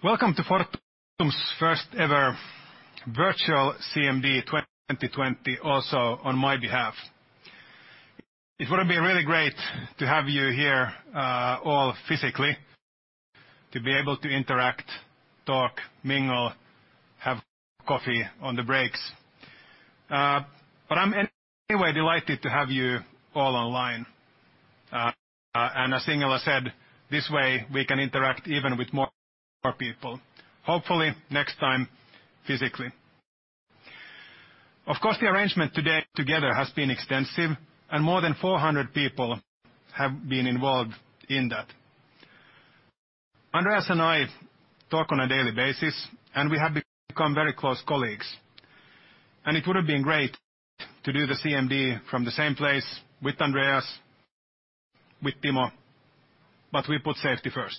Welcome to Fortum's first ever virtual CMD 2020, also on my behalf. It would have been really great to have you here all physically, to be able to interact, talk, mingle, have coffee on the breaks. I'm anyway delighted to have you all online, and as Ingela said, this way we can interact even with more people. Hopefully, next time, physically. Of course, the arrangement today together has been extensive, and more than 400 people have been involved in that. Andreas and I talk on a daily basis, and we have become very close colleagues. It would have been great to do the CMD from the same place with Andreas, with Timo, but we put safety first.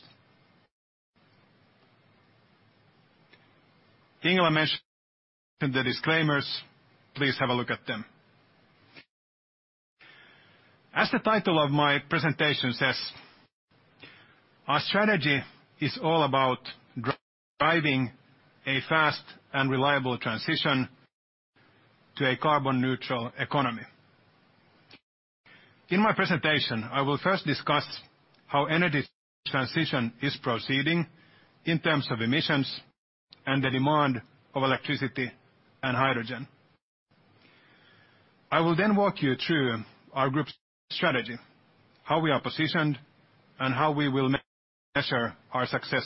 Ingela mentioned the disclaimers. Please have a look at them. As the title of my presentation says, our strategy is all about driving a fast and reliable transition to a carbon neutral economy. In my presentation, I will first discuss how energy transition is proceeding in terms of emissions and the demand of electricity and hydrogen. I will walk you through our group strategy, how we are positioned, and how we will measure our success.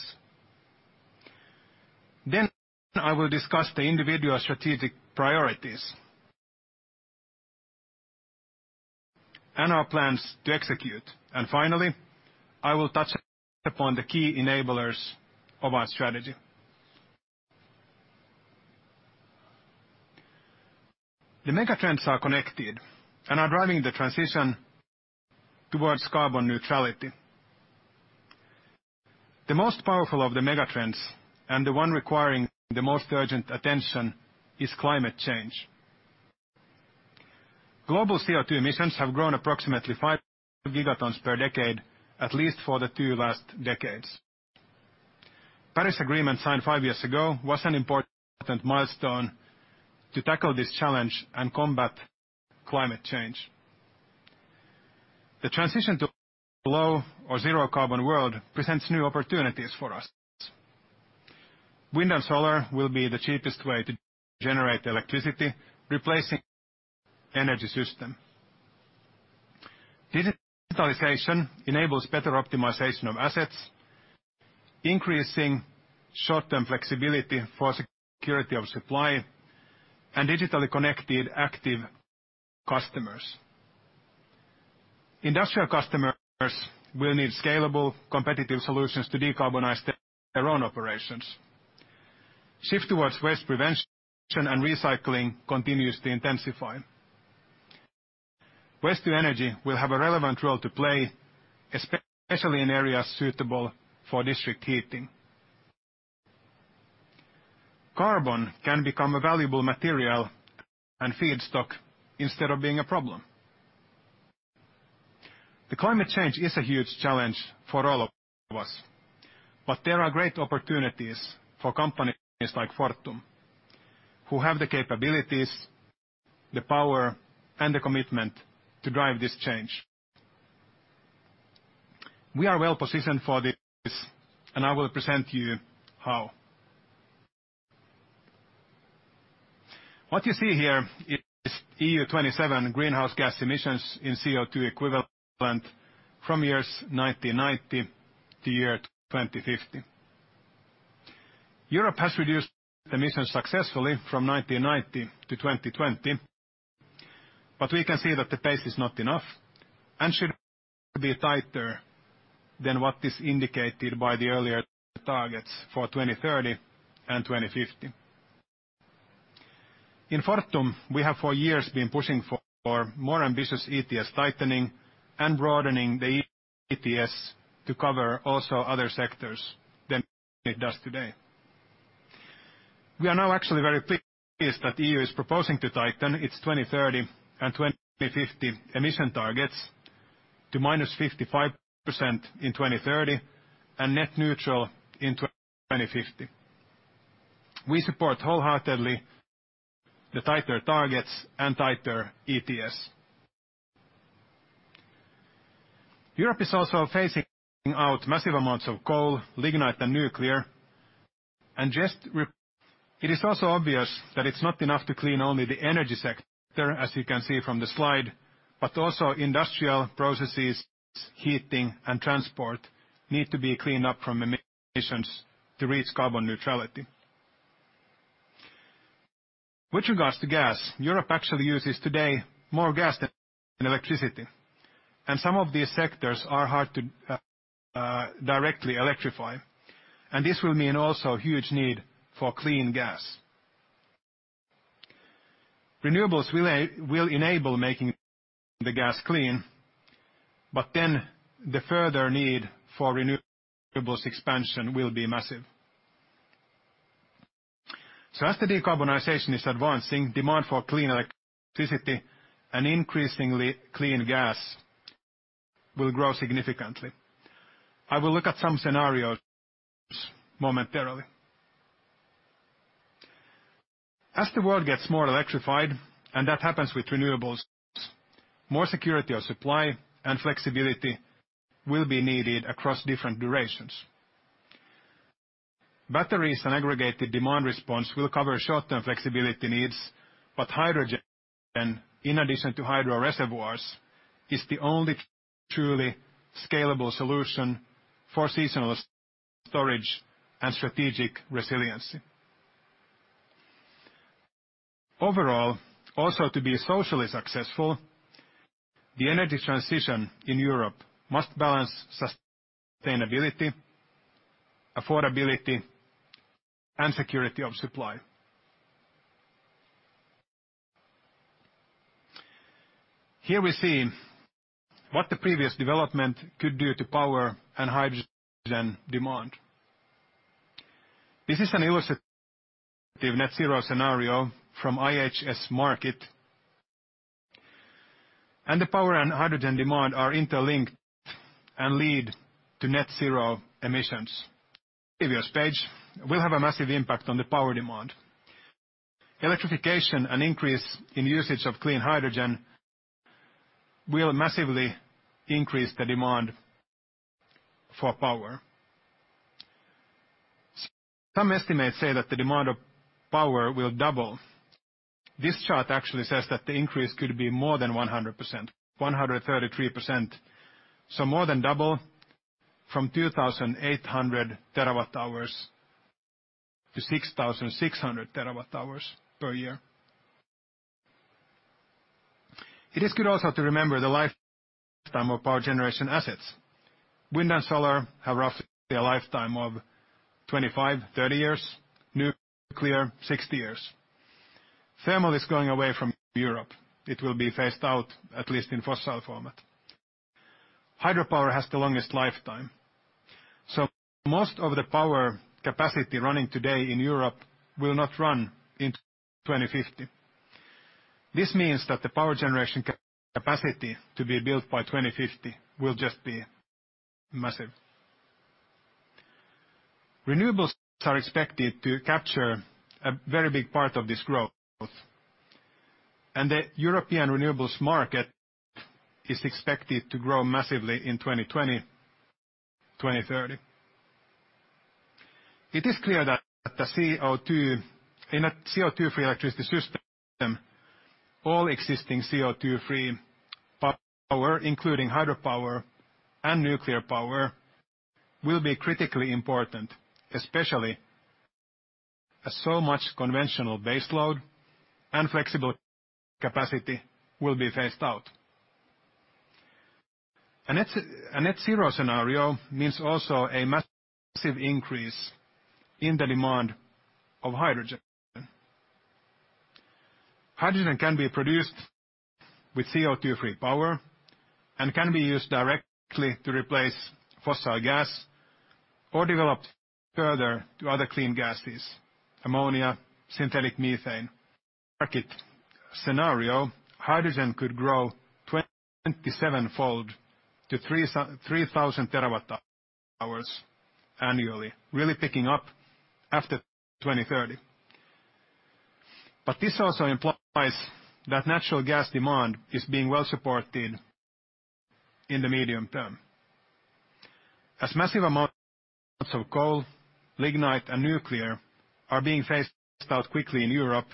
I will discuss the individual strategic priorities and our plans to execute. Finally, I will touch upon the key enablers of our strategy. The megatrends are connected and are driving the transition towards carbon neutrality. The most powerful of the megatrends and the one requiring the most urgent attention is climate change. Global CO2 emissions have grown approximately 5 gigatons per decade, at least for the two last decades. Paris Agreement signed five years ago was an important milestone to tackle this challenge and combat climate change. The transition to low or zero carbon world presents new opportunities for us. Wind and solar will be the cheapest way to generate electricity, replacing energy system. Digitalization enables better optimization of assets, increasing short-term flexibility for security of supply and digitally connected, active customers. Industrial customers will need scalable, competitive solutions to decarbonize their own operations. Shift towards waste prevention and recycling continues to intensify. Waste to energy will have a relevant role to play, especially in areas suitable for district heating. Carbon can become a valuable material and feedstock instead of being a problem. The climate change is a huge challenge for all of us, but there are great opportunities for companies like Fortum who have the capabilities, the power, and the commitment to drive this change. We are well-positioned for this, and I will present to you how. What you see here is EU27 greenhouse gas emissions in CO2 equivalent from years 1990 to 2050. Europe has reduced emissions successfully from 1990 to 2020, we can see that the pace is not enough and should be tighter than what is indicated by the earlier targets for 2030 and 2050. In Fortum, we have for years been pushing for more ambitious ETS tightening and broadening the ETS to cover also other sectors than it does today. We are now actually very pleased that EU is proposing to tighten its 2030 and 2050 emission targets to -55% in 2030 and net neutral in 2050. We support wholeheartedly the tighter targets and tighter ETS. Europe is also phasing out massive amounts of coal, lignite, and nuclear. It is also obvious that it's not enough to clean only the energy sector, as you can see from the slide, but also industrial processes, heating, and transport need to be cleaned up from emissions to reach carbon neutrality. With regards to gas, Europe actually uses today more gas than electricity. Some of these sectors are hard to directly electrify. This will mean also huge need for clean gas. Renewables will enable making the gas clean. The further need for renewables expansion will be massive. As the decarbonization is advancing, demand for clean electricity and increasingly clean gas will grow significantly. I will look at some scenarios momentarily. As the world gets more electrified, and that happens with renewables, more security of supply and flexibility will be needed across different durations. Batteries and aggregated demand response will cover short-term flexibility needs, hydrogen, in addition to hydro reservoirs, is the only truly scalable solution for seasonal storage and strategic resiliency. Overall, also to be socially successful, the energy transition in Europe must balance sustainability, affordability, and security of supply. Here we see what the previous development could do to power and hydrogen demand. This is an illustrative net zero scenario from IHS Markit, and the power and hydrogen demand are interlinked and lead to net zero emissions. Previous page will have a massive impact on the power demand. Electrification and increase in usage of clean hydrogen will massively increase the demand for power. Some estimates say that the demand of power will double. This chart actually says that the increase could be more than 100%, 133%. More than double from 2,800 TWh to 6,600 TWh per year. It is good also to remember the lifetime of power generation assets. Wind and solar have roughly a lifetime of 25, 30 years. Nuclear, 60 years. Thermal is going away from Europe. It will be phased out, at least in fossil format. Hydropower has the longest lifetime. Most of the power capacity running today in Europe will not run into 2050. This means that the power generation capacity to be built by 2050 will just be massive. The European renewables market is expected to grow massively in 2020, 2030. It is clear that in a CO2-free electricity system, all existing CO2-free power, including hydropower and nuclear power, will be critically important, especially as so much conventional base load and flexible capacity will be phased out. A net zero scenario means also a massive increase in the demand of hydrogen. Hydrogen can be produced with CO2-free power and can be used directly to replace fossil gas or developed further to other clean gases, ammonia, synthetic methane. Markit scenario, hydrogen could grow 27-fold to 3,000 TWh annually, really picking up after 2030. This also implies that natural gas demand is being well-supported in the medium term. As massive amounts of coal, lignite, and nuclear are being phased out quickly in Europe,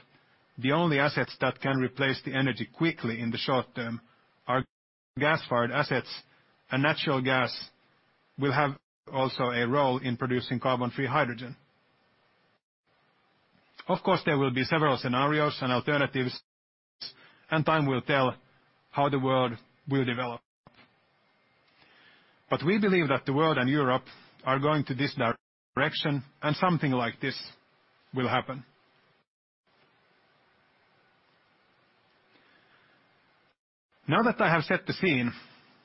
the only assets that can replace the energy quickly in the short term are gas-fired assets, and natural gas will have also a role in producing carbon-free hydrogen. Of course, there will be several scenarios and alternatives, and time will tell how the world will develop. We believe that the world and Europe are going to this direction, and something like this will happen. Now that I have set the scene,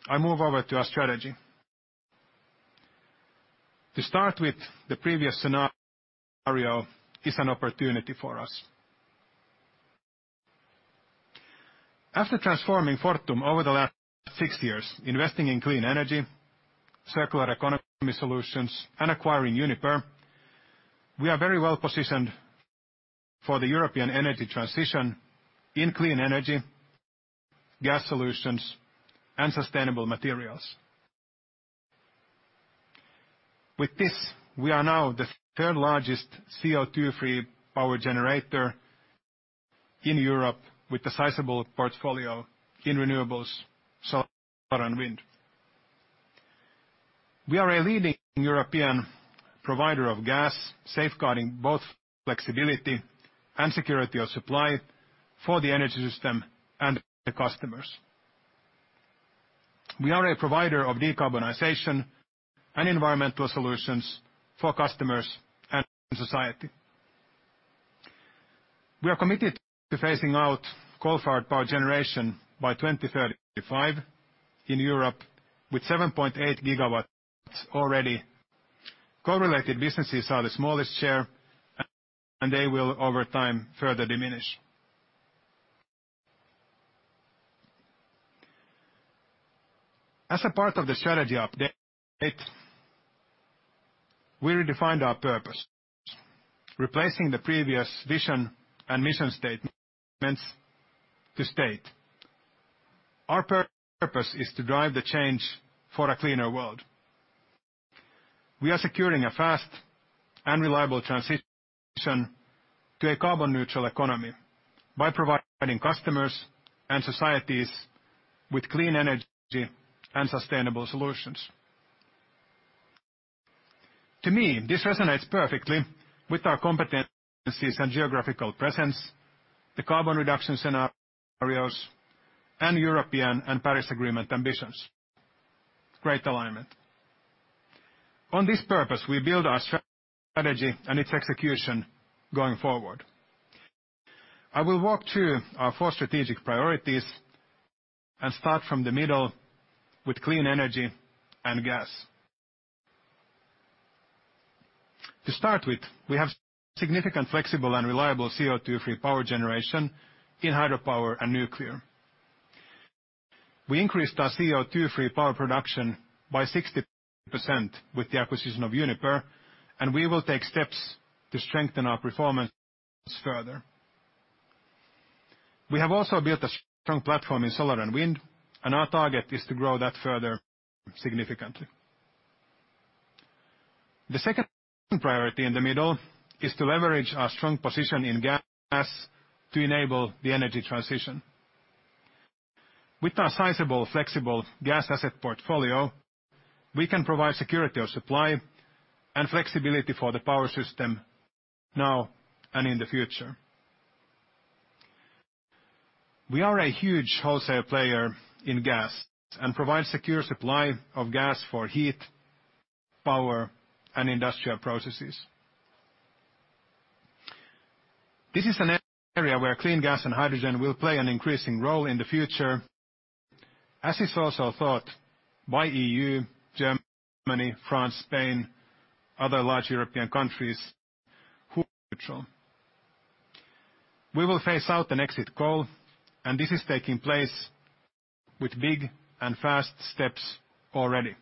I move over to our strategy. To start with, the previous scenario is an opportunity for us. After transforming Fortum over the last six years, investing in clean energy, circular economy solutions, and acquiring Uniper, we are very well-positioned for the European energy transition in clean energy, gas solutions, and sustainable materials. With this, we are now the third-largest CO2-free power generator in Europe, with a sizable portfolio in renewables, solar, and wind. We are a leading European provider of gas, safeguarding both flexibility and security of supply for the energy system and the customers. We are a provider of decarbonization and environmental solutions for customers and society. We are committed to phasing out coal-fired power generation by 2035 in Europe, with 7.8 GW. Coal-related businesses are the smallest share, and they will, over time, further diminish. As a part of the strategy update, we redefined our purpose, replacing the previous vision and mission statements to state: our purpose is to drive the change for a cleaner world. We are securing a fast and reliable transition to a carbon-neutral economy by providing customers and societies with clean energy and sustainable solutions. To me, this resonates perfectly with our competencies and geographical presence, the carbon reduction scenarios, and European and Paris Agreement ambitions. Great alignment. On this purpose, we build our strategy and its execution going forward. I will walk through our four strategic priorities and start from the middle with clean energy and gas. To start with, we have significant, flexible, and reliable CO2-free power generation in hydropower and nuclear. We increased our CO2-free power production by 60% with the acquisition of Uniper, and we will take steps to strengthen our performance further. We have also built a strong platform in solar and wind, and our target is to grow that further significantly. The second priority in the middle is to leverage our strong position in gas to enable the energy transition. With our sizable flexible gas asset portfolio, we can provide security of supply and flexibility for the power system now and in the future. We are a huge wholesale player in gas and provide secure supply of gas for heat, power, and industrial processes. This is an area where clean gas and hydrogen will play an increasing role in the future, as is also thought by EU, Germany, France, Spain, other large European countries who are neutral. We will phase out and exit coal, this is taking place with big and fast steps already.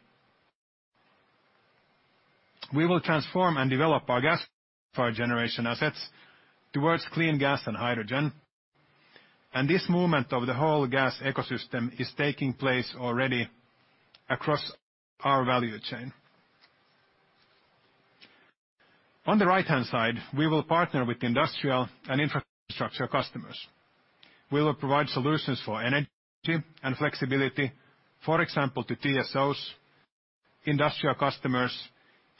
We will transform and develop our gas-fired Generation assets towards clean gas and hydrogen, this movement of the whole gas ecosystem is taking place already across our value chain. On the right-hand side, we will partner with industrial and infrastructure customers. We will provide solutions for energy and flexibility, for example, to TSOs, industrial customers,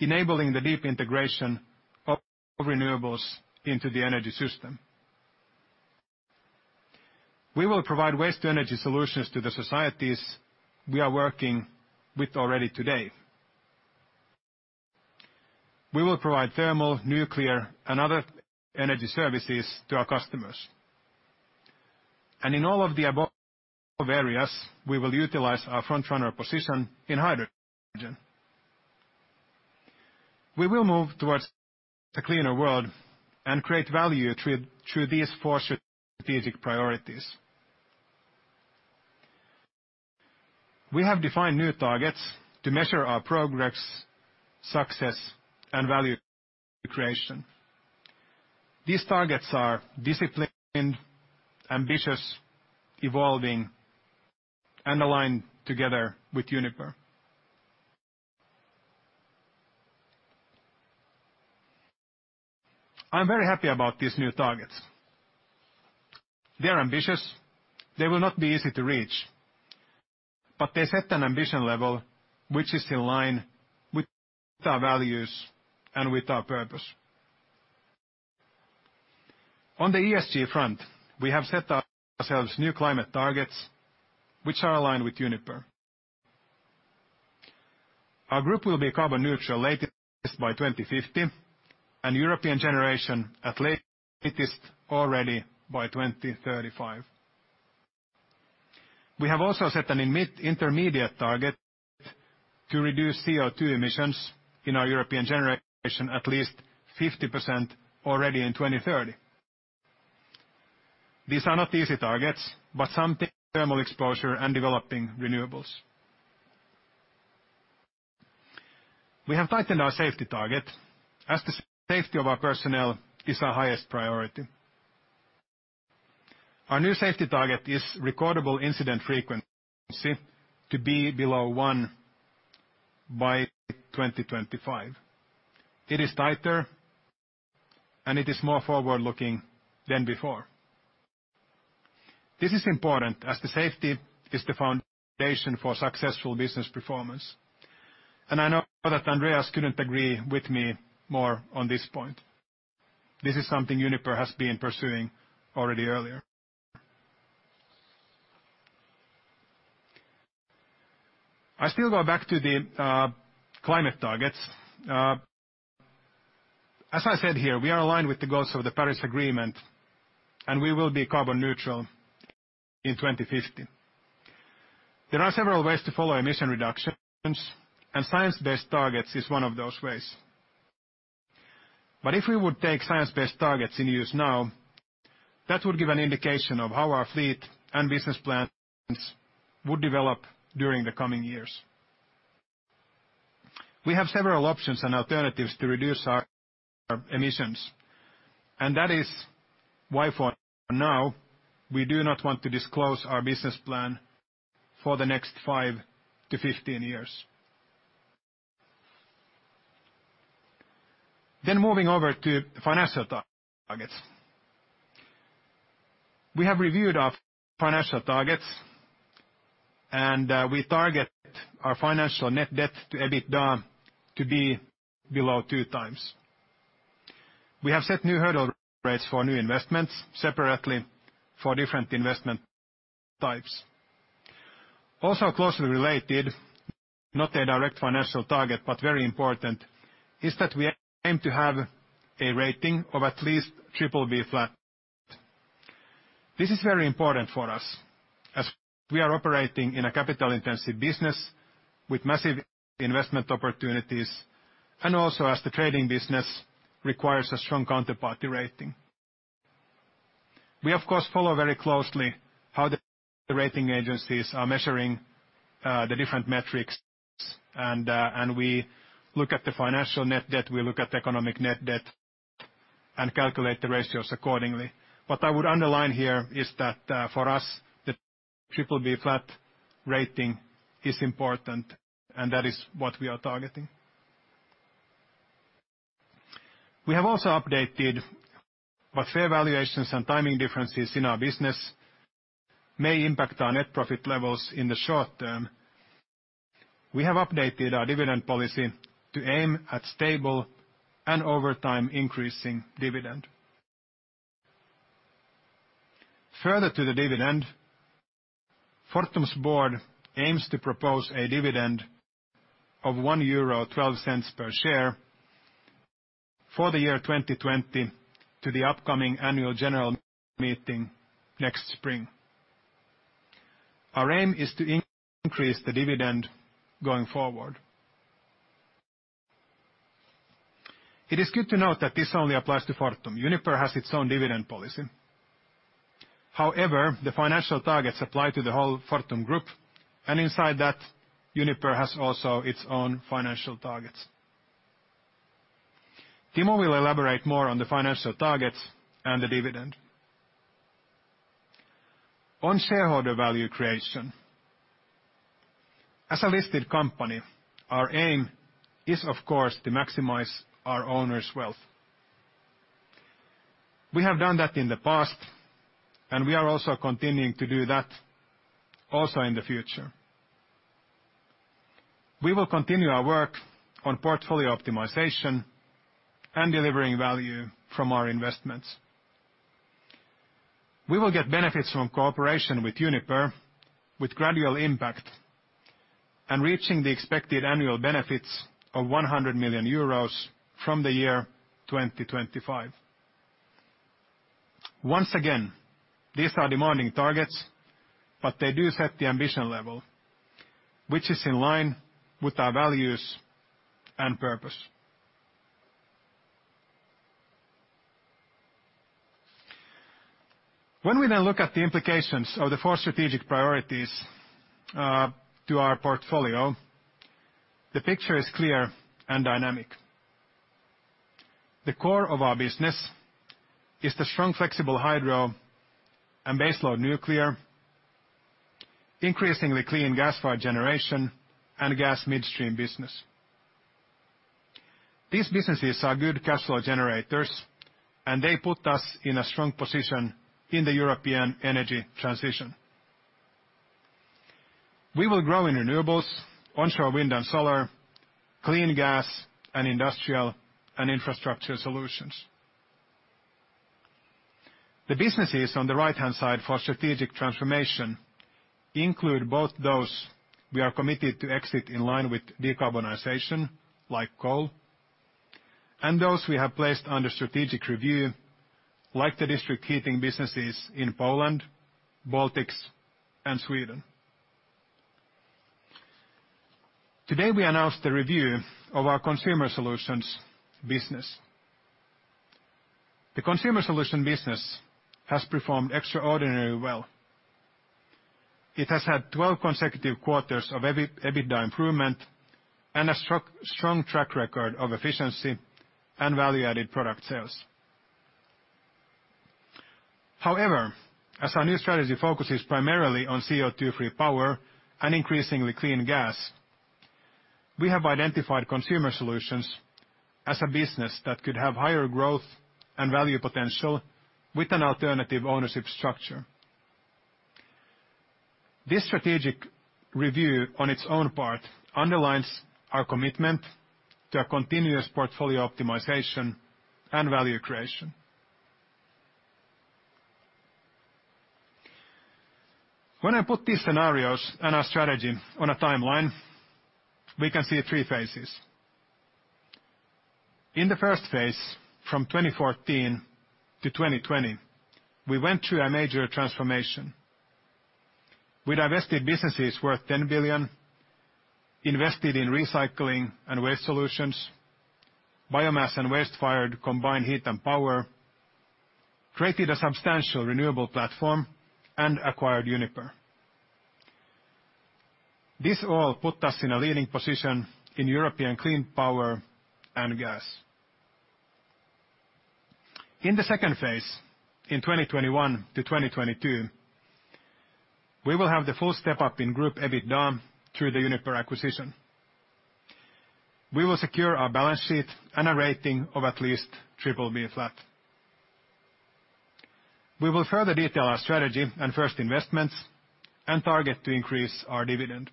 enabling the deep integration of renewables into the energy system. We will provide waste to energy solutions to the societies we are working with already today. We will provide thermal, nuclear, and other energy services to our customers. In all of the above areas, we will utilize our frontrunner position in hydrogen. We will move towards a cleaner world and create value through these four strategic priorities. We have defined new targets to measure our progress, success, and value creation. These targets are disciplined, ambitious, evolving, and aligned together with Uniper. I'm very happy about these new targets. They are ambitious. They will not be easy to reach, but they set an ambition level which is in line with our values and with our purpose. On the ESG front, we have set ourselves new climate targets, which are aligned with Uniper. Our group will be carbon neutral latest by 2050, and European generation at latest already by 2035. We have also set an intermediate target to reduce CO2 emissions in our European generation at least 50% already in 2030. These are not easy targets, but some thermal exposure and developing renewables. We have tightened our safety target, as the safety of our personnel is our highest priority. Our new safety target is recordable incident frequency to be below 1 by 2025. It is tighter and it is more forward-looking than before. This is important as the safety is the foundation for successful business performance, and I know that Andreas couldn't agree with me more on this point. This is something Uniper has been pursuing already earlier. I still go back to the climate targets. As I said here, we are aligned with the goals of the Paris Agreement, and we will be carbon neutral in 2050. There are several ways to follow emission reductions, and science-based targets is one of those ways. If we would take science-based targets in use now, that would give an indication of how our fleet and business plans would develop during the coming years. We have several options and alternatives to reduce our emissions. That is why for now, we do not want to disclose our business plan for the next 5-15 years. Moving over to financial targets. We have reviewed our financial targets. We target our financial net debt to EBITDA to be below two times. We have set new hurdle rates for new investments separately for different investment types. Closely related, not a direct financial target, but very important, is that we aim to have a rating of at least BBB flat. This is very important for us, as we are operating in a capital-intensive business with massive investment opportunities. Also as the trading business requires a strong counterparty rating. We, of course, follow very closely how the rating agencies are measuring the different metrics, and we look at the financial net debt, we look at the economic net debt, and calculate the ratios accordingly. What I would underline here is that for us, the BBB flat rating is important and that is what we are targeting. We have also updated what fair valuations and timing differences in our business may impact our net profit levels in the short term. We have updated our dividend policy to aim at stable and over time increasing dividend. Further to the dividend, Fortum's board aims to propose a dividend of 1.12 euro per share for the year 2020 to the upcoming annual general meeting next spring. Our aim is to increase the dividend going forward. It is good to note that this only applies to Fortum. Uniper has its own dividend policy. The financial targets apply to the whole Fortum Group, and inside that, Uniper has also its own financial targets. Timo will elaborate more on the financial targets and the dividend. On shareholder value creation. As a listed company, our aim is, of course, to maximize our owners' wealth. We have done that in the past, and we are also continuing to do that also in the future. We will continue our work on portfolio optimization and delivering value from our investments. We will get benefits from cooperation with Uniper, with gradual impact and reaching the expected annual benefits of 100 million euros from the year 2025. Once again, these are demanding targets, but they do set the ambition level, which is in line with our values and purpose. When we now look at the implications of the four strategic priorities to our portfolio, the picture is clear and dynamic. The core of our business is the strong, flexible hydro and base load nuclear, increasingly clean gas-fired generation, and gas midstream business. These businesses are good cash flow generators, and they put us in a strong position in the European energy transition. We will grow in renewables, onshore wind and solar, clean gas, and industrial and infrastructure solutions. The businesses on the right-hand side for strategic transformation include both those we are committed to exit in line with decarbonization, like coal, and those we have placed under strategic review, like the district heating businesses in Poland, Baltics, and Sweden. Today, we announced a review of our Consumer Solutions business. The Consumer Solutions business has performed extraordinarily well. It has had 12 consecutive quarters of EBITDA improvement and a strong track record of efficiency and value-added product sales. However, as our new strategy focuses primarily on CO2-free power and increasingly clean gas, we have identified Consumer Solutions as a business that could have higher growth and value potential with an alternative ownership structure. This strategic review, on its own part, underlines our commitment to a continuous portfolio optimization and value creation. When I put these scenarios and our strategy on a timeline, we can see three phases. In the first phase, from 2014 to 2020, we went through a major transformation. We divested businesses worth 10 billion, invested in recycling and waste solutions, biomass and waste-fired combined heat and power, created a substantial renewable platform, and acquired Uniper. This all put us in a leading position in European clean power and gas. In the second phase, in 2021 to 2022, we will have the full step-up in group EBITDA through the Uniper acquisition. We will secure our balance sheet and a rating of at least BBB flat. We will further detail our strategy and first investments and target to increase our dividend.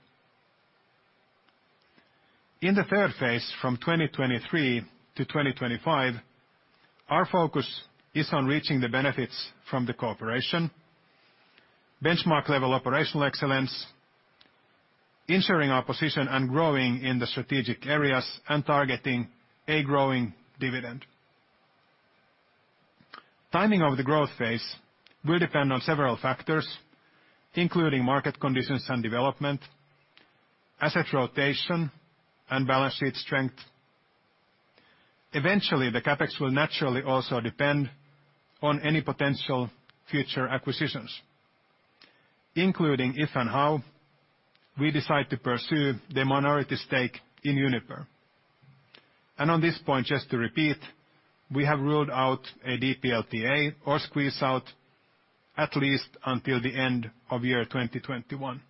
In the third phase, from 2023 to 2025, our focus is on reaching the benefits from the cooperation, benchmark level operational excellence, ensuring our position and growing in the strategic areas, and targeting a growing dividend. Timing of the growth phase will depend on several factors, including market conditions and development, asset rotation, and balance sheet strength. Eventually, the CapEx will naturally also depend on any potential future acquisitions, including if and how we decide to pursue the minority stake in Uniper. On this point, just to repeat, we have ruled out a DPLTA or squeeze-out at least until the end of year 2021.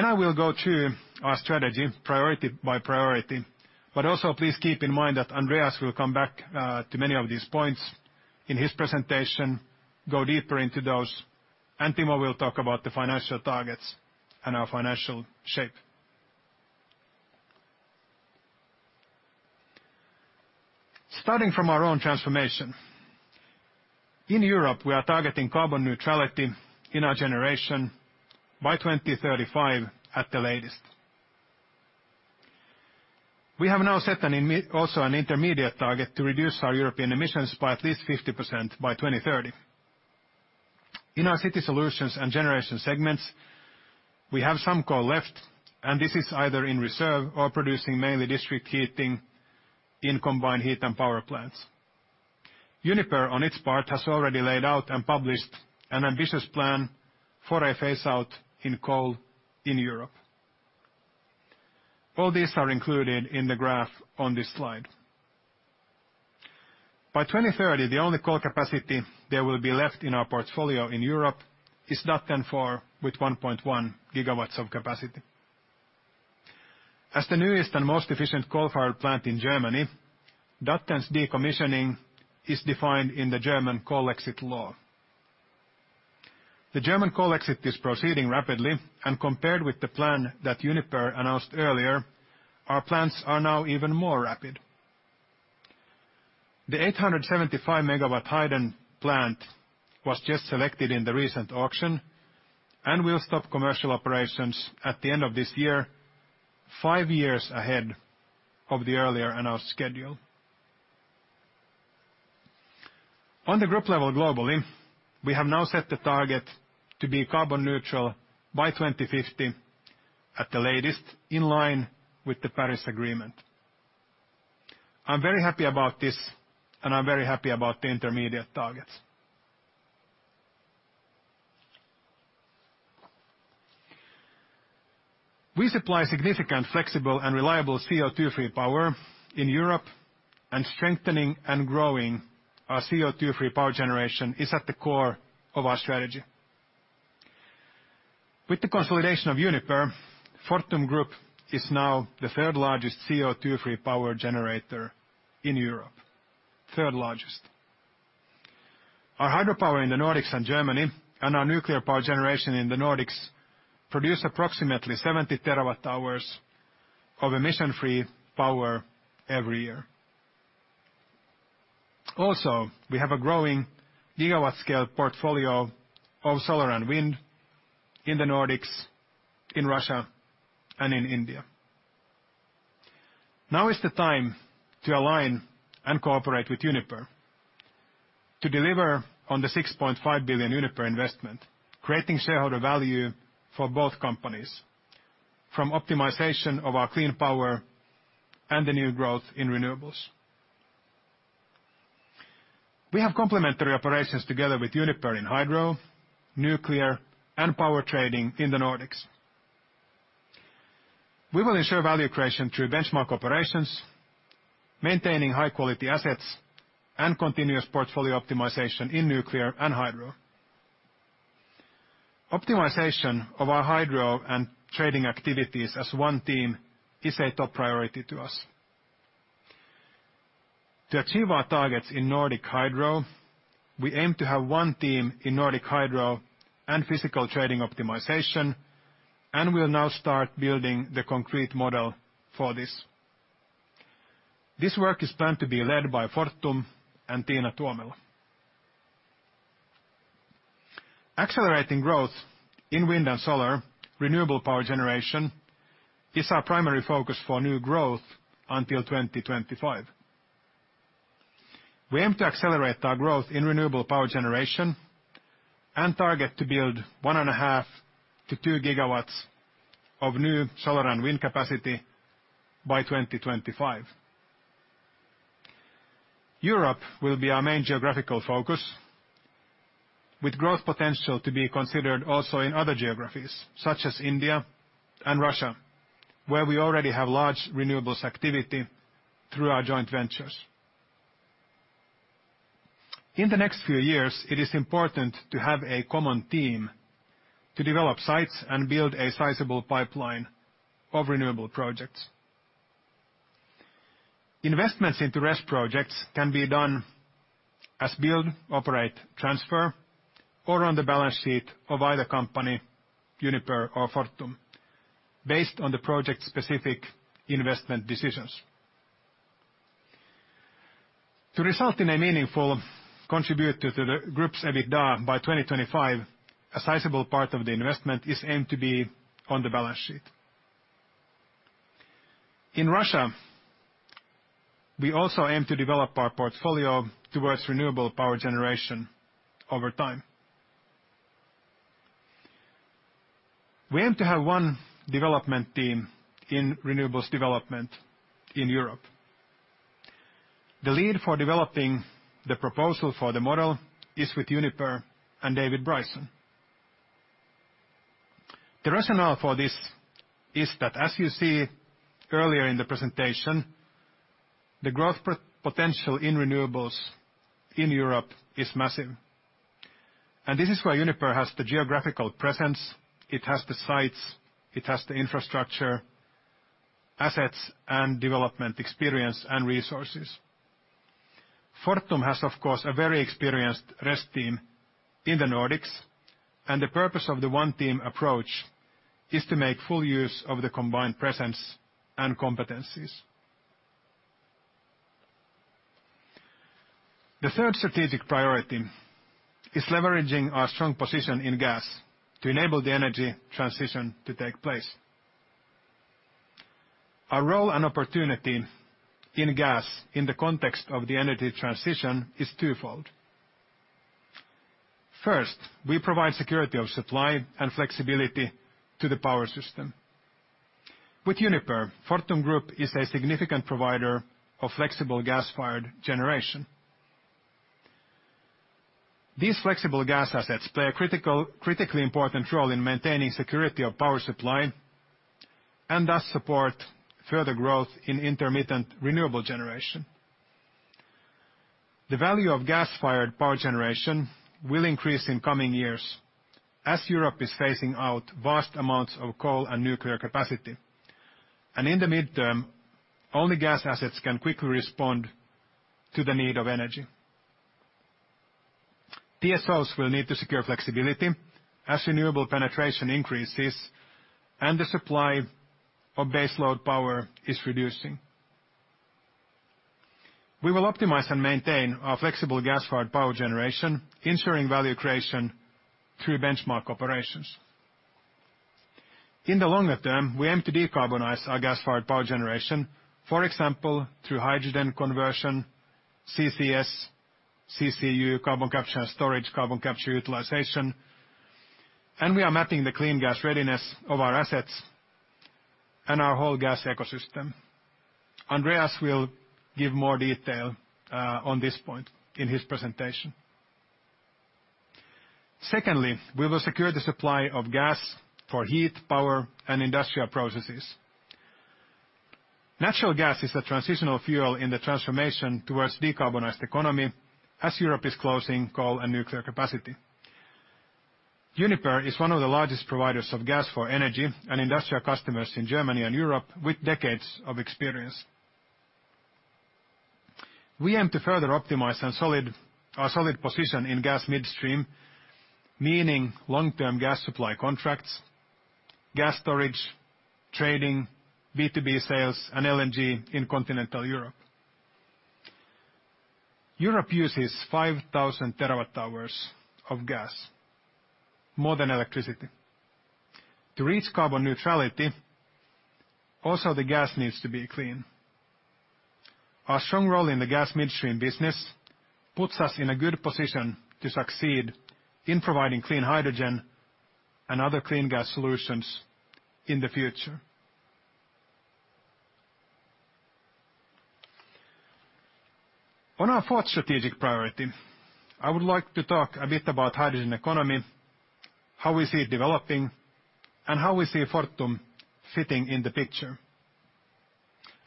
I will go to our strategy priority by priority. Also please keep in mind that Andreas will come back to many of these points in his presentation, go deeper into those, and Timo will talk about the financial targets and our financial shape. Starting from our own transformation, in Europe, we are targeting carbon neutrality in our Generation by 2035 at the latest. We have now set also an intermediate target to reduce our European emissions by at least 50% by 2030. In our City Solutions and Generation segments, we have some coal left, and this is either in reserve or producing mainly district heating in combined heat and power plants. Uniper, on its part, has already laid out and published an ambitious plan for a phase-out in coal in Europe. All these are included in the graph on this slide. By 2030, the only coal capacity that will be left in our portfolio in Europe is Datteln 4 with 1.1 GW of capacity. As the newest and most efficient coal-fired plant in Germany, Datteln's decommissioning is defined in the German Coal Exit Law. Compared with the plan that Uniper announced earlier, the German Coal Exit is proceeding rapidly, and our plans are now even more rapid. The 875 MW Heyden plant was just selected in the recent auction and will stop commercial operations at the end of this year, five years ahead of the earlier announced schedule. On the group level globally, we have now set the target to be carbon neutral by 2050 at the latest, in line with the Paris Agreement. I'm very happy about this, and I'm very happy about the intermediate targets. We supply significant, flexible, and reliable CO2-free power in Europe. Strengthening and growing our CO2-free power generation is at the core of our strategy. With the consolidation of Uniper, Fortum Group is now the third-largest CO2-free power generator in Europe. Third-largest. Our hydropower in the Nordics and Germany and our nuclear power generation in the Nordics produce approximately 70 TWh of emission-free power every year. We have a growing gigawatt-scale portfolio of solar and wind in the Nordics, in Russia, and in India. Now is the time to align and cooperate with Uniper to deliver on the 6.5 billion Uniper investment, creating shareholder value for both companies from optimization of our clean power and the new growth in renewables. We have complementary operations together with Uniper in hydro, nuclear, and power trading in the Nordics. We will ensure value creation through benchmark operations, maintaining high-quality assets, and continuous portfolio optimization in nuclear and hydro. Optimization of our hydro and trading activities as one team is a top priority to us. To achieve our targets in Nordic hydro, we aim to have one team in Nordic hydro and physical trading optimization, and we'll now start building the concrete model for this. This work is planned to be led by Fortum and Tiina Tuomela. Accelerating growth in wind and solar, renewable power generation is our primary focus for new growth until 2025. We aim to accelerate our growth in renewable power generation and target to build 1.5-2 GW of new solar and wind capacity by 2025. Europe will be our main geographical focus, with growth potential to be considered also in other geographies, such as India and Russia, where we already have large renewables activity through our joint ventures. In the next few years, it is important to have a common theme to develop sites and build a sizable pipeline of renewable projects. Investments into RES projects can be done as build, operate, transfer, or on the balance sheet of either company, Uniper or Fortum, based on the project-specific investment decisions. To result in a meaningful contribute to the group's EBITDA by 2025, a sizable part of the investment is aimed to be on the balance sheet. In Russia, we also aim to develop our portfolio towards renewable power generation over time. We aim to have one development team in renewables development in Europe. The lead for developing the proposal for the model is with Uniper and David Bryson. The rationale for this is that as you see earlier in the presentation, the growth potential in renewables in Europe is massive. This is where Uniper has the geographical presence, it has the sites, it has the infrastructure, assets, and development experience and resources. Fortum has, of course, a very experienced RES team in the Nordics. The purpose of the one team approach is to make full use of the combined presence and competencies. The third strategic priority is leveraging our strong position in gas to enable the energy transition to take place. Our role and opportunity in gas in the context of the energy transition is twofold. First, we provide security of supply and flexibility to the power system. With Uniper, Fortum Group is a significant provider of flexible gas-fired generation. These flexible gas assets play a critically important role in maintaining security of power supply, and thus support further growth in intermittent renewable generation. The value of gas-fired power generation will increase in coming years as Europe is phasing out vast amounts of coal and nuclear capacity. In the midterm, only gas assets can quickly respond to the need of energy. TSOs will need to secure flexibility as renewable penetration increases and the supply of base load power is reducing. We will optimize and maintain our flexible gas-fired power generation, ensuring value creation through benchmark operations. In the longer term, we aim to decarbonize our gas-fired power generation, for example, through hydrogen conversion, CCS, CCU, carbon capture and storage, carbon capture utilization, and we are mapping the clean gas readiness of our assets and our whole gas ecosystem. Andreas will give more detail on this point in his presentation. Secondly, we will secure the supply of gas for heat, power, and industrial processes. Natural gas is a transitional fuel in the transformation towards decarbonized economy as Europe is closing coal and nuclear capacity. Uniper is one of the largest providers of gas for energy and industrial customers in Germany and Europe with decades of experience. We aim to further optimize our solid position in gas midstream, meaning long-term gas supply contracts, gas storage, trading, B2B sales, and LNG in continental Europe. Europe uses 5,000 TWh of gas, more than electricity. To reach carbon neutrality, also the gas needs to be clean. Our strong role in the gas midstream business puts us in a good position to succeed in providing clean hydrogen and other clean gas solutions in the future. On our fourth strategic priority, I would like to talk a bit about hydrogen economy, how we see it developing, and how we see Fortum fitting in the picture.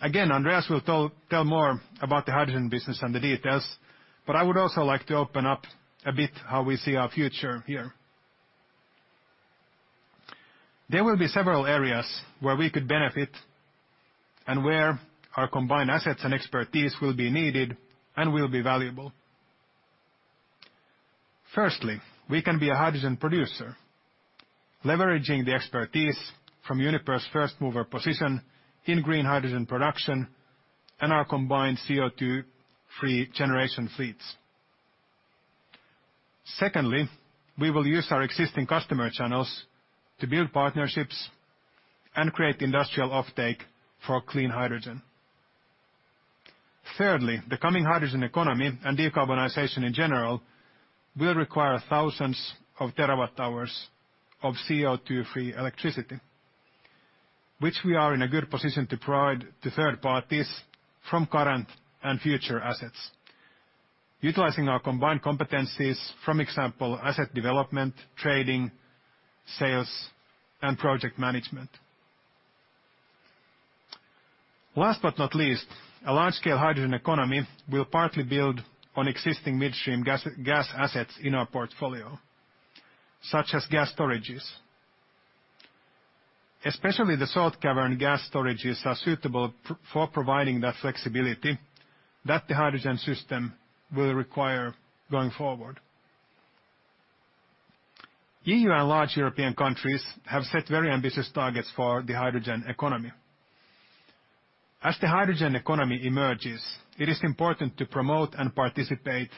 Andreas will tell more about the hydrogen business and the details, but I would also like to open up a bit how we see our future here. There will be several areas where we could benefit and where our combined assets and expertise will be needed and will be valuable. Firstly, we can be a hydrogen producer, leveraging the expertise from Uniper's first-mover position in green hydrogen production and our combined CO2-free generation fleets. Secondly, we will use our existing customer channels to build partnerships and create industrial offtake for clean hydrogen. Thirdly, the coming hydrogen economy and decarbonization in general will require thousands of terawatt hours of CO2-free electricity, which we are in a good position to provide to third parties from current and future assets, utilizing our combined competencies for example, asset development, trading, sales, and project management. Last but not least, a large-scale hydrogen economy will partly build on existing midstream gas assets in our portfolio, such as gas storages. Especially the salt cavern gas storages are suitable for providing that flexibility that the hydrogen system will require going forward. EU and large European countries have set very ambitious targets for the hydrogen economy. As the hydrogen economy emerges, it is important to promote and participate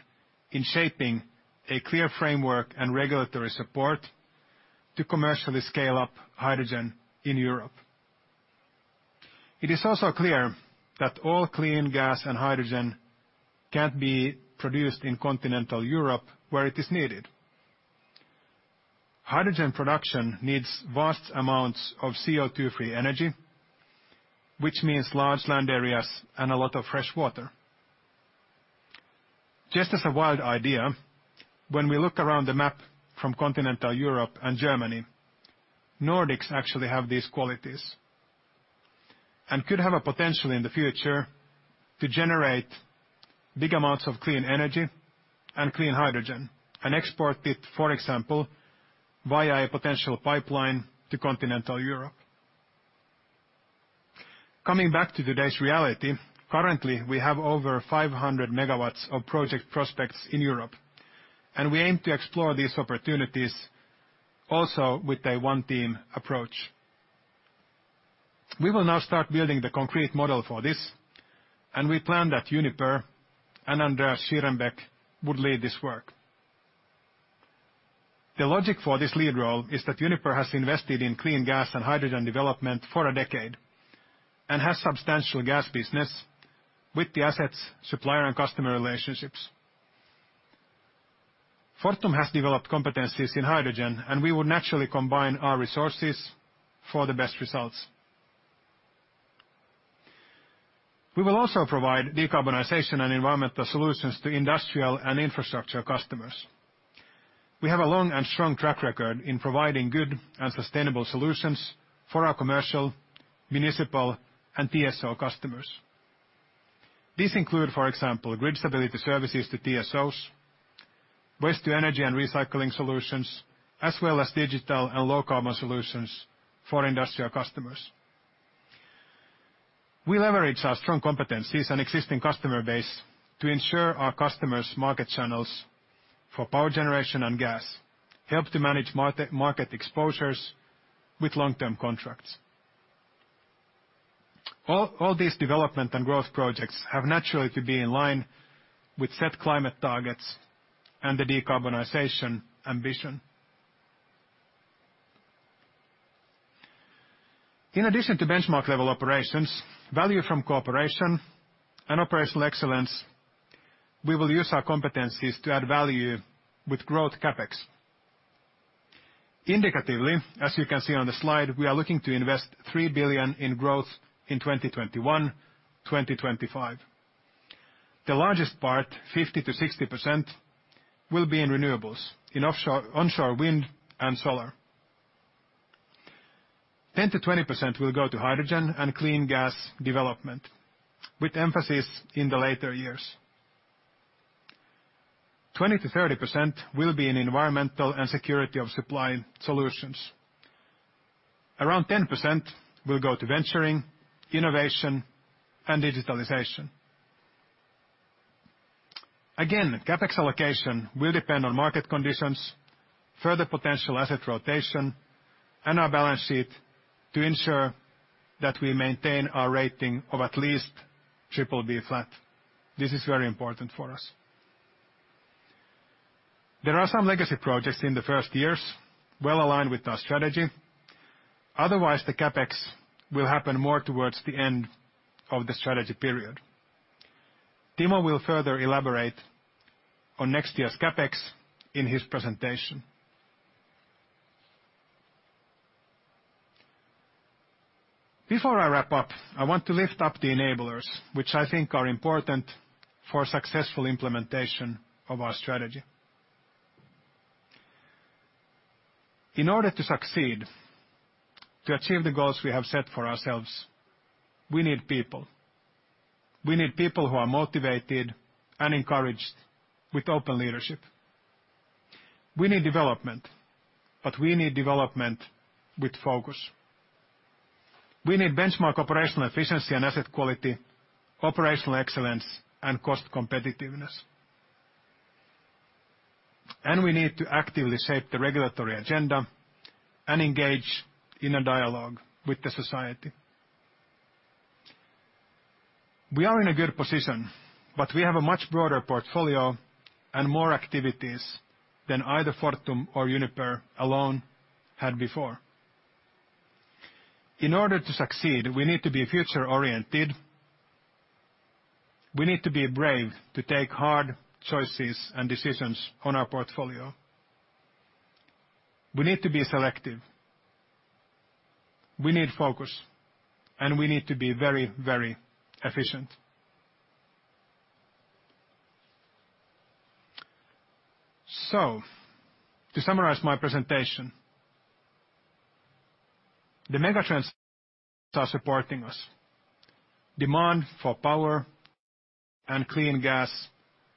in shaping a clear framework and regulatory support to commercially scale up hydrogen in Europe. It is also clear that all clean gas and hydrogen can't be produced in continental Europe, where it is needed. Hydrogen production needs vast amounts of CO2-free energy, which means large land areas and a lot of fresh water. Just as a wild idea, when we look around the map from continental Europe and Germany, Nordics actually have these qualities and could have a potential in the future to generate big amounts of clean energy and clean hydrogen and export it, for example, via a potential pipeline to continental Europe. Coming back to today's reality, currently, we have over 500 MW of project prospects in Europe, and we aim to explore these opportunities also with a One Team approach. We will now start building the concrete model for this, and we plan that Uniper and Andreas Schierenbeck would lead this work. The logic for this lead role is that Uniper has invested in clean gas and hydrogen development for a decade and has substantial gas business with the assets, supplier, and customer relationships. Fortum has developed competencies in hydrogen, and we would naturally combine our resources for the best results. We will also provide decarbonization and environmental solutions to industrial and infrastructure customers. We have a long and strong track record in providing good and sustainable solutions for our commercial, municipal, and TSO customers. These include, for example, grid stability services to TSOs, waste-to-energy and recycling solutions, as well as digital and low-carbon solutions for industrial customers. We leverage our strong competencies and existing customer base to ensure our customers market channels for power generation and gas, help to manage market exposures with long-term contracts. All these development and growth projects have naturally to be in line with set climate targets and the decarbonization ambition. In addition to benchmark level operations, value from cooperation, and operational excellence, we will use our competencies to add value with growth CapEx. Indicatively, as you can see on the slide, we are looking to invest 3 billion in growth in 2021-2025. The largest part, 50%-60%, will be in renewables, in onshore wind and solar. 10%-20% will go to hydrogen and clean gas development, with emphasis in the later years. 20%-30% will be in environmental and security of supply solutions. Around 10% will go to venturing, innovation, and digitalization. Again, CapEx allocation will depend on market conditions, further potential asset rotation, and our balance sheet to ensure that we maintain our rating of at least BBB flat. This is very important for us. There are some legacy projects in the first years, well-aligned with our strategy. The CapEx will happen more towards the end of the strategy period. Timo will further elaborate on next year's CapEx in his presentation. Before I wrap up, I want to lift up the enablers, which I think are important for successful implementation of our strategy. In order to succeed, to achieve the goals we have set for ourselves, we need people. We need people who are motivated and encouraged with open leadership. We need development. We need benchmark operational efficiency and asset quality, operational excellence and cost competitiveness. We need to actively shape the regulatory agenda and engage in a dialogue with the society. We are in a good position. We have a much broader portfolio and more activities than either Fortum or Uniper alone had before. In order to succeed, we need to be future-oriented. We need to be brave to take hard choices and decisions on our portfolio. We need to be selective. We need focus, and we need to be very efficient. To summarize my presentation, the megatrends are supporting us. Demand for power and clean gas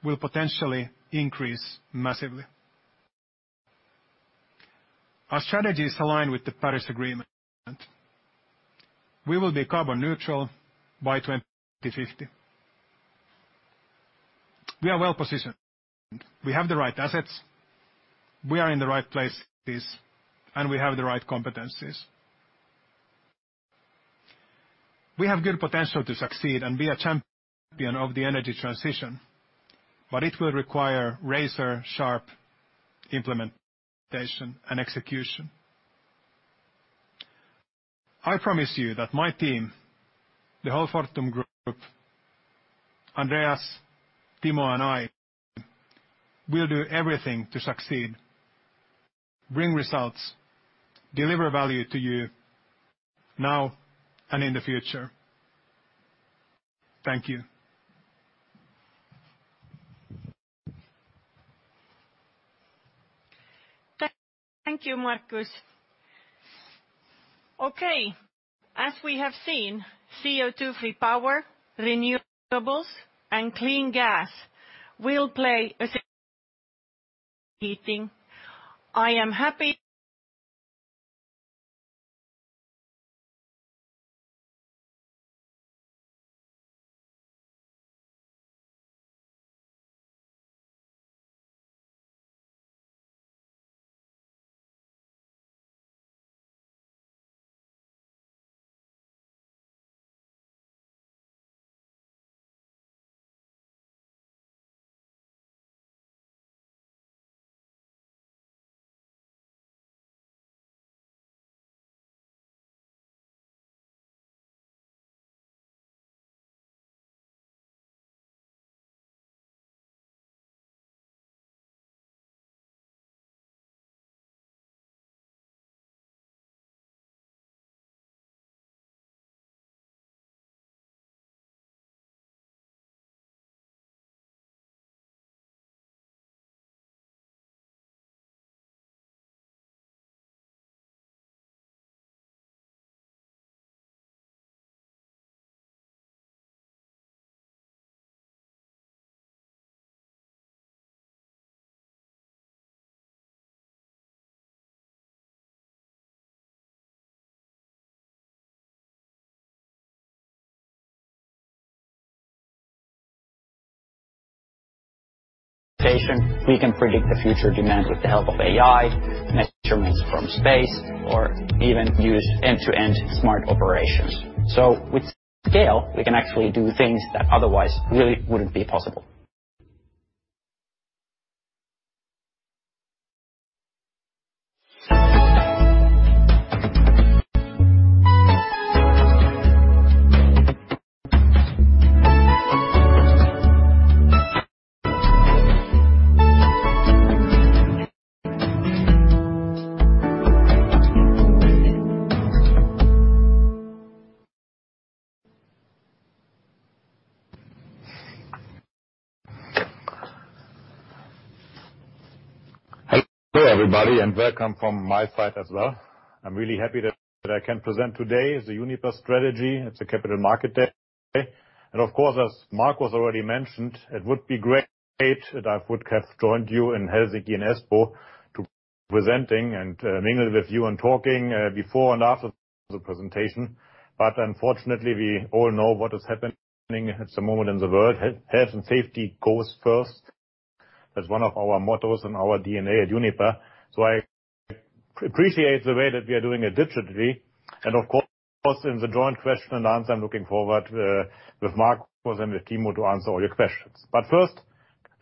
will potentially increase massively. Our strategy is aligned with the Paris Agreement. We will be carbon neutral by 2050. We are well-positioned. We have the right assets, we are in the right places, and we have the right competencies. We have good potential to succeed and be a champion of the energy transition, but it will require razor-sharp implementation and execution. I promise you that my team, the whole Fortum group, Andreas, Timo, and I, will do everything to succeed, bring results, deliver value to you now and in the future. Thank you. Thank you, Markus. Okay, as we have seen, CO2-free power, renewables, and clean gas will play heating. I am happy. Hello, everybody, welcome from my side as well. I'm really happy that I can present today the Uniper strategy at the Capital Market Day. Of course, as Markus already mentioned, it would be great if I would have joined you in Helsinki and Espoo to presenting and mingling with you and talking before and after the presentation. Unfortunately, we all know what is happening at the moment in the world. Health and safety goes first. That's one of our mottos and our DNA at Uniper. I appreciate the way that we are doing it digitally. Of course, in the joint question and answer, I'm looking forward with Markus and with Timo to answer all your questions. First,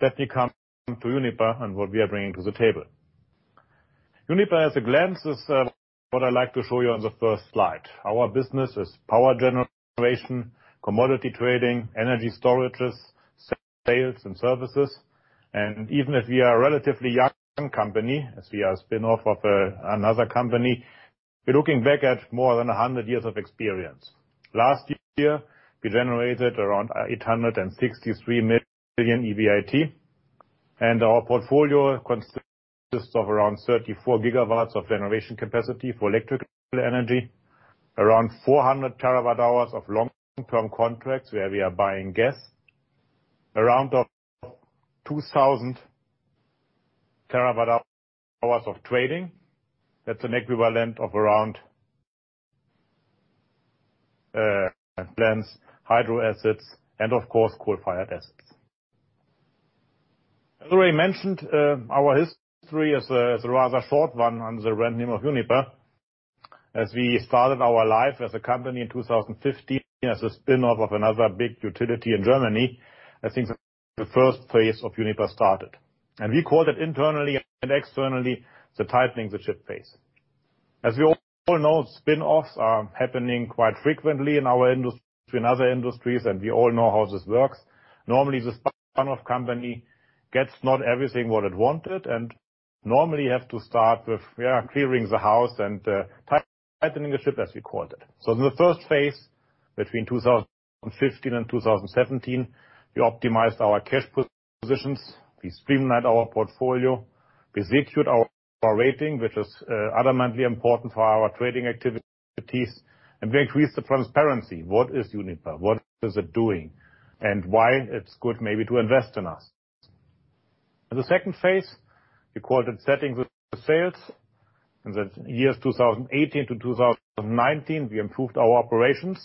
let me come to Uniper and what we are bringing to the table. Uniper at a glance is what I'd like to show you on the first slide. Our business is power generation, commodity trading, energy storages, sales and services. Even if we are a relatively young company, as we are a spinoff of another company, we're looking back at more than 100 years of experience. Last year, we generated around 863 million EBIT. Our portfolio consists of around 34 GW of generation capacity for electric energy, around 400 terawatt-hours of long-term contracts where we are buying gas, around 2,000 TWh of trading. That's an equivalent of around plants, hydro assets, and of course, coal-fired assets. As already mentioned, our history is a rather short one under the name of Uniper. We started our life as a company in 2015 as a spin-off of another big utility in Germany, I think the first phase of Uniper started. We call that internally and externally, the tightening the ship phase. As we all know, spin-offs are happening quite frequently in our industry and other industries, and we all know how this works. Normally, the spin-off company gets not everything what it wanted, and normally you have to start with clearing the house and tightening the ship, as we call it. In the first phase, between 2015 and 2017, we optimized our cash positions, we streamlined our portfolio, we secured our rating, which is adamantly important for our trading activities, and we increased the transparency. What is Uniper? What is it doing, and why it's good maybe to invest in us. In the second phase, we called it setting the sails. In the years 2018 to 2019, we improved our operations.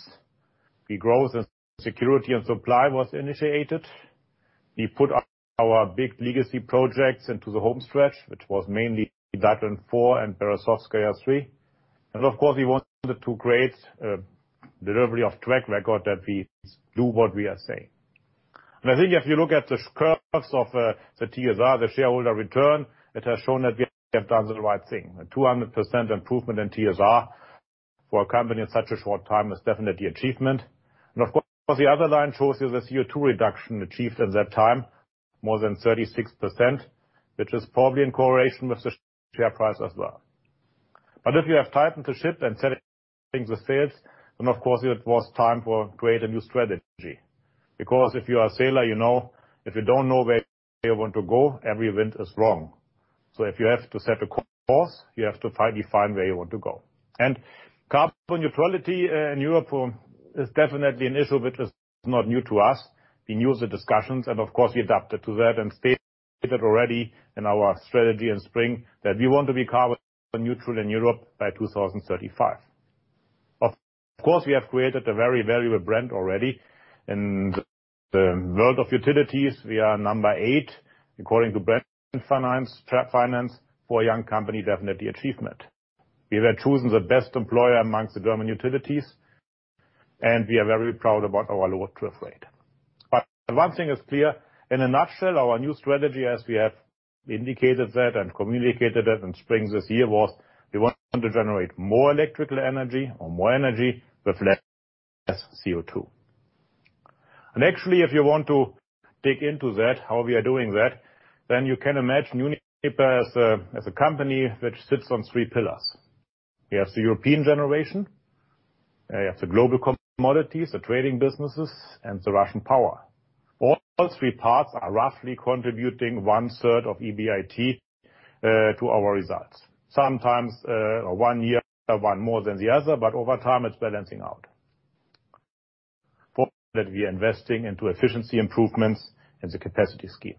The growth and security and supply was initiated. We put our big legacy projects into the home stretch, which was mainly Datteln 4 and Berezovskaya GRES-3. Of course, we wanted to create delivery of track record that we do what we are saying. I think if you look at the curves of the TSR, the shareholder return, it has shown that we have done the right thing. A 200% improvement in TSR for a company in such a short time is definitely achievement. Of course, the other line shows you the CO2 reduction achieved at that time, more than 36%, which is probably in correlation with the share price as well. If you have tightened the ship and setting the sails, then of course, it was time for create a new strategy. If you are a sailor, you know if you don't know where you want to go, every wind is wrong. If you have to set a course, you have to finally find where you want to go. Carbon neutrality in Europe is definitely an issue which is not new to us. We knew the discussions, and of course, we adapted to that and stated already in our strategy in spring that we want to be carbon neutral in Europe by 2035. Of course, we have created a very valuable brand already. In the world of utilities, we are number 8 according to Brand Finance for a young company, definitely achievement. We were chosen the best employer amongst the German utilities, and we are very proud about our low attrition rate. One thing is clear, in a nutshell, our new strategy, as we have indicated that and communicated it in spring this year, was we want to generate more electrical energy or more energy with less CO2. Actually, if you want to dig into that, how we are doing that, you can imagine Uniper as a company which sits on three pillars. We have the European generation, we have the global commodities, the trading businesses, and the Russian power. All three parts are roughly contributing one third of EBIT to our results. Sometimes one year, one more than the other, over time, it's balancing out. We are investing into efficiency improvements in the capacity scheme.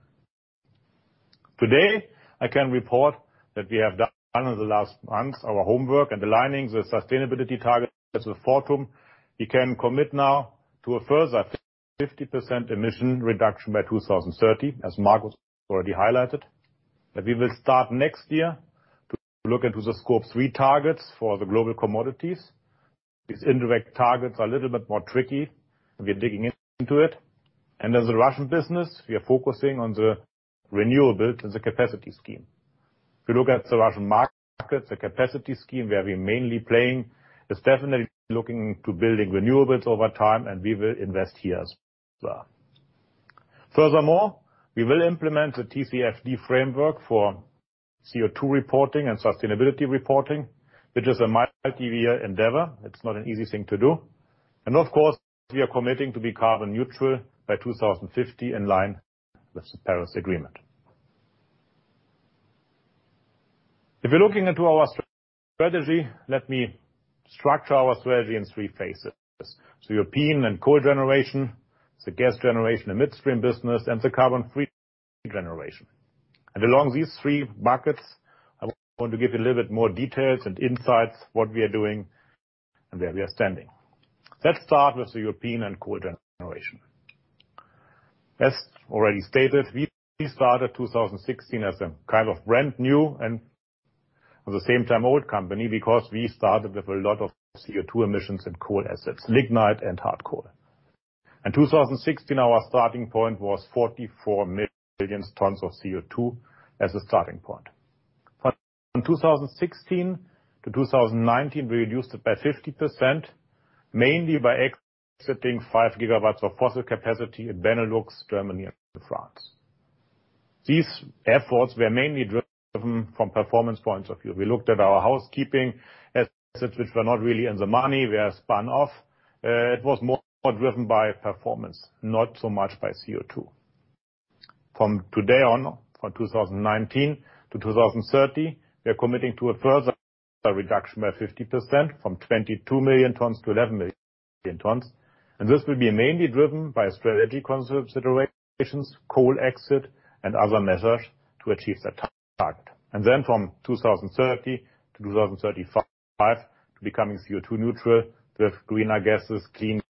Today, I can report that we have done in the last months our homework and aligning the sustainability targets with Fortum. We can commit now to a further 50% emission reduction by 2030, as Markus already highlighted. We will start next year to look into the Scope 3 targets for the global commodities. These indirect targets are a little bit more tricky, and we're digging into it. As a Russian business, we are focusing on the renewable and the capacity scheme. If you look at the Russian markets, the capacity scheme where we're mainly playing is definitely looking to building renewables over time, and we will invest here as well. Furthermore, we will implement the TCFD framework for CO2 reporting and sustainability reporting, which is a multi-year endeavor. It's not an easy thing to do. Of course, we are committing to be carbon neutral by 2050 in line with the Paris Agreement. If you're looking into our strategy, let me structure our strategy in three phases. European and coal generation, the gas generation and midstream business, and the carbon-free generation. Along these three markets, I want to give you a little bit more details and insights what we are doing and where we are standing. Let's start with the European and coal generation. As already stated, we started 2016 as a kind of brand new and at the same time old company because we started with a lot of CO2 emissions and coal assets, lignite and hard coal. In 2016, our starting point was 44 million tons of CO2 as a starting point. From 2016 to 2019, we reduced it by 50%, mainly by exiting 5 GW of fossil capacity in Benelux, Germany, and France. These efforts were mainly driven from performance points of view. We looked at our housekeeping assets, which were not really in the money. We are spun off. It was more driven by performance, not so much by CO2. From today on, from 2019 to 2030, we are committing to a further reduction by 50%, from 22 million tons to 11 million. In tons. This will be mainly driven by strategic considerations, coal exit, and other measures to achieve that target. From 2030 to 2035, to becoming CO2 neutral with greener gases, clean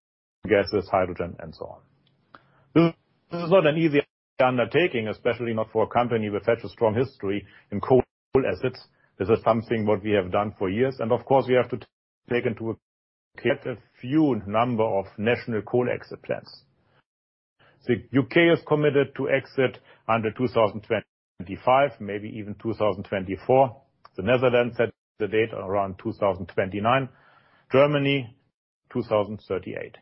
gases, hydrogen, and so on. This is not an easy undertaking, especially not for a company with such a strong history in coal assets. This is something what we have done for years. Of course, we have to take into a few number of national coal exit plans. The U.K. has committed to exit under 2025, maybe even 2024. The Netherlands set the date around 2029, Germany 2038.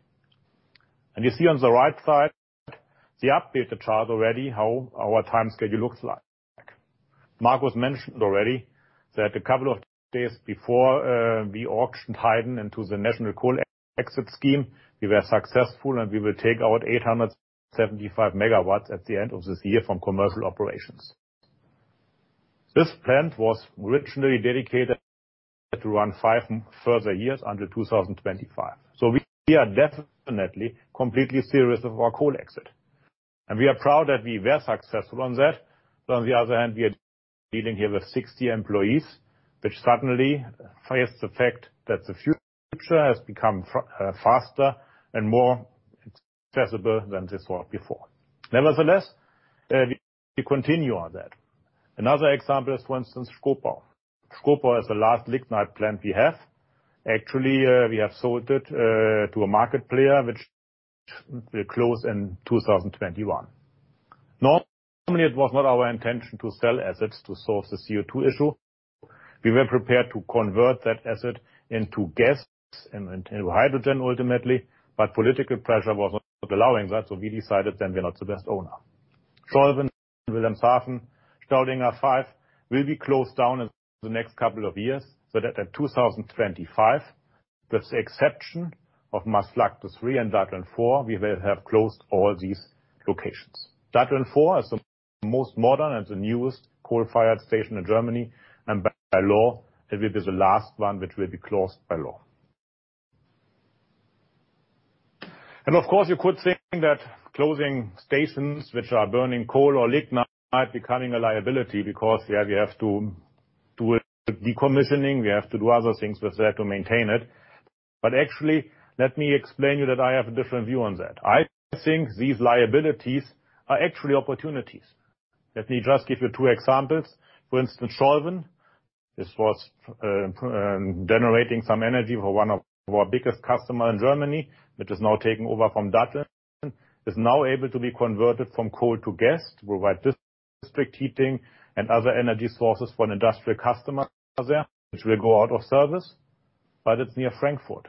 You see on the right side, the updated chart already how our time schedule looks like. Markus mentioned already that a couple of days before, we auctioned Heyden into the national coal exit scheme. We were successful, and we will take out 875 MW at the end of this year from commercial operations. This plant was originally dedicated to run five further years under 2025. We are definitely completely serious of our coal exit. We are proud that we were successful on that. On the other hand, we are dealing here with 60 employees, which suddenly face the fact that the future has become faster and more accessible than this was before. Nevertheless, we continue on that. Another example is, for instance, Schkopau. Schkopau is the last lignite plant we have. Actually, we have sold it to a market player, which will close in 2021. Normally, it was not our intention to sell assets to solve the CO2 issue. We were prepared to convert that asset into gas and into hydrogen ultimately. Political pressure was not allowing that. We decided then we're not the best owner. Scholven, Wilhelmshaven, Staudinger 5 will be closed down in the next couple of years. That at 2025, with the exception of Maasvlakte 3 and Datteln 4, we will have closed all these locations. Datteln 4 is the most modern and the newest coal-fired station in Germany. By law, it will be the last one which will be closed by law. Of course, you could think that closing stations which are burning coal or lignite becoming a liability because we have to do a decommissioning, we have to do other things with that to maintain it. Actually, let me explain you that I have a different view on that. I think these liabilities are actually opportunities. Let me just give you two examples. For instance, Scholven. This was generating some energy for one of our biggest customer in Germany, which is now taken over from Datteln, is now able to be converted from coal to gas to provide district heating and other energy sources for an industrial customer there, which will go out of service. It's near Frankfurt.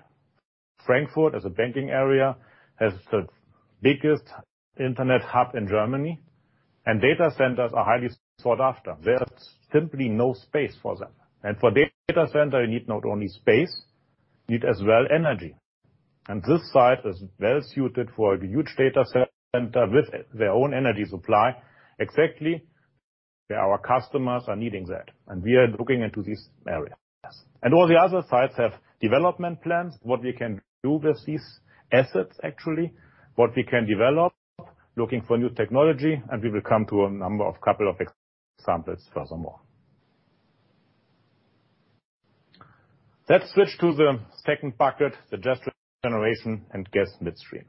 Frankfurt is a banking area, has the biggest internet hub in Germany, and data centers are highly sought after. There's simply no space for them. For data center, you need not only space, you need as well energy. This site is well-suited for a huge data center with their own energy supply. Exactly where our customers are needing that. We are looking into these areas. All the other sites have development plans, what we can do with these assets, actually, what we can develop, looking for new technology, and we will come to a number of couple of examples furthermore. Let's switch to the second bucket, the Generation and gas midstream.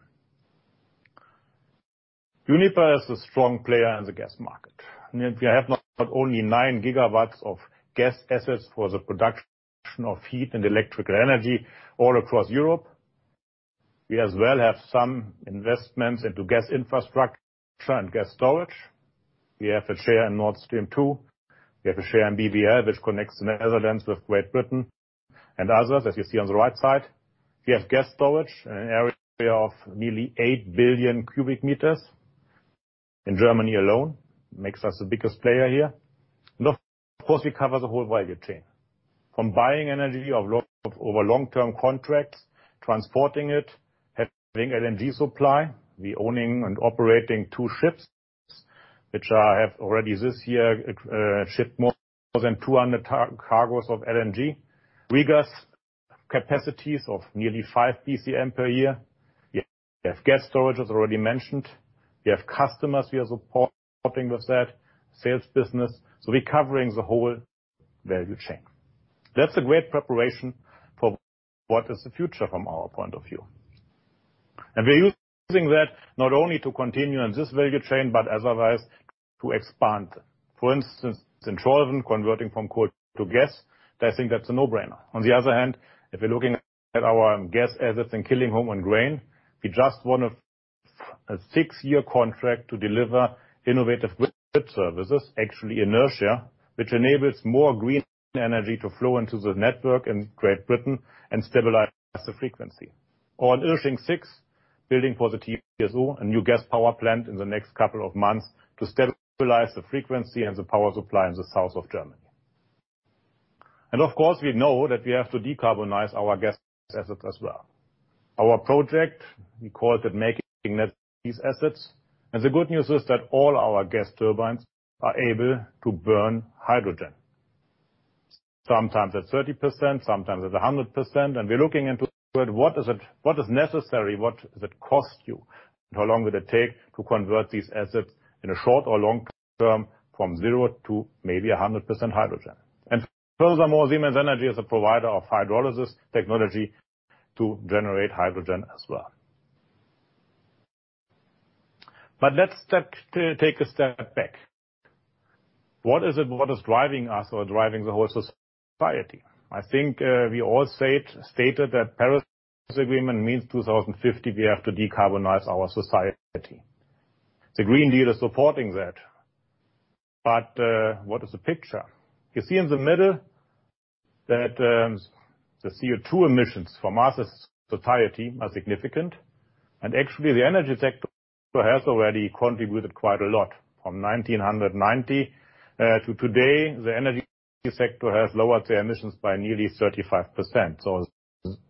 Uniper is a strong player in the gas market. We have not only nine gigawatts of gas assets for the production of heat and electrical energy all across Europe. We as well have some investments into gas infrastructure and gas storage. We have a share in Nord Stream 2. We have a share in BBL, which connects the Netherlands with Great Britain and others, as you see on the right side. We have gas storage in an area of nearly 8 billion cubic meters in Germany alone, makes us the biggest player here. Of course, we cover the whole value chain, from buying energy over long-term contracts, transporting it, having LNG supply. We owning and operating two ships, which have already this year, shipped more than 200 cargos of LNG. Regas capacities of nearly 5 BCM per year. We have gas storage, as already mentioned. We have customers we are supporting with that, sales business. We're covering the whole value chain. That's a great preparation for what is the future from our point of view. We're using that not only to continue in this value chain, but as otherwise to expand. For instance, in Scholven, converting from coal to gas. I think that's a no-brainer. On the other hand, if we're looking at our gas assets in Killingholme and Grain, we just won a six-year contract to deliver innovative services, actually inertia, which enables more green energy to flow into the network in Great Britain and stabilize the frequency. On Irsching 6, building a new gas power plant in the next couple of months to stabilize the frequency and the power supply in the south of Germany. Of course, we know that we have to decarbonize our gas assets as well. Our project, we call it Making Net Zero Assets. The good news is that all our gas turbines are able to burn hydrogen. Sometimes at 30%, sometimes at 100%. We're looking into what is necessary, what does it cost you, and how long would it take to convert these assets in a short or long term from zero to maybe 100% hydrogen. Furthermore, Siemens Energy is a provider of hydrolysis technology to generate hydrogen as well. Let's take a step back. What is it? What is driving us or driving the whole society? I think we all stated that Paris Agreement means 2050, we have to decarbonize our society. The Green Deal is supporting that. What is the picture? You see in the middle that the CO2 emissions from our society are significant, and actually, the energy sector has already contributed quite a lot. From 1990 to today, the energy sector has lowered their emissions by nearly 35%.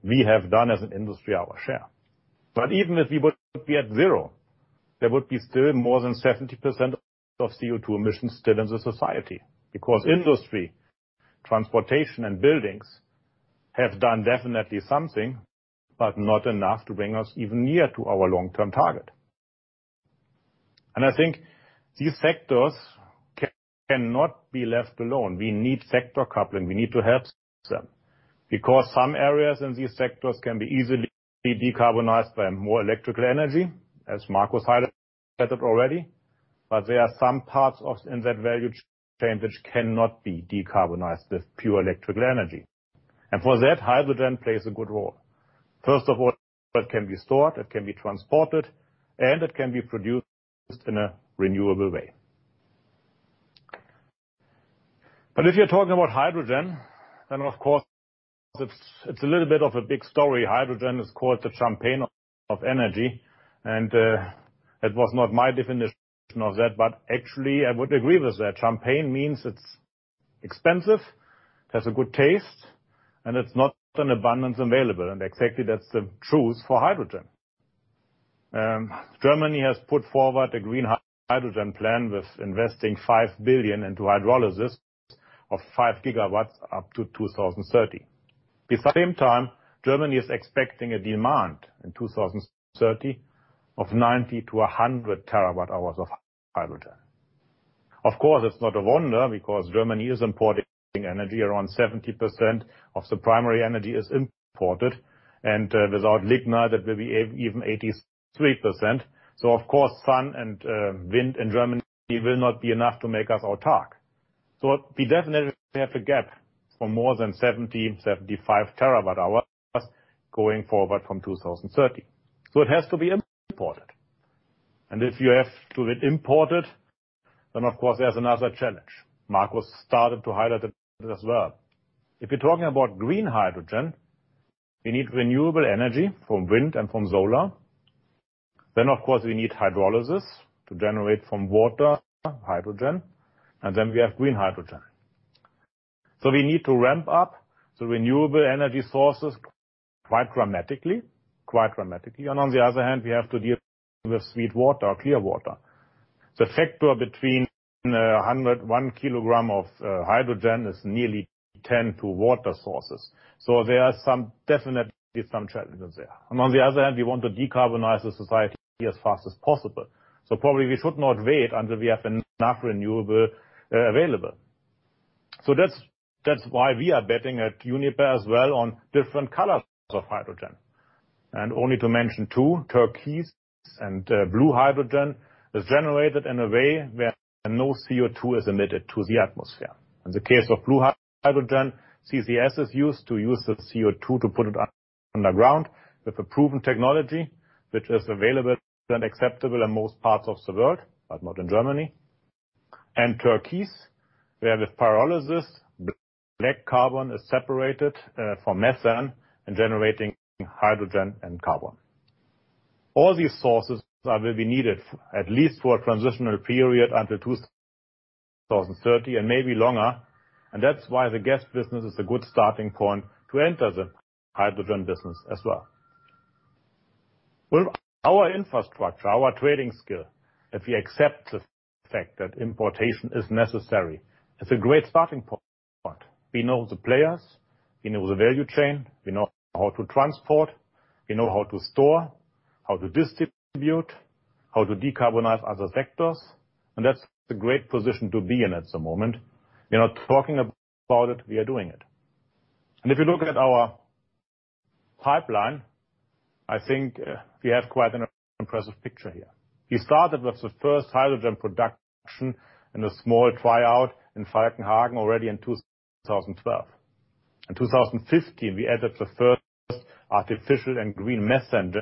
We have done, as an industry, our share. Even if we would be at zero, there would be still more than 70% of CO2 emissions still in the society. Industry, transportation, and buildings have done definitely something, but not enough to bring us even near to our long-term target. I think these sectors cannot be left alone. We need sector coupling. We need to help them. Some areas in these sectors can be easily decarbonized by more electrical energy, as Markus highlighted already. There are some parts in that value chain which cannot be decarbonized with pure electrical energy. For that, hydrogen plays a good role. First of all, it can be stored, it can be transported, and it can be produced in a renewable way. If you're talking about hydrogen, of course, it's a little bit of a big story. Hydrogen is called the champagne of energy. That was not my definition of that, but actually, I would agree with that. Champagne means it's expensive, has a good taste, and it's not an abundance available. Exactly that's the truth for hydrogen. Germany has put forward a green hydrogen plan with investing 5 billion into hydrolysis of 5 GW up to 2030. At the same time, Germany is expecting a demand in 2030 of 90-100 TWh of hydrogen. Of course, it's not a wonder because Germany is importing energy. Around 70% of the primary energy is imported, and without lignite, it will be even 83%. Of course, sun and wind in Germany will not be enough to make us our target. We definitely have a gap for more than 70-75 TWh going forward from 2030. It has to be imported. If you have to import it, of course, there's another challenge. Markus started to highlight it as well. If you're talking about green hydrogen, we need renewable energy from wind and from solar. Of course, we need hydrolysis to generate from water hydrogen, and then we have green hydrogen. We need to ramp up the renewable energy sources quite dramatically. On the other hand, we have to deal with sweet water or clear water. The factor between 101 kilogram of hydrogen is nearly 10 to water sources. There are definitely some challenges there. On the other hand, we want to decarbonize the society as fast as possible. Probably we should not wait until we have enough renewable available. That's why we are betting at Uniper as well on different colors of hydrogen. Only to mention two, turquoise and blue hydrogen is generated in a way where no CO2 is emitted to the atmosphere. In the case of blue hydrogen, CCS is used to use the CO2 to put it underground with a proven technology which is available and acceptable in most parts of the world, but not in Germany. Turquoise, where with pyrolysis, black carbon is separated from methane and generating hydrogen and carbon. All these sources will be needed at least for a transitional period until 2030 and maybe longer. That's why the gas business is a good starting point to enter the hydrogen business as well. With our infrastructure, our trading skill, if we accept the fact that importation is necessary, it's a great starting point. We know the players, we know the value chain, we know how to transport, we know how to store, how to distribute, how to decarbonize other sectors, and that's a great position to be in at the moment. We're not talking about it, we are doing it. If you look at our pipeline, I think we have quite an impressive picture here. We started with the first hydrogen production in a small tryout in Falkenhagen already in 2012. In 2015, we added the first artificial and green methane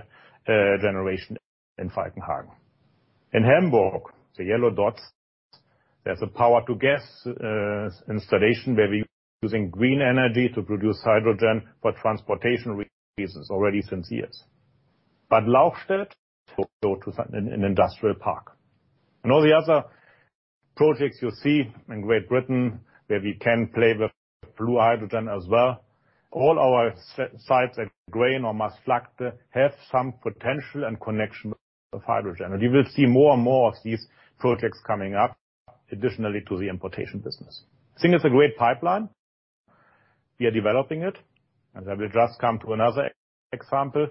generation in Falkenhagen. In Hamburg, the yellow dots, there's a power to gas installation where we're using green energy to produce hydrogen for transportation reasons already since years. Lauchstädt is also to an industrial park. All the other projects you see in Great Britain, where we can play with blue hydrogen as well. All our sites at Grain or Maasvlakte have some potential and connection with hydrogen. You will see more and more of these projects coming up additionally to the importation business. I think it's a great pipeline. We are developing it, and I will just come to another example.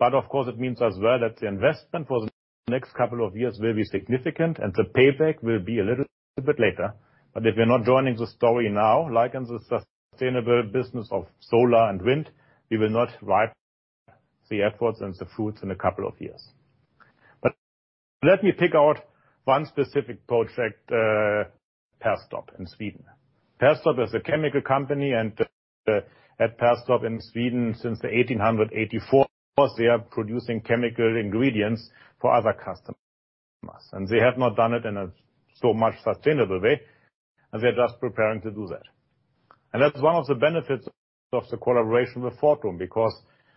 Of course, it means as well that the investment for the next couple of years will be significant, and the payback will be a little bit later. If you're not joining the story now, like in the sustainable business of solar and wind, we will not ripe the efforts and the fruits in a couple of years. Let me pick out one specific project, Perstorp in Sweden. Perstorp is a chemical company, and at Perstorp in Sweden since 1884, they are producing chemical ingredients for other customers. They have not done it in a so much sustainable way, and they're just preparing to do that. That's one of the benefits of the collaboration with Fortum, because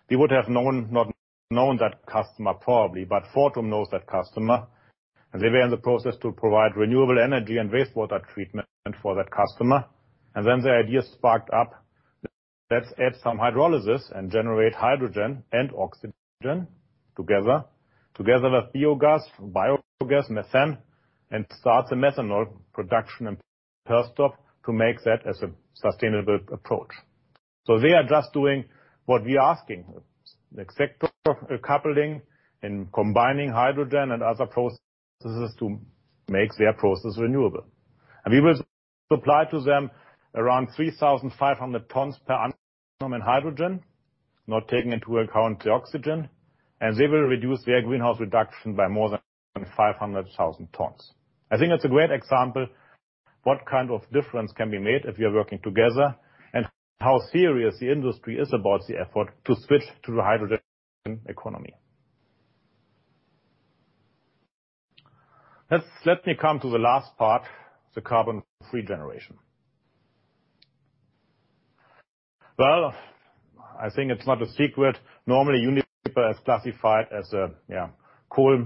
we would have not known that customer probably. Fortum knows that customer, and they were in the process to provide renewable energy and wastewater treatment for that customer. Then the idea sparked up, let's add some hydrolysis and generate hydrogen and oxygen together with biogas, methane, and start the methanol production in Perstorp to make that as a sustainable approach. They are just doing what we are asking. The sector coupling and combining hydrogen and other processes to make their process renewable. We will supply to them around 3,500 tons per annum in hydrogen, not taking into account the oxygen, and they will reduce their greenhouse reduction by more than 500,000 tons. I think that's a great example what kind of difference can be made if we are working together and how serious the industry is about the effort to switch to the hydrogen economy. Let me come to the last part, the carbon-free generation. Well, I think it's not a secret. Normally, Uniper is classified as a coal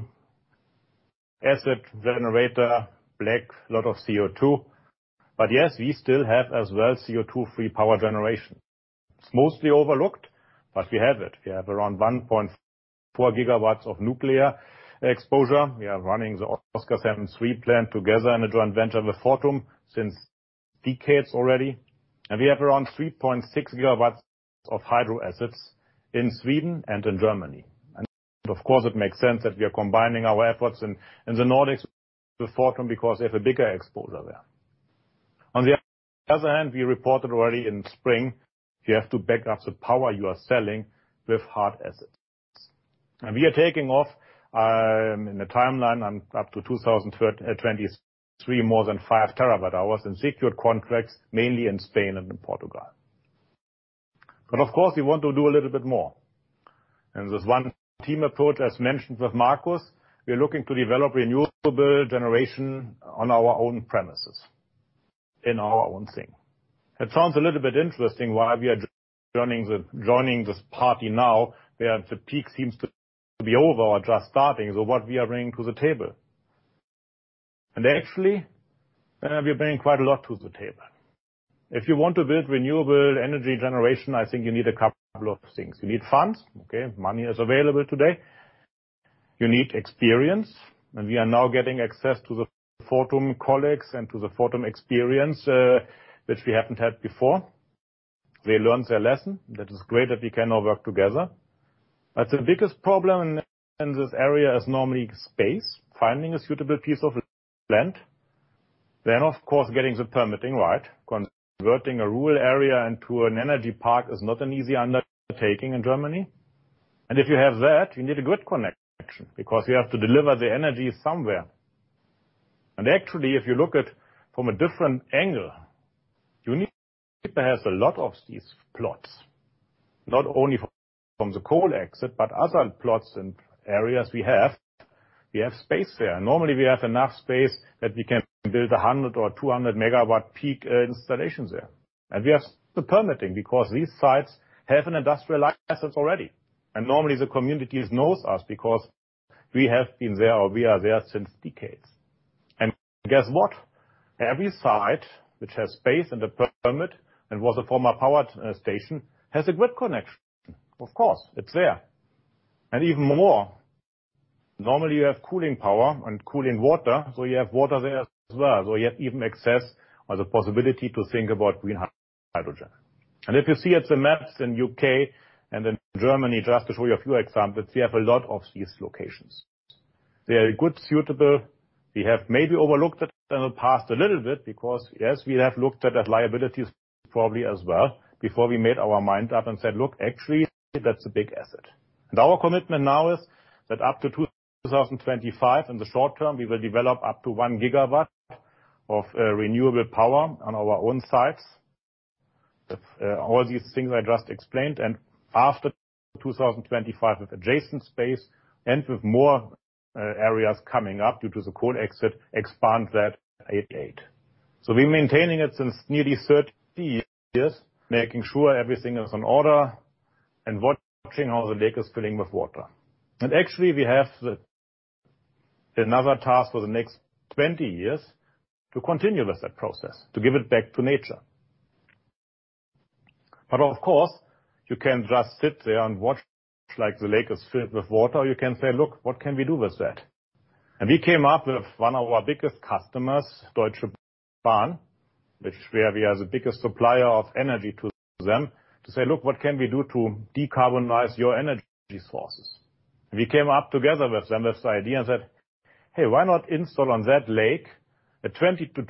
asset generator, black, lot of CO2. Yes, we still have as well CO2 free power generation. It's mostly overlooked, but we have it. We have around 1.4 GW of nuclear exposure. We are running the Oskarshamn III plant together in a joint venture with Fortum since decades already. We have around 3.6 gigawatts of hydro assets in Sweden and in Germany. Of course, it makes sense that we are combining our efforts in the Nordics with Fortum because they have a bigger exposure there. On the other hand, we reported already in spring, you have to back up the power you are selling with hard assets. We are taking off in the timeline up to 2023, more than 5 TWh in secured contracts, mainly in Spain and in Portugal. Of course, we want to do a little bit more. This one team approach, as mentioned with Markus, we are looking to develop renewable generation on our own premises, in our own thing. It sounds a little bit interesting why we are joining this party now, where the peak seems to be over or just starting. What we are bringing to the table. Actually, we are bringing quite a lot to the table. If you want to build renewable energy generation, I think you need a couple of things. You need funds, okay? Money is available today. You need experience, and we are now getting access to the Fortum colleagues and to the Fortum experience, which we haven't had before. They learned their lesson. That is great that we can now work together. The biggest problem in this area is normally space, finding a suitable piece of land, of course, getting the permitting right. Converting a rural area into an energy park is not an easy undertaking in Germany. If you have that, you need a good connection because you have to deliver the energy somewhere. Actually, if you look at from a different angle, Uniper has a lot of these plots, not only from the coal exit, but other plots and areas we have. We have space there. Normally, we have enough space that we can build 100 or 200 MW peak installations there. We have the permitting because these sites have an industrial license already. Normally, the communities knows us because we have been there or we are there since decades. Guess what? Every site which has space and a permit and was a former power station has a grid connection. Of course, it's there. Even more, normally, you have cooling power and cooling water, so you have water there as well. You have even access or the possibility to think about green hydrogen. If you see at the maps in the U.K. and in Germany, just to show you a few examples, we have a lot of these locations. They are good, suitable. We have maybe overlooked it in the past a little bit because, yes, we have looked at liabilities probably as well before we made our mind up and said, "Look, actually, that's a big asset." Our commitment now is that up to 2025, in the short term, we will develop up to one gigawatt of renewable power on our own sites with all these things I just explained. After 2025, with adjacent space and with more areas coming up due to the coal exit, expand that [gate]. We are maintaining it since nearly 30 years, making sure everything is in order and watching how the lake is filling with water. Actually, we have another task for the next 20 years, to continue with that process, to give it back to nature. Of course, you can't just sit there and watch the lake is filled with water. You can say, "Look, what can we do with that?" We came up with one of our biggest customers, Deutsche Bahn, which we are the biggest supplier of energy to them, to say, "Look, what can we do to decarbonize your energy sources?" We came up together with them, this idea, and said, "Hey, why not install on that lake a 20 to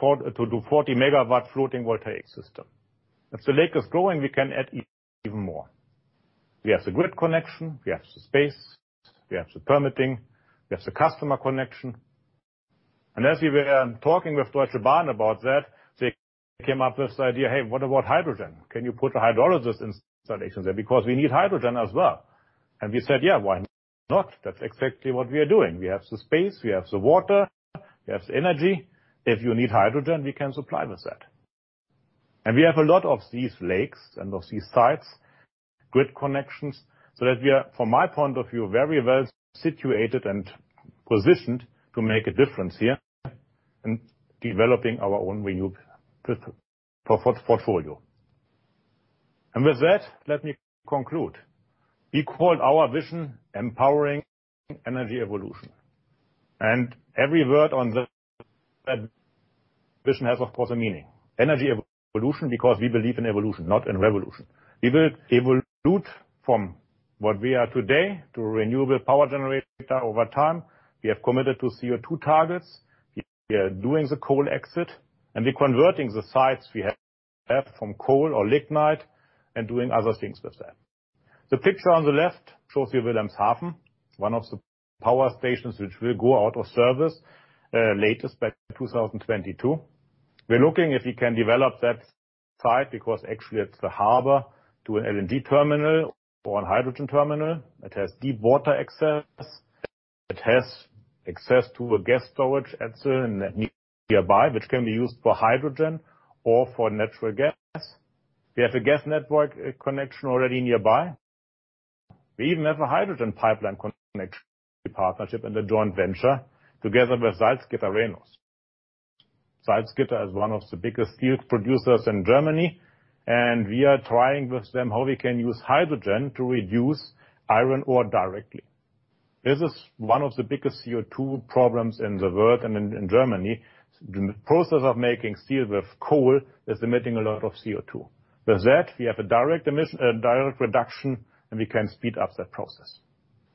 40 megawatt floating voltaic system? If the lake is growing, we can add even more." We have the grid connection, we have the space, we have the permitting, we have the customer connection. As we were talking with Deutsche Bahn about that, they came up with the idea, "Hey, what about hydrogen? Can you put a hydrolysis installation there, because we need hydrogen as well." We said, "Yeah, why not? That's exactly what we are doing. We have the space, we have the water, we have the energy. If you need hydrogen, we can supply with that." We have a lot of these lakes and a lot of these sites, grid connections, so that we are, from my point of view, very well-situated and positioned to make a difference here in developing our own renew portfolio. With that, let me conclude. We call our vision Empowering Energy Evolution, and every word on that vision has, of course, a meaning. Energy evolution because we believe in evolution, not in revolution. We will evolve from what we are today to renewable power generator over time. We have committed to CO2 targets. We are doing the coal exit. We're converting the sites we have from coal or lignite and doing other things with that. The picture on the left shows you Wilhelmshaven, one of the power stations which will go out of service, latest by 2022. We're looking if we can develop that site, because actually it's the harbor to an LNG terminal or an hydrogen terminal. It has deep water access. It has access to a gas storage facility nearby, which can be used for hydrogen or for natural gas. We have a gas network connection already nearby. We even have a hydrogen pipeline connection partnership and a joint venture together with Salzgitter Flachstahl. Salzgitter is one of the biggest steel producers in Germany, and we are trying with them how we can use hydrogen to reduce iron ore directly. This is one of the biggest CO2 problems in the world and in Germany. The process of making steel with coal is emitting a lot of CO2. With that, we have a direct reduction, and we can speed up that process.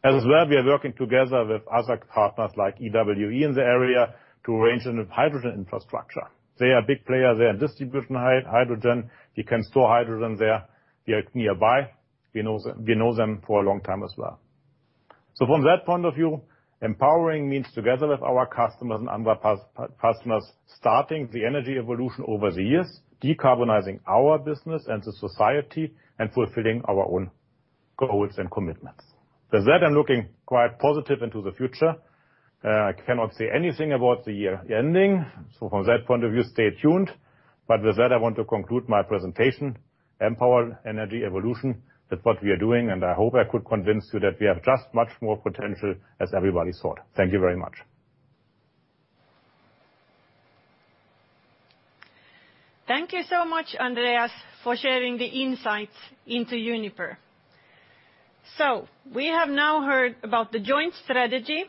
As well, we are working together with other partners like EWE in the area to arrange a new hydrogen infrastructure. They are a big player. They are distributing hydrogen. We can store hydrogen there. We are nearby. We know them for a long time as well. From that point of view, empowering means together with our customers and other customers, starting the energy evolution over the years, decarbonizing our business and the society, and fulfilling our own goals and commitments. With that, I'm looking quite positive into the future. I cannot say anything about the year ending. From that point of view, stay tuned. With that, I want to conclude my presentation. Empower energy evolution, that's what we are doing, and I hope I could convince you that we have just much more potential as everybody thought. Thank you very much. Thank you so much, Andreas, for sharing the insights into Uniper. We have now heard about the joint strategy,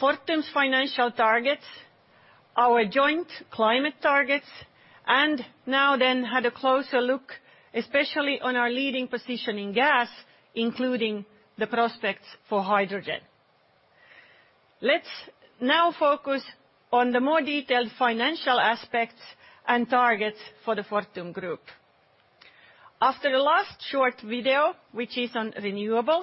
Fortum's financial targets, our joint climate targets, and now then had a closer look, especially on our leading position in gas, including the prospects for hydrogen. Let's now focus on the more detailed financial aspects and targets for the Fortum Group. After the last short video, which is on renewables,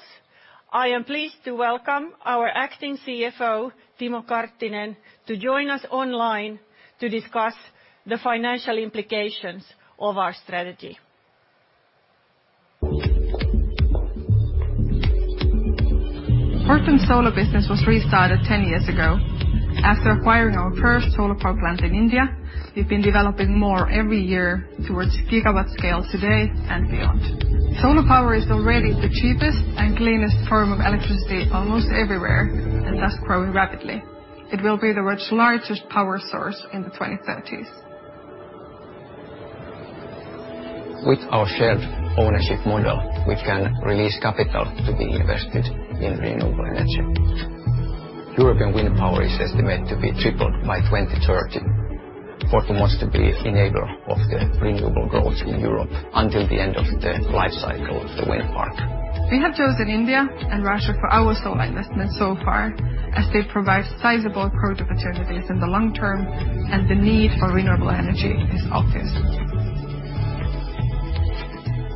I am pleased to welcome our acting CFO, Timo Karttinen, to join us online to discuss the financial implications of our strategy. Fortum solar business was restarted 10 years ago. After acquiring our first solar power plant in India, we've been developing more every year towards gigawatt scale today and beyond. Solar power is already the cheapest and cleanest form of electricity almost everywhere, and thus growing rapidly. It will be the world's largest power source in the 2030s. With our shared ownership model, we can release capital to be invested in renewable energy. European wind power is estimated to be tripled by 2030. Fortum wants to be enabler of the renewable growth in Europe until the end of the life cycle of the wind park. We have chosen India and Russia for our solar investment so far as they provide sizable growth opportunities in the long term, and the need for renewable energy is obvious.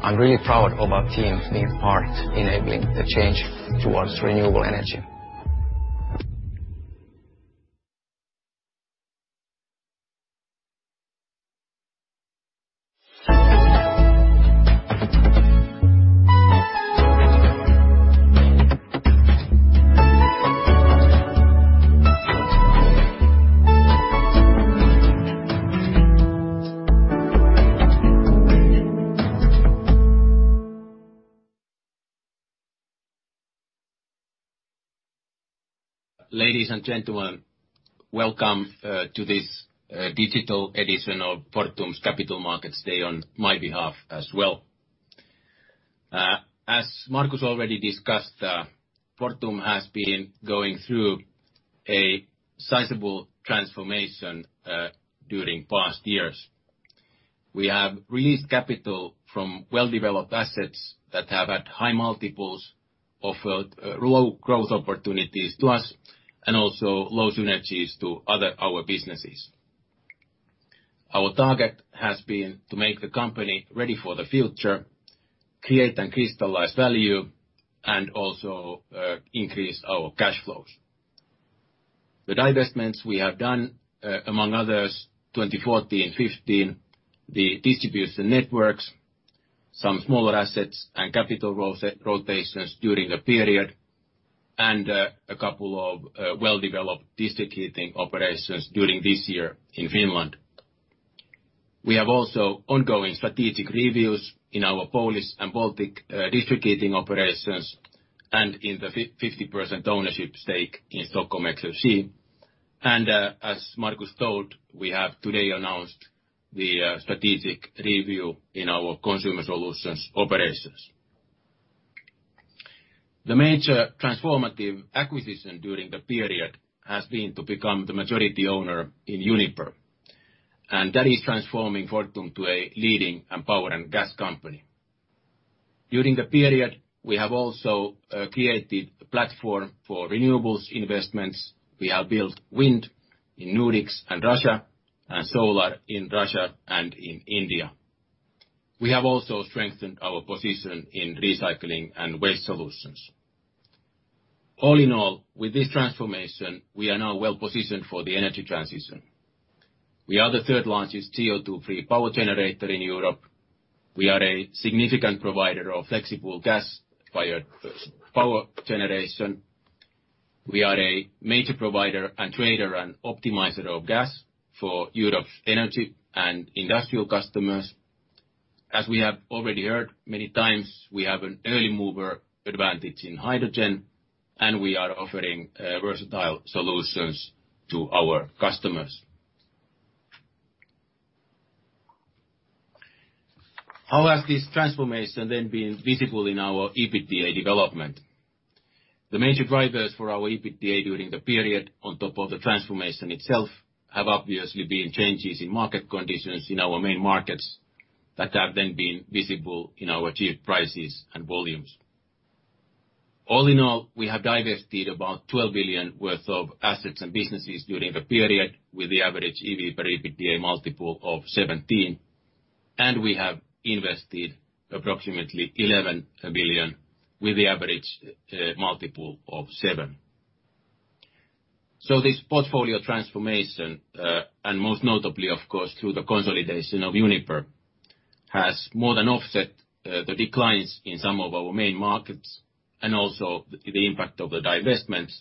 I'm really proud of our team being part enabling the change towards renewable energy. Ladies and gentlemen, welcome to this digital edition of Fortum's Capital Markets Day on my behalf as well. As Markus already discussed, Fortum has been going through a sizable transformation during past years. We have released capital from well-developed assets that have had high multiples, offered low growth opportunities to us, and also low synergies to other our businesses. Our target has been to make the company ready for the future, create and crystallize value, and also increase our cash flows. The divestments we have done, among others, 2014 and 2015, the distribution networks, some smaller assets and capital rotations during the period, and a couple of well-developed district heating operations during this year in Finland. We have also ongoing strategic reviews in our Polish and Baltic district heating operations and in the 50% ownership stake in Stockholm Exergi. As Markus told, we have today announced the strategic review in our Consumer Solutions operations. The major transformative acquisition during the period has been to become the majority owner in Uniper, and that is transforming Fortum to a leading and power and gas company. During the period, we have also created a platform for renewables investments. We have built wind in Nordics and Russia, and solar in Russia and in India. We have also strengthened our position in recycling and waste solutions. All in all, with this transformation, we are now well-positioned for the energy transition. We are the third largest CO2 free power generator in Europe. We are a significant provider of flexible gas-fired power generation. We are a major provider and trader and optimizer of gas for Europe's energy and industrial customers. As we have already heard many times, we have an early mover advantage in hydrogen, and we are offering versatile solutions to our customers. How has this transformation then been visible in our EBITDA development? The major drivers for our EBITDA during the period, on top of the transformation itself, have obviously been changes in market conditions in our main markets that have then been visible in our achieved prices and volumes. All in all, we have divested about 12 billion worth of assets and businesses during the period, with the average EV/EBITDA multiple of 17, and we have invested approximately 11 billion with the average multiple of seven. This portfolio transformation, and most notably, of course, through the consolidation of Uniper, has more than offset the declines in some of our main markets, and also the impact of the divestments,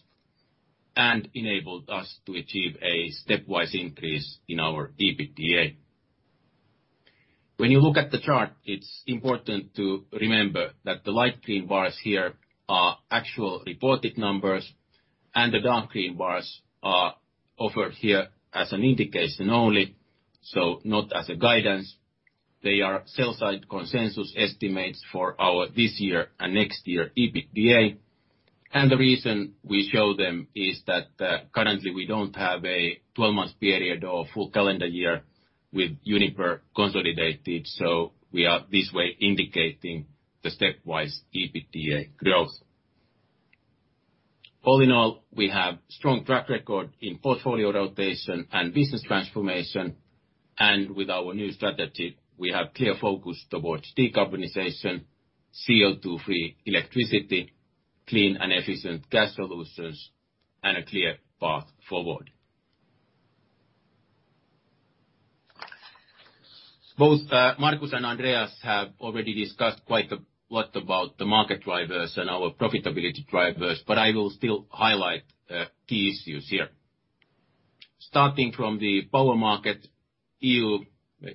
and enabled us to achieve a stepwise increase in our EBITDA. When you look at the chart, it is important to remember that the light green bars here are actual reported numbers, and the dark green bars are offered here as an indication only, so not as a guidance. They are sell side consensus estimates for our this year and next year EBITDA. The reason we show them is that currently we don't have a 12 months period or full calendar year with Uniper consolidated, so we are this way indicating the stepwise EBITDA growth. All in all, we have strong track record in portfolio rotation and business transformation, and with our new strategy, we have clear focus towards decarbonization, CO2-free electricity, clean and efficient gas solutions, and a clear path forward. Both Markus and Andreas have already discussed quite a lot about the market drivers and our profitability drivers, but I will still highlight key issues here. Starting from the power market,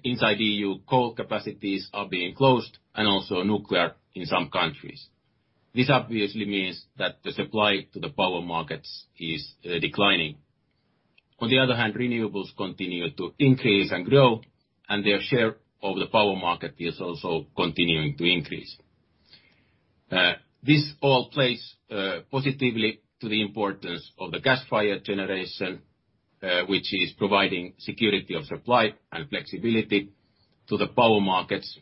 inside EU, coal capacities are being closed, and also nuclear in some countries. This obviously means that the supply to the power markets is declining. On the other hand, renewables continue to increase and grow, and their share of the power market is also continuing to increase. This all plays positively to the importance of the gas-fired generation, which is providing security of supply and flexibility to the power markets,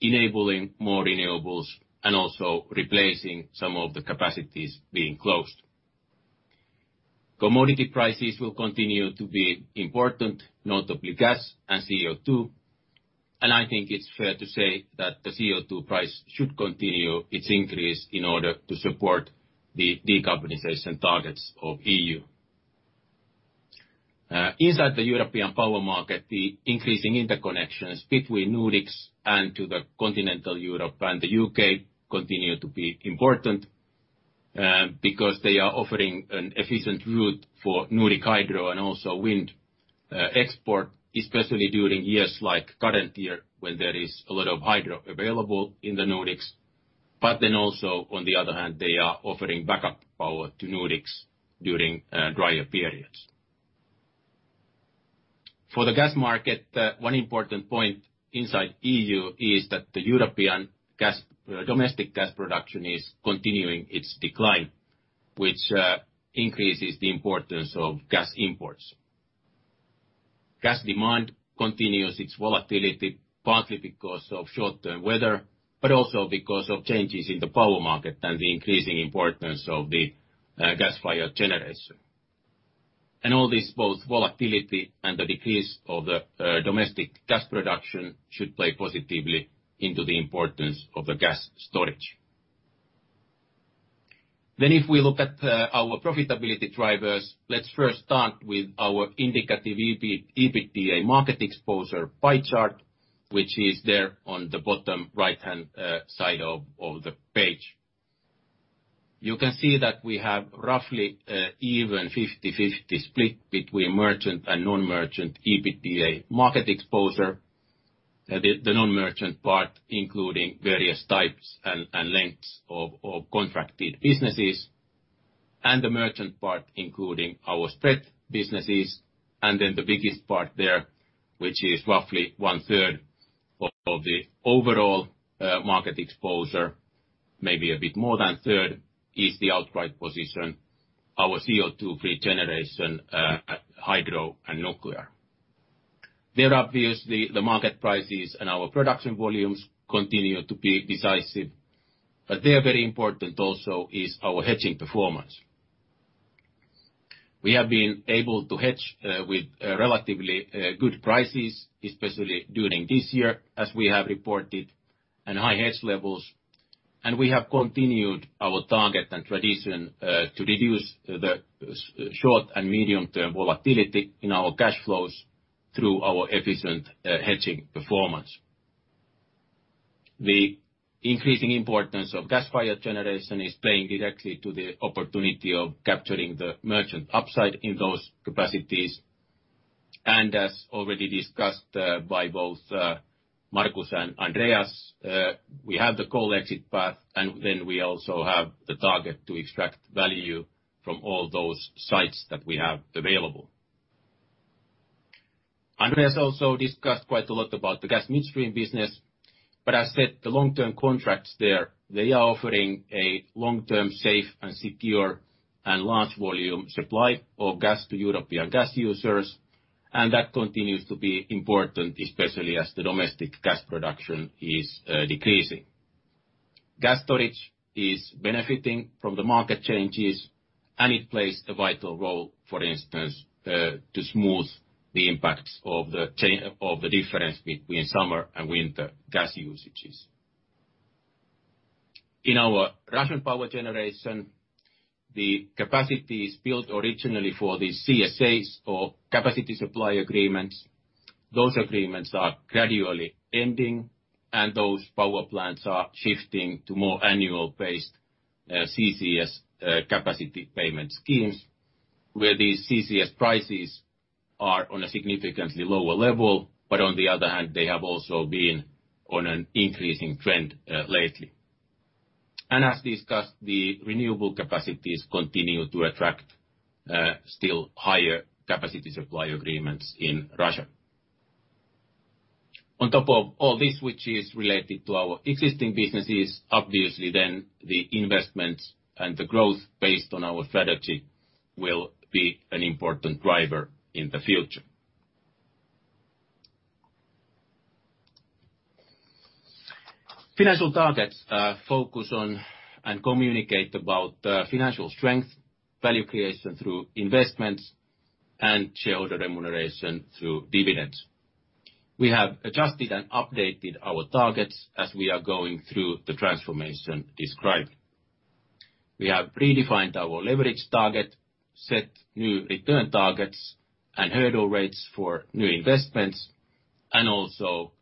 enabling more renewables and also replacing some of the capacities being closed. Commodity prices will continue to be important, notably gas and CO2. I think it's fair to say that the CO2 price should continue its increase in order to support the decarbonization targets of EU. Inside the European power market, the increasing interconnections between Nordics and to the continental Europe and the U.K. continue to be important because they are offering an efficient route for Nordic hydro and also wind export, especially during years like current year when there is a lot of hydro available in the Nordics. Also, on the other hand, they are offering backup power to Nordics during drier periods. For the gas market, one important point inside EU is that the European domestic gas production is continuing its decline, which increases the importance of gas imports. Gas demand continues its volatility, partly because of short-term weather, but also because of changes in the power market and the increasing importance of the gas-fired generation. All this, both volatility and the decrease of the domestic gas production, should play positively into the importance of the gas storage. If we look at our profitability drivers, let's first start with our indicative EBITDA market exposure pie chart, which is there on the bottom right-hand side of the page. You can see that we have roughly even 50/50 split between merchant and non-merchant EBITDA market exposure. The non-merchant part including various types and lengths of contracted businesses, and the merchant part including our spread businesses, then the biggest part there, which is roughly 1/3 of the overall market exposure, maybe a bit more than a third, is the outright position, our CO2 pre-generation, hydro and nuclear. There, obviously, the market prices and our production volumes continue to be decisive, but there, very important also is our hedging performance. We have been able to hedge with relatively good prices, especially during this year, as we have reported, and high hedge levels. We have continued our target and tradition to reduce the short and medium-term volatility in our cash flows through our efficient hedging performance. The increasing importance of gas-fired generation is playing directly to the opportunity of capturing the merchant upside in those capacities. As already discussed by both Markus and Andreas, we have the coal exit path, and then we also have the target to extract value from all those sites that we have available. Andreas also discussed quite a lot about the gas midstream business, but as said, the long-term contracts there, they are offering a long-term, safe and secure and large volume supply of gas to European gas users, and that continues to be important, especially as the domestic gas production is decreasing. Gas storage is benefiting from the market changes, and it plays a vital role, for instance, to smooth the impacts of the difference between summer and winter gas usages. In our Russian power generation, the capacity is built originally for the CSAs or capacity supply agreements. Those agreements are gradually ending, and those power plants are shifting to more annual-based CCS capacity payment schemes, where the CCS prices are on a significantly lower level, but on the other hand, they have also been on an increasing trend lately. As discussed, the renewable capacities continue to attract still higher capacity supply agreements in Russia. On top of all this, which is related to our existing businesses, obviously then the investments and the growth based on our strategy will be an important driver in the future. Financial targets focus on and communicate about financial strength, value creation through investments, and shareholder remuneration through dividends. We have adjusted and updated our targets as we are going through the transformation described. We have redefined our leverage target, set new return targets and hurdle rates for new investments, and also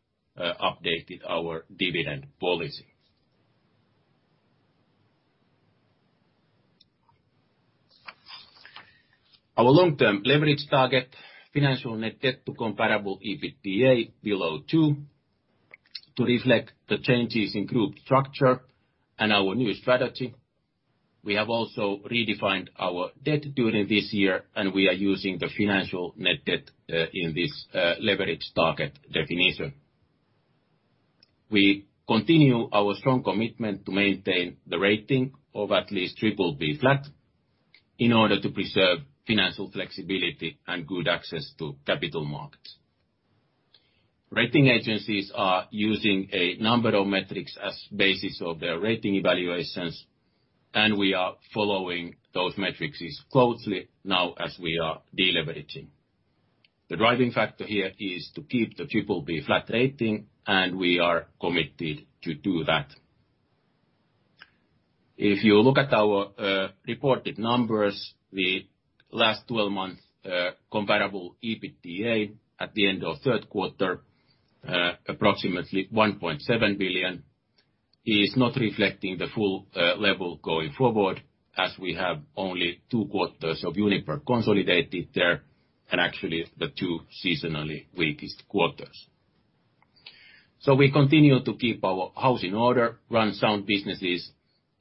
updated our dividend policy. Our long-term leverage target, financial net debt to comparable EBITDA below two, to reflect the changes in group structure and our new strategy. We have also redefined our debt during this year, and we are using the financial net debt in this leverage target definition. We continue our strong commitment to maintain the rating of at least BBB flat in order to preserve financial flexibility and good access to capital markets. Rating agencies are using a number of metrics as basis of their rating evaluations, and we are following those metrics closely now as we are deleveraging. The driving factor here is to keep the BBB flat rating, and we are committed to do that. If you look at our reported numbers, the last 12 months comparable EBITDA at the end of third quarter. Approximately 1.7 billion is not reflecting the full level going forward, as we have only two quarters of Uniper consolidated there, and actually the two seasonally weakest quarters. We continue to keep our house in order, run sound businesses,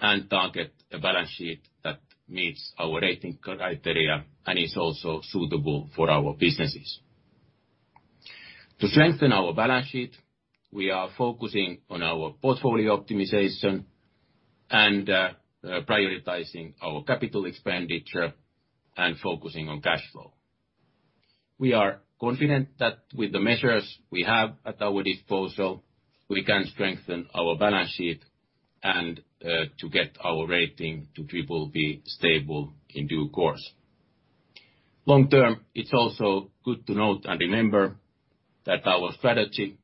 and target a balance sheet that meets our rating criteria and is also suitable for our businesses. To strengthen our balance sheet, we are focusing on our portfolio optimization and prioritizing our capital expenditure and focusing on cash flow. We are confident that with the measures we have at our disposal, we can strengthen our balance sheet and to get our rating to BBB stable in due course. Long-term, it's also good to note and remember that our strategy,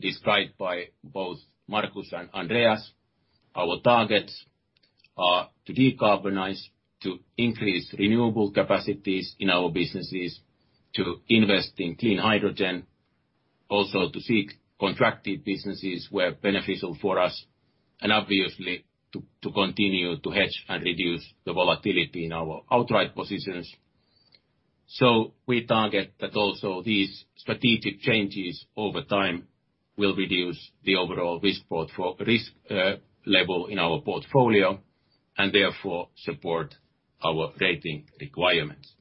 described by both Markus and Andreas, our targets are to decarbonize, to increase renewable capacities in our businesses, to invest in clean hydrogen, also to seek contracted businesses where beneficial for us, and obviously to continue to hedge and reduce the volatility in our outright positions. We target that also these strategic changes over time will reduce the overall risk level in our portfolio, and therefore support our rating requirements.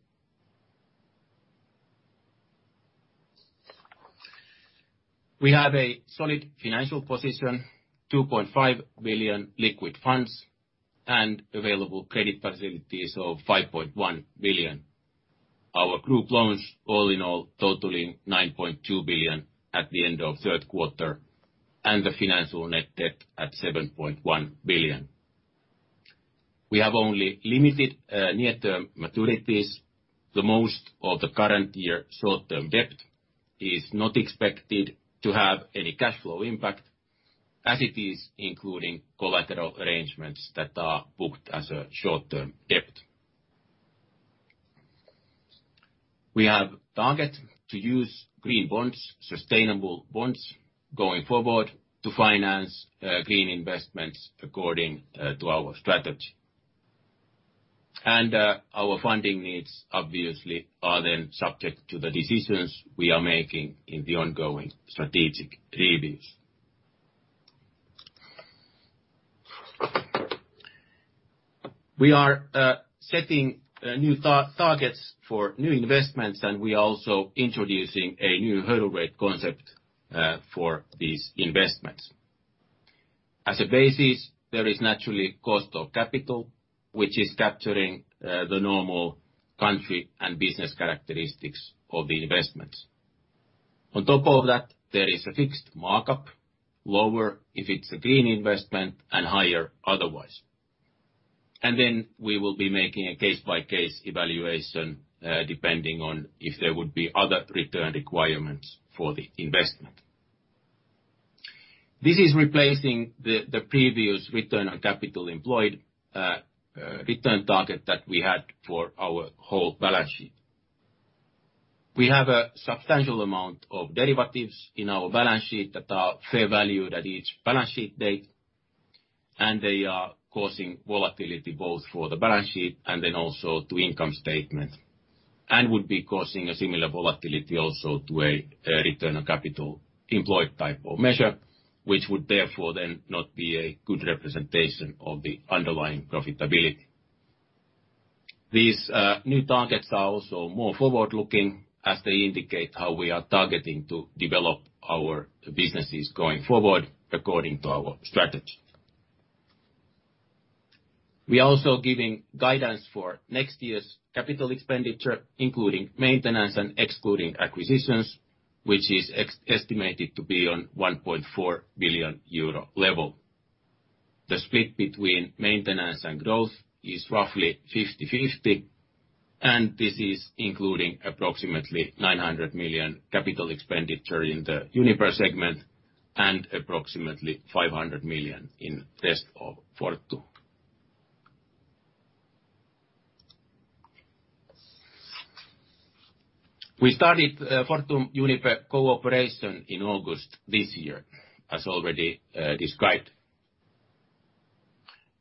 We have a solid financial position, 2.5 billion liquid funds and available credit facilities of 5.1 billion. Our group loans all in all totaling 9.2 billion at the end of third quarter, and the financial net debt at 7.1 billion. We have only limited near-term maturities. The most of the current year short-term debt is not expected to have any cash flow impact, as it is including collateral arrangements that are booked as a short-term debt. We have target to use green bonds, sustainable bonds, going forward to finance green investments according to our strategy. Our funding needs obviously are then subject to the decisions we are making in the ongoing strategic reviews. We are setting new targets for new investments, and we are also introducing a new hurdle rate concept for these investments. As a basis, there is naturally cost of capital, which is capturing the normal country and business characteristics of the investment. On top of that, there is a fixed markup, lower if it's a green investment, and higher otherwise. Then we will be making a case-by-case evaluation, depending on if there would be other return requirements for the investment. This is replacing the previous return on capital employed, return target that we had for our whole balance sheet. We have a substantial amount of derivatives in our balance sheet that are fair valued at each balance sheet date, and they are causing volatility both for the balance sheet and then also to income statement, and would be causing a similar volatility also to a return on capital employed type of measure, which would therefore then not be a good representation of the underlying profitability. These new targets are also more forward-looking, as they indicate how we are targeting to develop our businesses going forward according to our strategy. We are also giving guidance for next year's capital expenditure, including maintenance and excluding acquisitions, which is estimated to be on 1.4 billion euro level. The split between maintenance and growth is roughly 50/50. This is including approximately 900 million CapEx in the Uniper segment and approximately 500 million in rest of Fortum. We started Fortum-Uniper cooperation in August this year, as already described.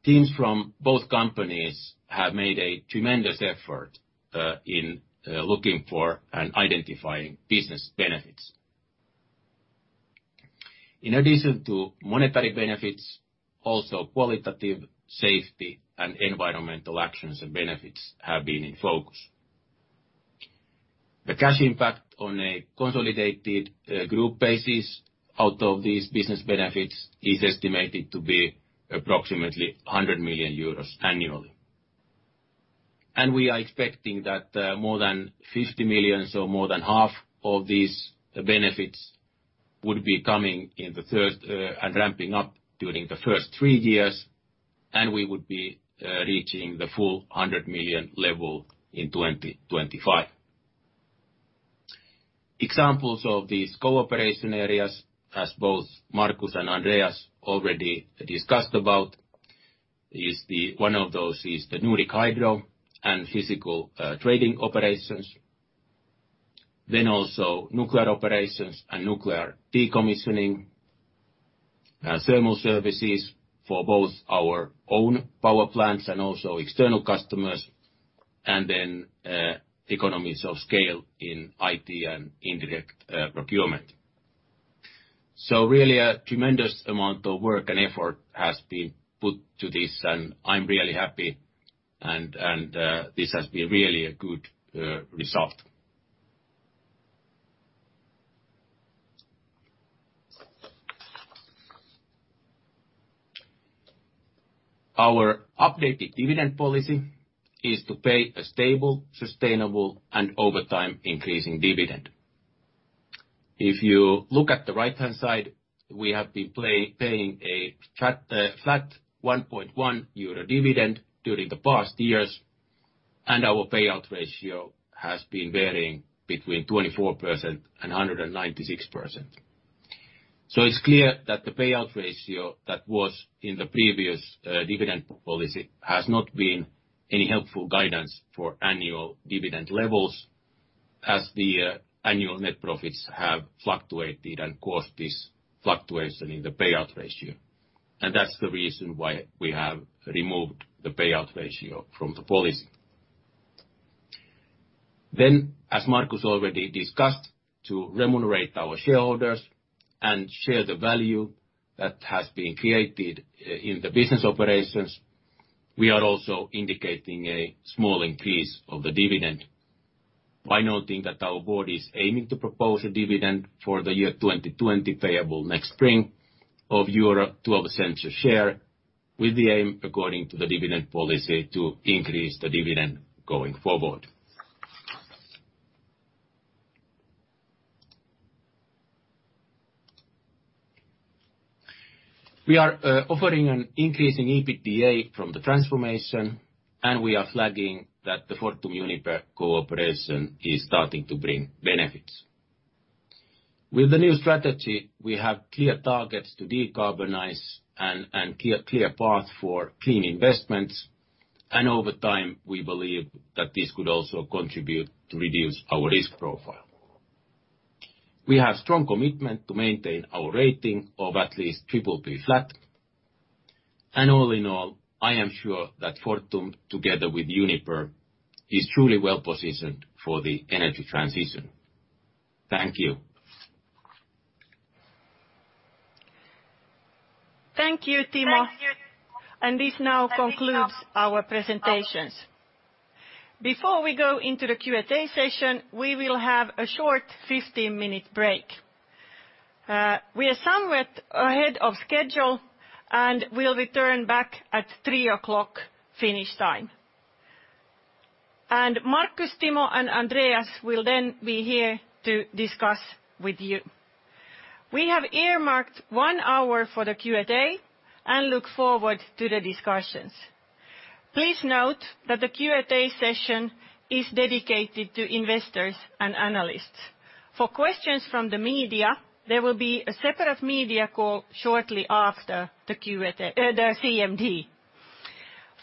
Teams from both companies have made a tremendous effort in looking for and identifying business benefits. In addition to monetary benefits, also qualitative, safety, and environmental actions and benefits have been in focus. The cash impact on a consolidated group basis out of these business benefits is estimated to be approximately 100 million euros annually. We are expecting that more than 50 million, so more than half of these benefits would be coming in the first, ramping up during the first three years, and we would be reaching the full 100 million level in 2025. Examples of these cooperation areas, as both Markus and Andreas already discussed. One of those is the Nordic hydro and physical trading operations. Also nuclear operations and nuclear decommissioning, thermal services for both our own power plants and also external customers, and then economies of scale in IT and indirect procurement. Really a tremendous amount of work and effort has been put to this and I'm really happy, and this has been really a good result. Our updated dividend policy is to pay a stable, sustainable and over time increasing dividend. If you look at the right-hand side, we have been paying a flat 1.1 euro dividend during the past years, and our payout ratio has been varying between 24% and 196%. It's clear that the payout ratio that was in the previous dividend policy has not been any helpful guidance for annual dividend levels as the annual net profits have fluctuated and caused this fluctuation in the payout ratio. That's the reason why we have removed the payout ratio from the policy. As Markus already discussed, to remunerate our shareholders and share the value that has been created in the business operations, we are also indicating a small increase of the dividend by noting that our board is aiming to propose a dividend for the year 2020 payable next spring of 0.12 a share with the aim, according to the dividend policy, to increase the dividend going forward. We are offering an increase in EBITDA from the transformation, and we are flagging that the Fortum Uniper cooperation is starting to bring benefits. With the new strategy, we have clear targets to decarbonize and clear path for clean investments, over time, we believe that this could also contribute to reduce our risk profile. We have strong commitment to maintain our rating of at least BBB flat. All in all, I am sure that Fortum, together with Uniper, is truly well-positioned for the energy transition. Thank you. Thank you, Timo. This now concludes our presentations. Before we go into the Q&A session, we will have a short 15-minute break. We are somewhat ahead of schedule and will return back at 3:00 finish time. Markus, Timo, and Andreas will then be here to discuss with you. We have earmarked one hour for the Q&A and look forward to the discussions. Please note that the Q&A session is dedicated to investors and analysts. For questions from the media, there will be a separate media call shortly after the CMD.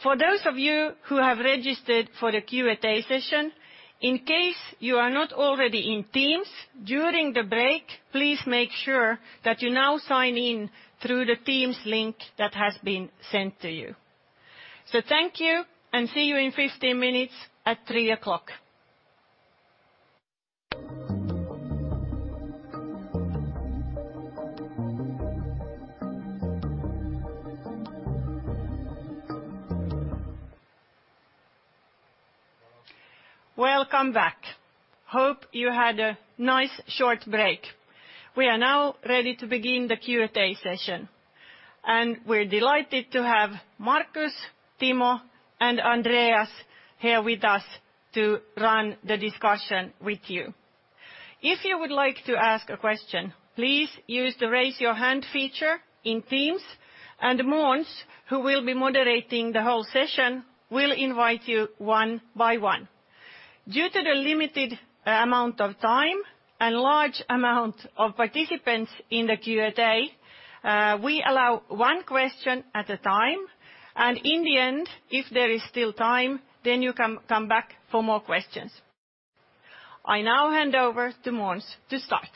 For those of you who have registered for the Q&A session, in case you are not already in Teams, during the break, please make sure that you now sign in through the Teams link that has been sent to you. Thank you and see you in 15 minutes at 3:00. Welcome back. Hope you had a nice short break. We are now ready to begin the Q&A session, and we're delighted to have Markus, Timo, and Andreas here with us to run the discussion with you. If you would like to ask a question, please use the Raise Your Hand feature in Teams and Måns, who will be moderating the whole session, will invite you one by one. Due to the limited amount of time and large amount of participants in the Q&A, we allow one question at a time, and in the end, if there is still time, then you can come back for more questions. I now hand over to Måns to start.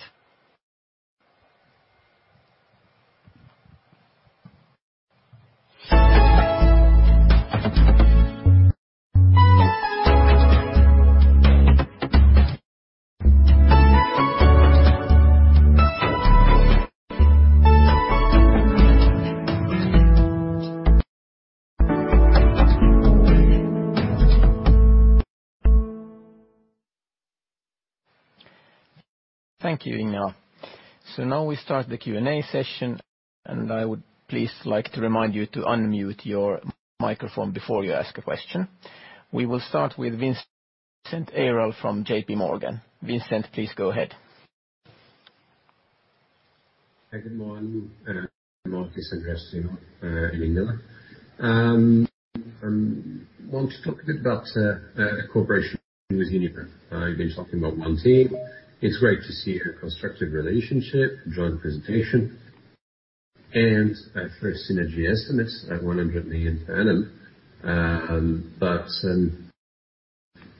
Thank you, Ingela. Now we start the Q&A session. I would please like to remind you to unmute your microphone before you ask a question. We will start with Vincent Ayral from JPMorgan. Vincent, please go ahead. Hey, good morning, Markus, Andreas, Timo, and Ingela. I want to talk a bit about cooperation with Uniper. You've been talking about one team. It's great to see a constructive relationship, joint presentation, and at first synergy estimates at 100 million per annum.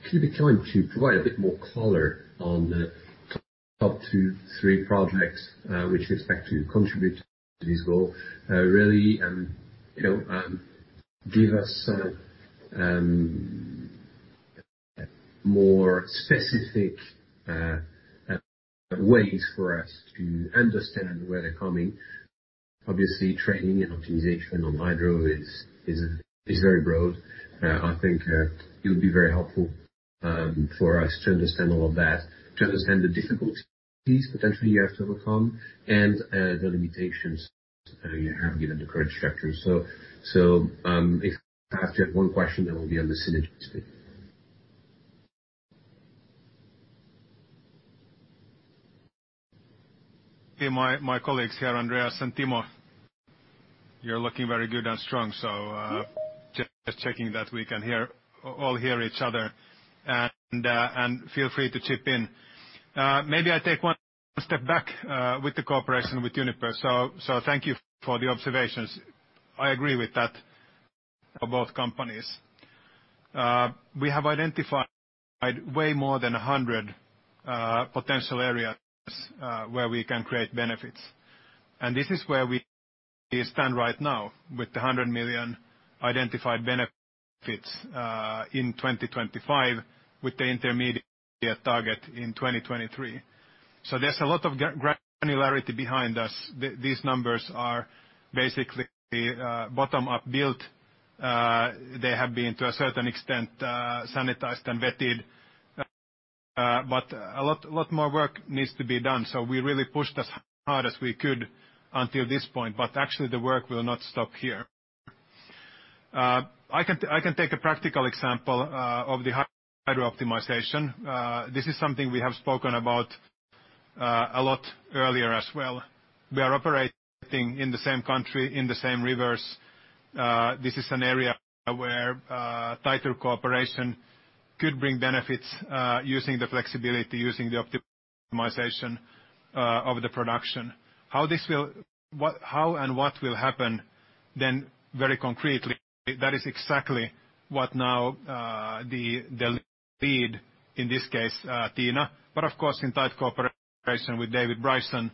Could you be kind to provide a bit more color on the top two, three projects which you expect to contribute to this goal? Really, give us more specific ways for us to understand where they're coming. Obviously, training and optimization on hydro is very broad. I think it would be very helpful for us to understand all of that, to understand the difficulties potentially you have to overcome and the limitations you have given the current structure. If I have to have one question, that will be on the synergies bit. My colleagues here, Andreas and Timo. You're looking very good and strong. Just checking that we can all hear each other and feel free to chip in. Maybe I take one step back with the cooperation with Uniper. Thank you for the observations. I agree with that for both companies. We have identified way more than 100 potential areas where we can create benefits. This is where we stand right now with the 100 million identified benefits in 2025 with the intermediate target in 2023. There's a lot of granularity behind us. These numbers are basically bottom-up built. They have been, to a certain extent, sanitized and vetted, a lot more work needs to be done. We really pushed as hard as we could until this point, actually the work will not stop here. I can take a practical example of the hydro optimization. This is something we have spoken about a lot earlier as well. We are operating in the same country, in the same rivers. This is an area where tighter cooperation could bring benefits using the flexibility, using the optimization of the production. How and what will happen then very concretely, that is exactly what now the lead, in this case, Tiina, but of course, in tight cooperation with David Bryson,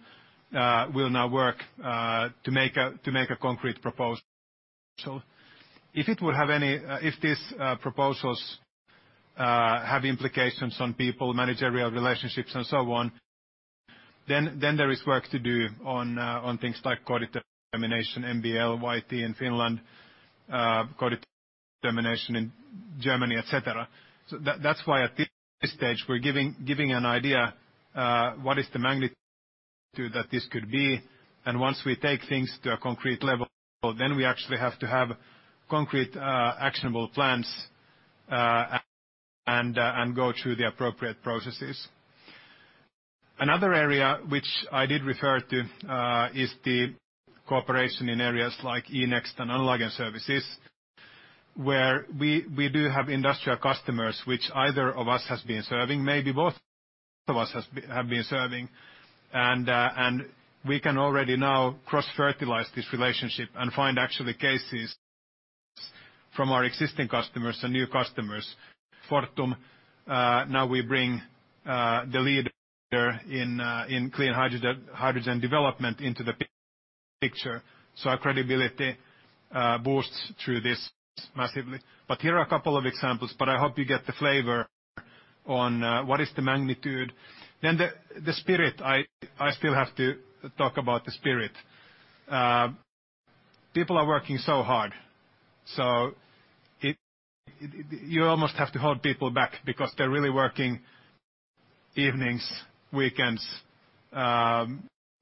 will now work to make a concrete proposal. If these proposals have implications on people, managerial relationships and so on, then there is work to do on things like co-determination, MBL, YT in Finland, co-determination in Germany, et cetera. That's why at this stage, we're giving an idea what is the magnitude that this could be, and once we take things to a concrete level, then we actually have to have concrete actionable plans and go through the appropriate processes. Another area which I did refer to is the cooperation in areas like Enersense and analog services, where we do have industrial customers which either of us has been serving, maybe both of us have been serving. We can already now cross-fertilize this relationship and find actually cases from our existing customers and new customers. Fortum now we bring the leader in clean hydrogen development into the picture. Our credibility boosts through this massively. Here are a couple of examples, but I hope you get the flavor on what is the magnitude. The spirit, I still have to talk about the spirit. People are working so hard, so you almost have to hold people back because they're really working evenings, weekends,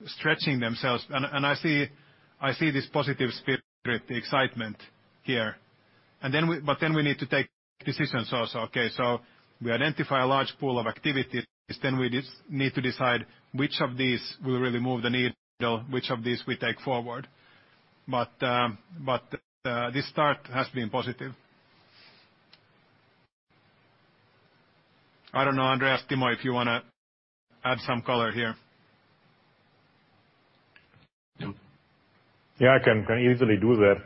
stretching themselves. I see this positive spirit, the excitement here. We need to take decisions also. Okay, so we identify a large pool of activities. We need to decide which of these will really move the needle, which of these we take forward. This start has been positive. I don't know, Andreas, Timo, if you want to add some color here. Yeah, I can easily do that.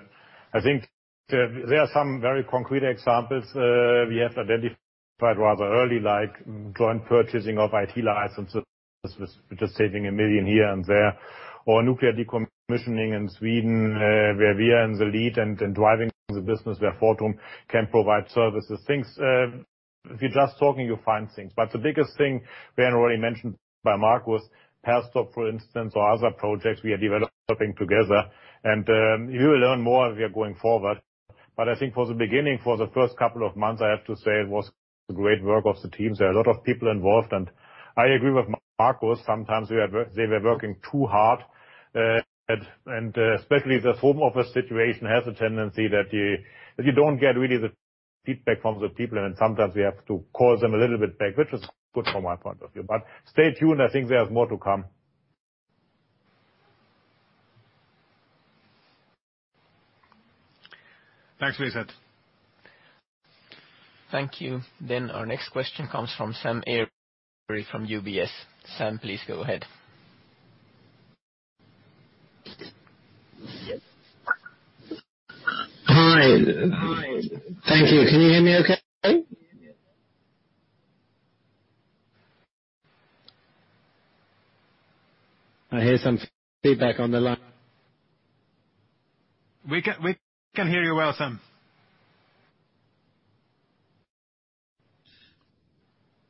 I think there are some very concrete examples we have identified rather early, like joint purchasing of IT license, which is saving 1 million here and there, or nuclear decommissioning in Sweden, where we are in the lead and driving the business where Fortum can provide services. If you're just talking, you'll find things. The biggest thing, we had already mentioned by Markus, power stock, for instance, or other projects we are developing together. You will learn more as we are going forward. I think for the beginning, for the first couple of months, I have to say it was great work of the teams. There are a lot of people involved. I agree with Markus. Sometimes they were working too hard, and especially this home office situation has a tendency that you don't get really the feedback from the people, and sometimes we have to call them a little bit back, which was good from my point of view. Stay tuned. I think there's more to come. Thanks, Vincent. Thank you. Our next question comes from Sam Arie from UBS. Sam, please go ahead. Hi. Thank you. Can you hear me okay? I hear some feedback on the line. We can hear you well, Sam.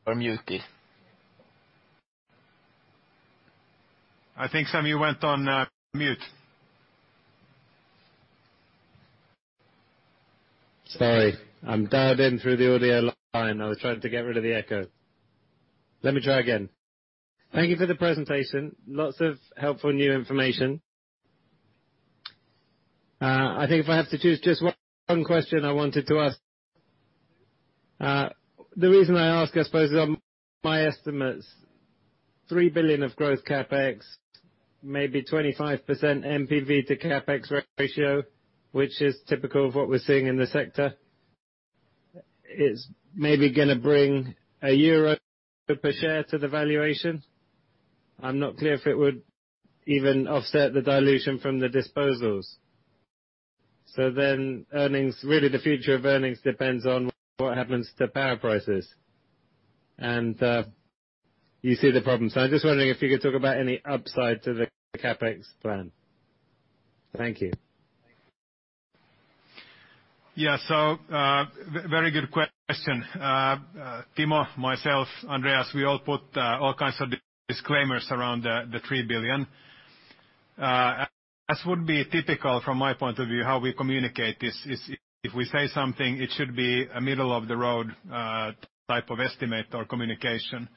Unmute please. I think, Sam, you went on mute. Sorry. I'm dialed in through the audio line. I was trying to get rid of the echo. Let me try again. Thank you for the presentation. Lots of helpful new information. I think if I have to choose just one question I wanted to ask. The reason I ask, I suppose, is on my estimates, 3 billion of growth CapEx, maybe 25% NPV to CapEx ratio, which is typical of what we're seeing in the sector. It's maybe going to bring a EUR per share to the valuation. I'm not clear if it would even offset the dilution from the disposals. Earnings, really the future of earnings depends on what happens to power prices. You see the problem. I'm just wondering if you could talk about any upside to the CapEx plan. Thank you. Very good question. Timo, myself, Andreas, we all put all kinds of disclaimers around the 3 billion. As would be typical from my point of view, how we communicate this is if we say something, it should be a middle-of-the-road type of estimate or communication.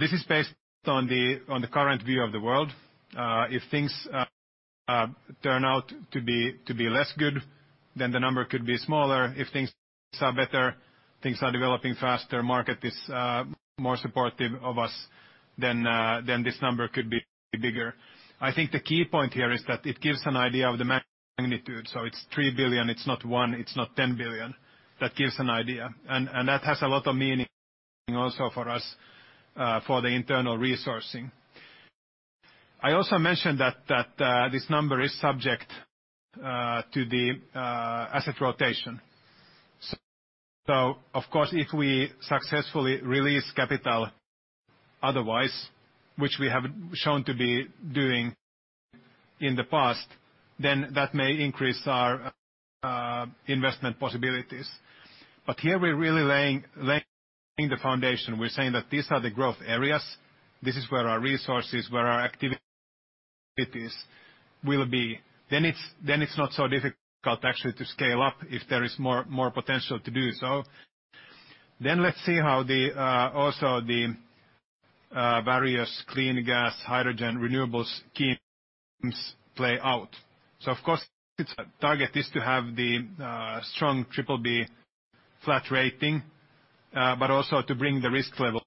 This is based on the current view of the world. If things turn out to be less good, then the number could be smaller. If things are better, things are developing faster, market is more supportive of us, then this number could be bigger. I think the key point here is that it gives an idea of the magnitude. It's 3 billion, it's not one, it's not 10 billion. That gives an idea. That has a lot of meaning also for us, for the internal resourcing. I also mentioned that this number is subject to the asset rotation. Of course, if we successfully release capital otherwise, which we have shown to be doing in the past, that may increase our investment possibilities. Here we're really laying the foundation. We're saying that these are the growth areas. This is where our resources, where our activities will be. It's not so difficult actually to scale up if there is more potential to do so. Let's see how also the various clean gas, hydrogen, renewables schemes play out. Of course, its target is to have the strong BBB flat rating, but also to bring the risk levels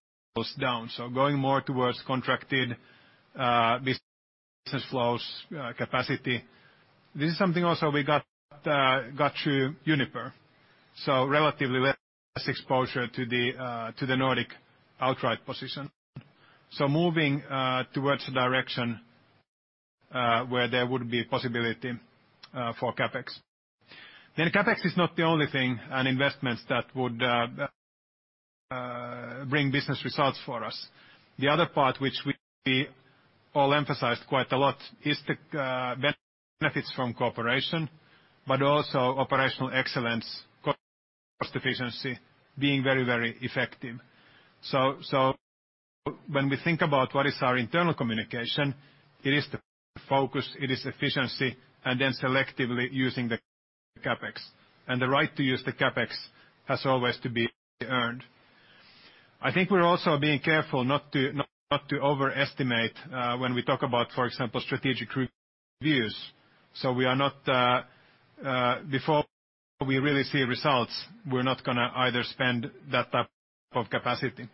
down. Going more towards contracted business flows capacity. This is something also we got through Uniper. Relatively less exposure to the Nordic outright position. Moving towards a direction, where there would be possibility for CapEx. CapEx is not the only thing and investments that would bring business results for us. The other part, which we all emphasized quite a lot is the benefits from cooperation, but also operational excellence, cost efficiency, being very effective. When we think about what is our internal communication, it is the focus, it is efficiency, and then selectively using the CapEx. The right to use the CapEx has always to be earned. I think we're also being careful not to overestimate when we talk about, for example, strategic reviews. Before we really see results, we're not going to either spend that type of capacity.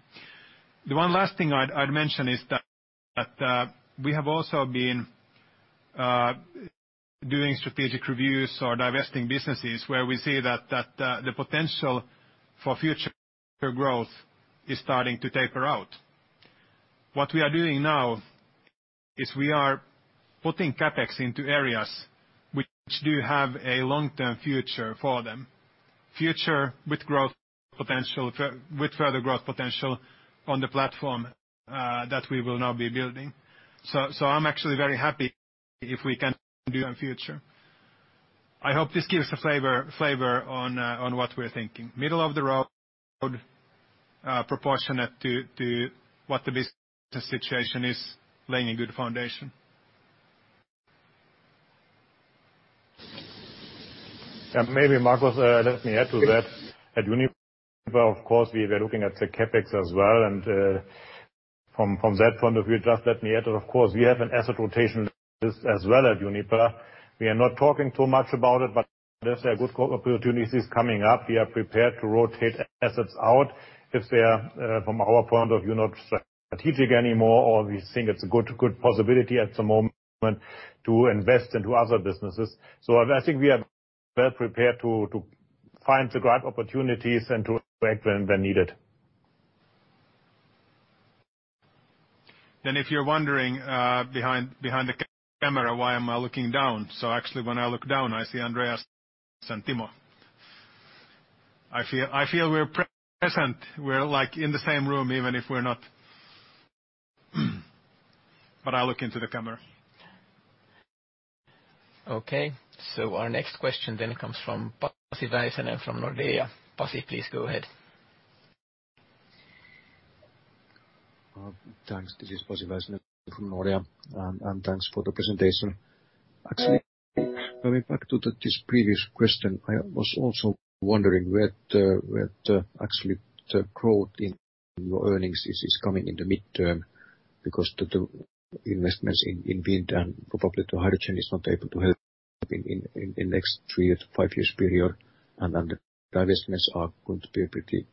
The one last thing I'd mention is that we have also been doing strategic reviews or divesting businesses where we see that the potential for future growth is starting to taper out. What we are doing now is we are putting CapEx into areas which do have a long-term future for them. Future with further growth potential on the platform that we will now be building. I'm actually very happy if we can do in future. I hope this gives a flavor on what we're thinking. Middle of the road, proportionate to what the business situation is, laying a good foundation. Maybe, Markus, let me add to that. At Uniper, of course, we were looking at the CapEx as well, and from that point of view, just let me add that, of course, we have an asset rotation as well at Uniper. We are not talking too much about it, but there's a good opportunities coming up. We are prepared to rotate assets out if they are from our point of view, not strategic anymore, or we think it's a good possibility at the moment to invest into other businesses. I think we are well prepared to find the right opportunities and to act when needed. If you're wondering behind the camera why am I looking down? Actually when I look down, I see Andreas and Timo. I feel we're present. We're in the same room even if we're not. I'll look into the camera. Okay. Our next question then comes from Pasi Väisänen from Nordea. Pasi, please go ahead. Thanks. This is Pasi Väisänen from Nordea. Thanks for the presentation. Actually, going back to this previous question, I was also wondering where actually the growth in your earnings is coming in the midterm because the investments in wind and probably to hydrogen is not able to help in next three to five years period. The divestments are going to be pretty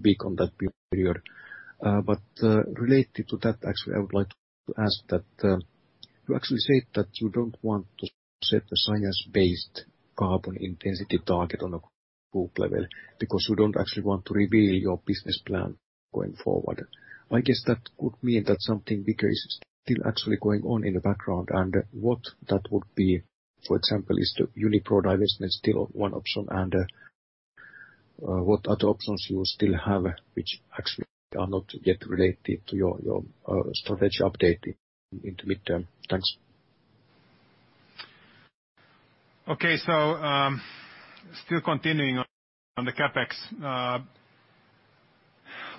big on that period. Related to that, actually I would like to ask that you actually said that you don't want to set the science-based carbon intensity target on a group level because you don't actually want to reveal your business plan going forward. I guess that could mean that something bigger is still actually going on in the background and what that would be, for example, is the Uniper divestment still one option and what other options you still have which actually are not yet related to your strategy update in the midterm? Thanks. Okay. Still continuing on the CapEx.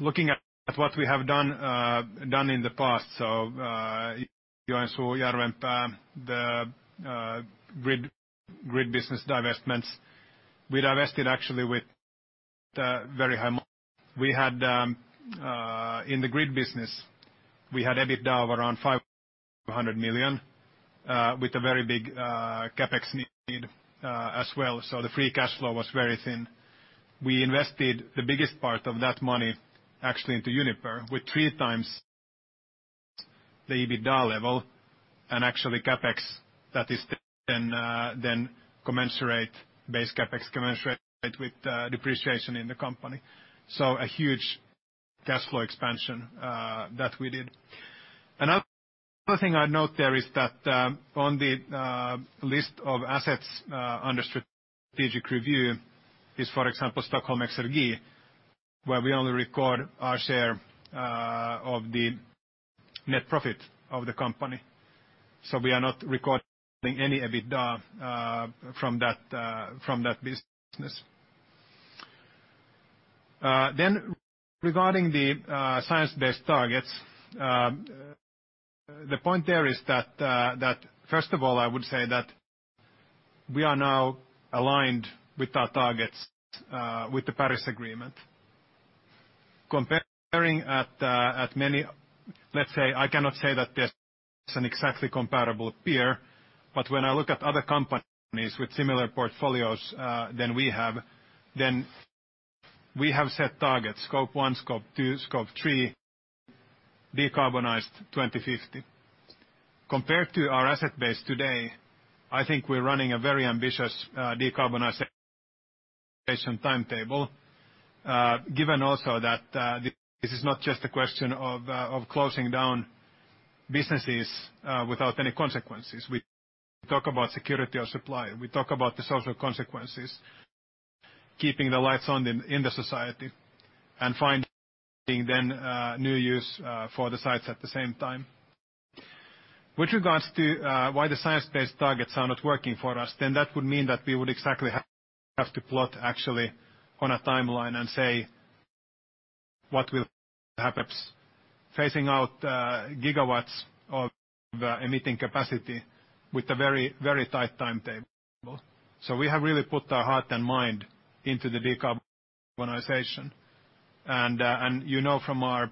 Looking at what we have done in the past, Joensuu, Järvenpää, the grid business divestments. We divested actually with very high. In the grid business we had EBITDA of around 500 million, with a very big CapEx need as well. The free cash flow was very thin. We invested the biggest part of that money actually into Uniper with three times the EBITDA level and actually CapEx that is then base CapEx commensurate with depreciation in the company. A huge cash flow expansion, that we did. Another thing I'd note there is that, on the list of assets under strategic review is, for example, Stockholm Exergi, where we only record our share of the net profit of the company. We are not recording any EBITDA from that business. Regarding the science-based targets, the point there is that, first of all, I would say that we are now aligned with our targets, with the Paris Agreement. Comparing at many, let's say, I cannot say that there is an exactly comparable peer, but when I look at other companies with similar portfolios, than we have set targets, Scope 1, Scope 2, Scope 3, decarbonized 2050. Compared to our asset base today, I think we are running a very ambitious decarbonization timetable, given also that this is not just a question of closing down businesses without any consequences. We talk about security of supply. We talk about the social consequences, keeping the lights on in the society and finding then new use for the sites at the same time. With regards to why the science-based targets are not working for us, then that would mean that we would exactly have to plot actually on a timeline and say what will happen, phasing out gigawatts of emitting capacity with a very tight timetable. We have really put our heart and mind into the decarbonization. You know from our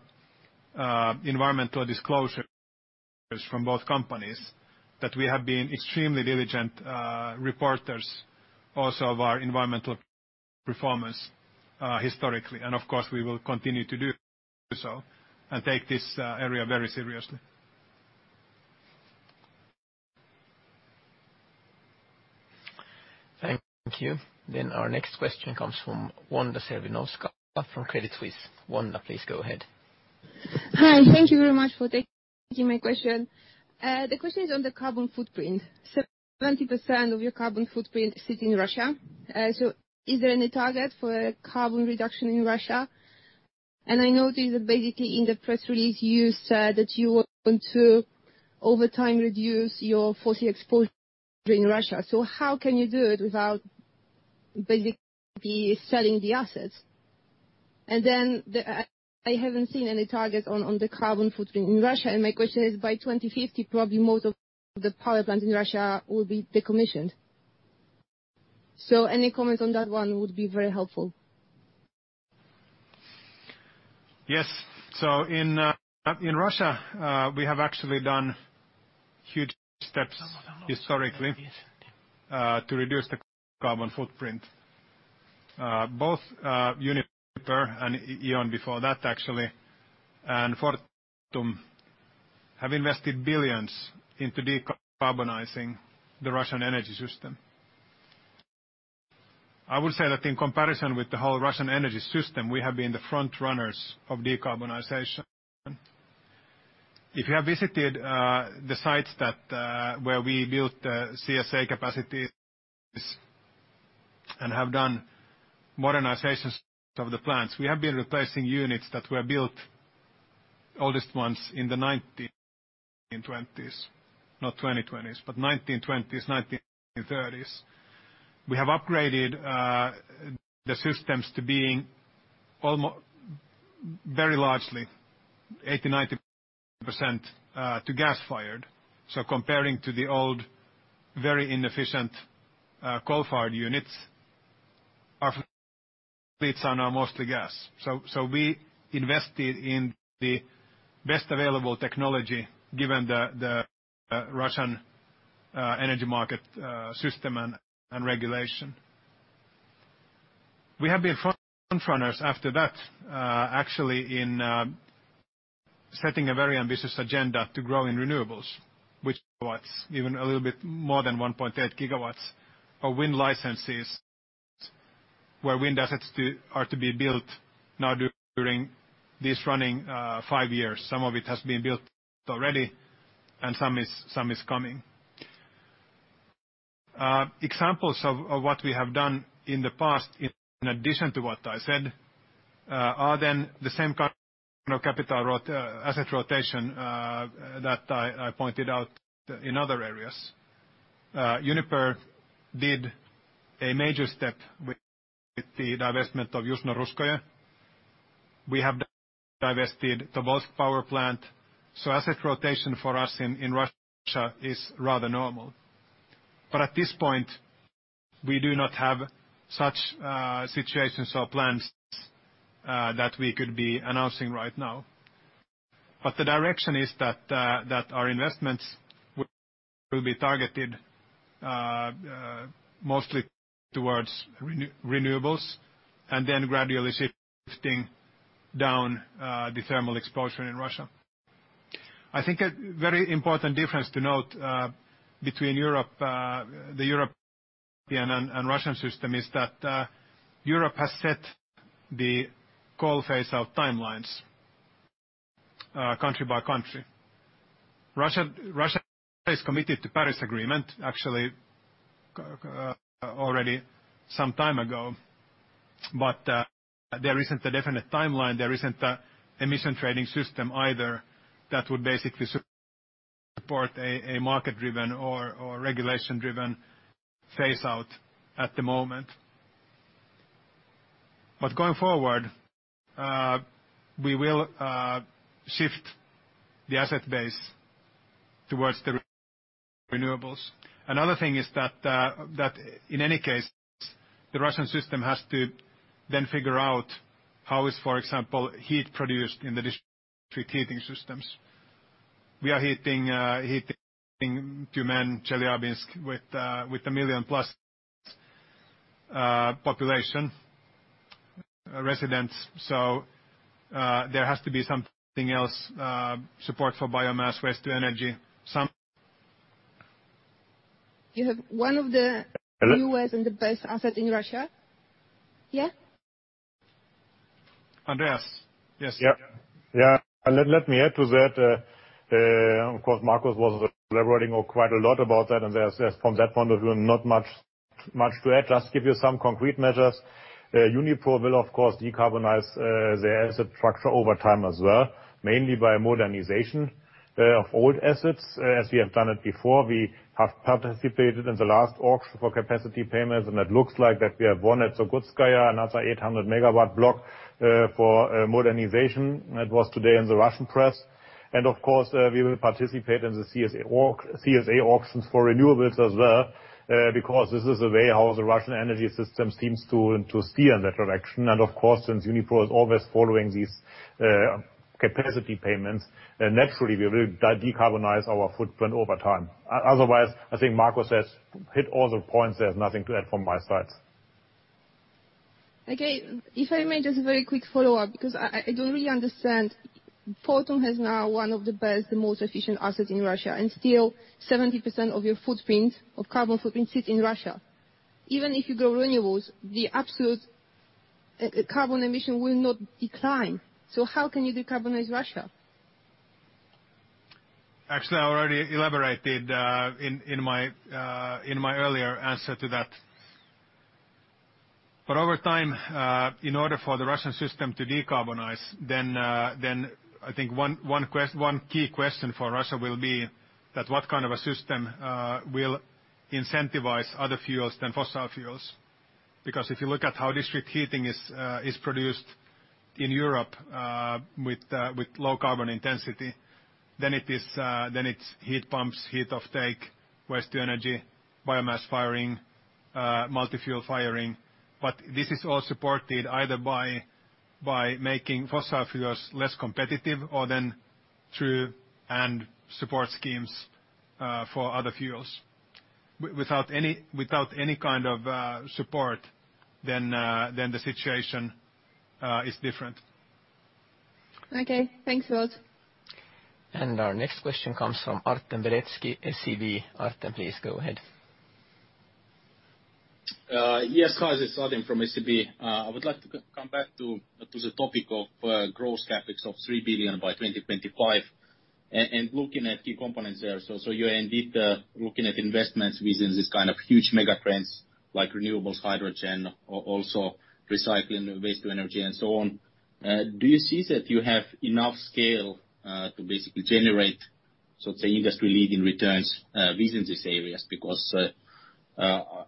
environmental disclosures from both companies that we have been extremely diligent reporters also of our environmental performance historically. Of course, we will continue to do so and take this area very seriously. Thank you. Our next question comes from Wanda Serwinowska from Credit Suisse. Wanda, please go ahead. Hi. Thank you very much for taking my question. The question is on the carbon footprint. 70% of your carbon footprint sits in Russia. Is there any target for carbon reduction in Russia? I noticed that basically in the press release you said that you want to over time reduce your fossil exposure in Russia. How can you do it without basically selling the assets? I haven't seen any targets on the carbon footprint in Russia, and my question is by 2050 probably most of the power plants in Russia will be decommissioned. Any comments on that one would be very helpful. Yes. In Russia, we have actually done huge steps historically to reduce the carbon footprint. Both Uniper and E.ON before that actually, and Fortum have invested billions into decarbonizing the Russian energy system. I would say that in comparison with the whole Russian energy system, we have been the front runners of decarbonization. If you have visited the sites where we built the CSA capacities and have done modernizations of the plants, we have been replacing units that were built, oldest ones, in the 1920s. Not 2020s, but 1920s, 1930s. We have upgraded the systems to being very largely, 80%, 90% to gas-fired. Comparing to the old, very inefficient coal-fired units, our fleets are now mostly gas. We invested in the best available technology given the Russian energy market system and regulation. We have been frontrunners after that, actually, in setting a very ambitious agenda to grow in renewables, which even a little bit more than 1.8 GW of wind licenses, where wind assets are to be built now during this running five years. Some of it has been built already, and some is coming. Examples of what we have done in the past, in addition to what I said, are then the same kind of capital asset rotation that I pointed out in other areas. Uniper did a major step with the divestment of Yuzhno-Russkoye. We have divested the Argayash Power Plant. Asset rotation for us in Russia is rather normal. At this point, we do not have such situations or plans that we could be announcing right now. The direction is that our investments will be targeted mostly towards renewables and then gradually shifting down the thermal exposure in Russia. I think a very important difference to note between the European and Russian system is that Europe has set the coal phase-out timelines country by country. Russia has committed to Paris Agreement, actually already some time ago. There isn't a definite timeline, there isn't a emission trading system either that would basically support a market-driven or regulation-driven phase-out at the moment. Going forward, we will shift the asset base towards the renewables. Another thing is that in any case, the Russian system has to then figure out how is, for example, heat produced in the district heating systems. We are heating Tyumen, Chelyabinsk with a million-plus population residents. There has to be something else, support for biomass, waste-to-energy. You have one of the- Hello? -newest and the best assets in Russia. Yeah? Andreas. Yes. Yeah. Let me add to that. Of course, Markus was elaborating quite a lot about that. From that point of view, not much to add. Just give you some concrete measures. Uniper will, of course, decarbonize the asset structure over time as well, mainly by modernization of old assets, as we have done it before. We have participated in the last auction for capacity payments. It looks like that we have won at Surgutskaya, another 800 MW block for modernization. That was today in the Russian press. Of course, we will participate in the CSA auctions for renewables as well, because this is the way how the Russian energy system seems to steer in that direction. Of course, since Uniper is always following these capacity payments, naturally we will decarbonize our footprint over time. Otherwise, I think Markus has hit all the points. There's nothing to add from my side. Okay. If I may, just a very quick follow-up, because I don't really understand. Fortum has now one of the best and most efficient assets in Russia, and still 70% of your carbon footprint sits in Russia. Even if you grow renewables, the absolute carbon emission will not decline. How can you decarbonize Russia? Actually, I already elaborated in my earlier answer to that. Over time, in order for the Russian system to decarbonize, then I think one key question for Russia will be that what kind of a system will incentivize other fuels than fossil fuels? If you look at how district heating is produced in Europe with low carbon intensity, then it's heat pumps, heat offtake, waste to energy, biomass firing, multi-fuel firing. This is all supported either by making fossil fuels less competitive or then through end support schemes for other fuels. Without any kind of support, then the situation is different. Okay, thanks a lot. Our next question comes from Artem Beletski, SEB. Artem, please go ahead. Yes. Hi, this is Artem from SEB. I would like to come back to the topic of gross CapEx of 3 billion by 2025 and looking at key components there. You are indeed looking at investments within these kind of huge mega trends like renewables, hydrogen, also recycling, waste to energy, and so on. Do you see that you have enough scale to basically generate, so to say, industry-leading returns, within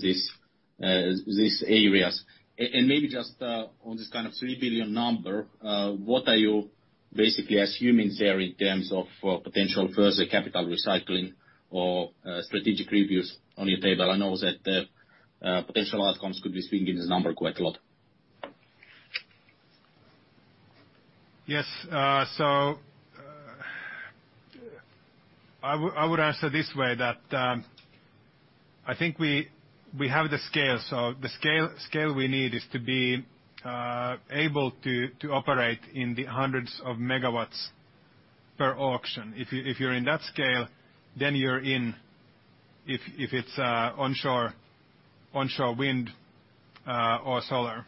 these areas? Maybe just on this kind of 3 billion number, what are you basically assuming there in terms of potential further capital recycling or strategic reviews on your table? I know that potential outcomes could be swinging this number quite a lot. Yes. I would answer this way, that I think we have the scale. The scale we need is to be able to operate in the hundreds of megawatts per auction. If you're in that scale, then if it's onshore wind or solar,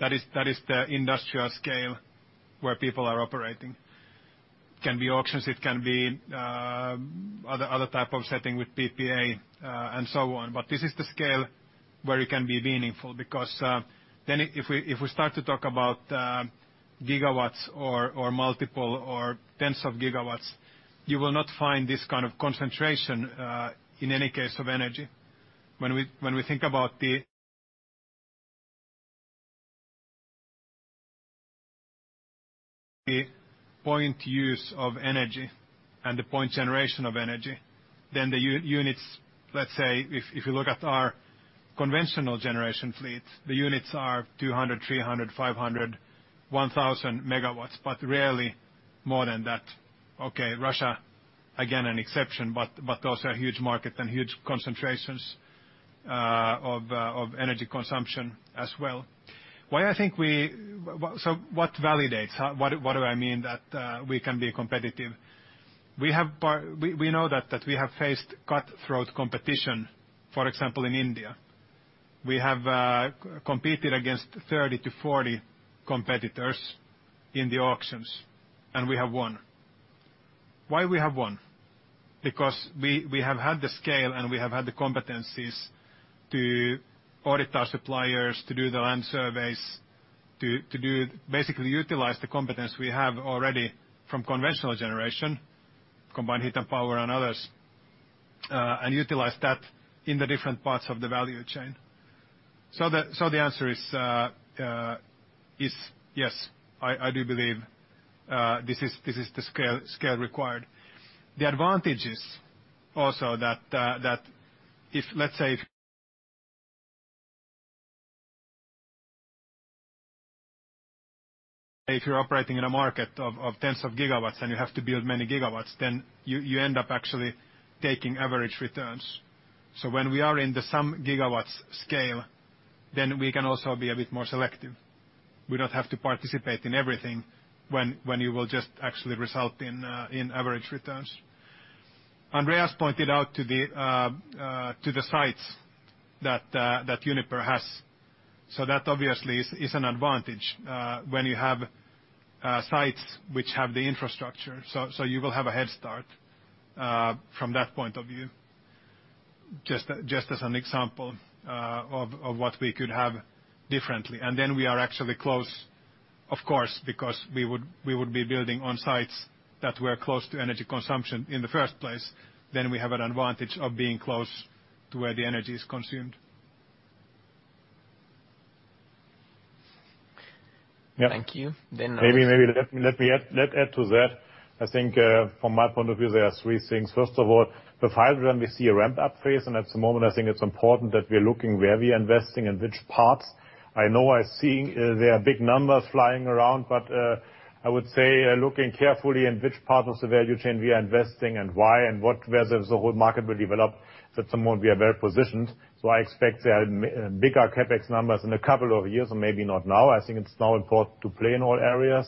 that is the industrial scale where people are operating. It can be auctions, it can be other type of setting with PPA, and so on. This is the scale where it can be meaningful because then if we start to talk about gigawatts or multiple or tens of gigawatts, you will not find this kind of concentration in any case of energy. When we think about the point use of energy and the point generation of energy, then the units, let's say, if you look at our conventional Generation fleet, the units are 200, 300, 500, 1,000 MW, but rarely more than that. Russia, again, an exception, but also a huge market and huge concentrations of energy consumption as well. What validates? What do I mean that we can be competitive? We know that we have faced cutthroat competition, for example, in India. We have competed against 30 to 40 competitors in the auctions, and we have won. Why we have won? Because we have had the scale and we have had the competencies to audit our suppliers, to do the land surveys, to basically utilize the competence we have already from conventional generation, combined heat and power and others, and utilize that in the different parts of the value chain. The answer is, yes, I do believe this is the scale required. The advantage is also that if, let's say, if you're operating in a market of tens of gigawatts and you have to build many gigawatts, then you end up actually taking average returns. When we are in the some gigawatts scale, then we can also be a bit more selective. We don't have to participate in everything when you will just actually result in average returns. Andreas pointed out to the sites that Uniper has. That obviously is an advantage when you have sites which have the infrastructure. You will have a head start from that point of view, just as an example of what we could have differently. Then we are actually close, of course, because we would be building on sites that were close to energy consumption in the first place, then we have an advantage of being close to where the energy is consumed. Thank you. Maybe let's add to that. I think from my point of view, there are three things. First of all, the hydrogen, we see a ramp-up phase, and at the moment, I think it's important that we're looking where we're investing and which parts. I know I've seen there are big numbers flying around, but I would say looking carefully in which part of the value chain we are investing and why and where the whole market will develop, that at the moment we are well-positioned. I expect there are bigger CapEx numbers in a couple of years or maybe not now. I think it's now important to play in all areas.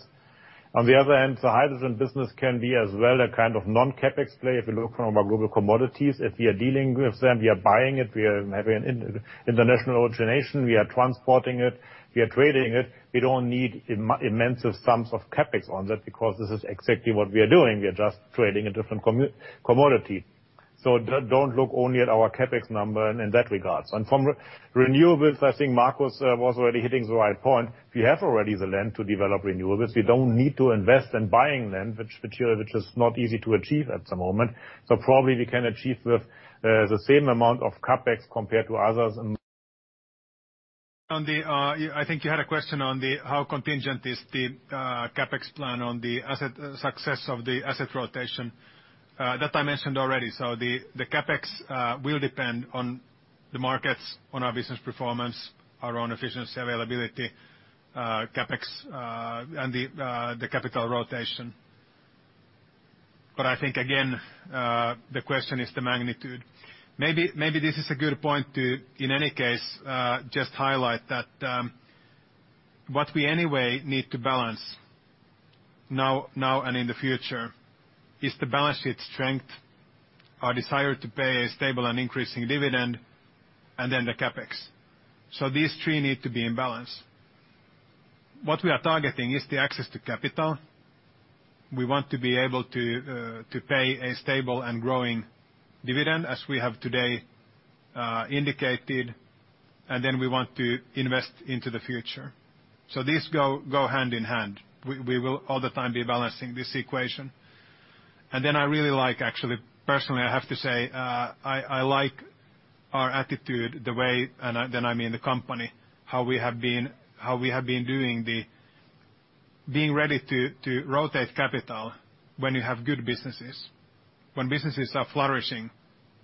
On the other hand, the hydrogen business can be as well a kind of non-CapEx play if you look from our global commodities. If we are dealing with them, we are buying it, we are having an international origination, we are transporting it, we are trading it. We don't need immense sums of CapEx on that because this is exactly what we are doing. We are just trading a different commodity. Don't look only at our CapEx number in that regard. From renewables, I think Markus was already hitting the right point. We have already the land to develop renewables. We don't need to invest in buying land, which is not easy to achieve at the moment. Probably we can achieve the same amount of CapEx compared to others and- I think you had a question on how contingent is the CapEx plan on the success of the asset rotation. That I mentioned already. The CapEx will depend on the markets, on our business performance, our own efficiency, availability, CapEx, and the capital rotation. I think, again, the question is the magnitude. Maybe this is a good point to, in any case, just highlight that what we need to balance now and in the future is the balance sheet strength, our desire to pay a stable and increasing dividend, and then the CapEx. These three need to be in balance. What we are targeting is the access to capital. We want to be able to pay a stable and growing dividend as we have today indicated, and then we want to invest into the future. These go hand in hand. We will all the time be balancing this equation. I really like, actually, personally, I have to say, I like our attitude, the way, I mean the company, how we have been doing the being ready to rotate capital when you have good businesses. When businesses are flourishing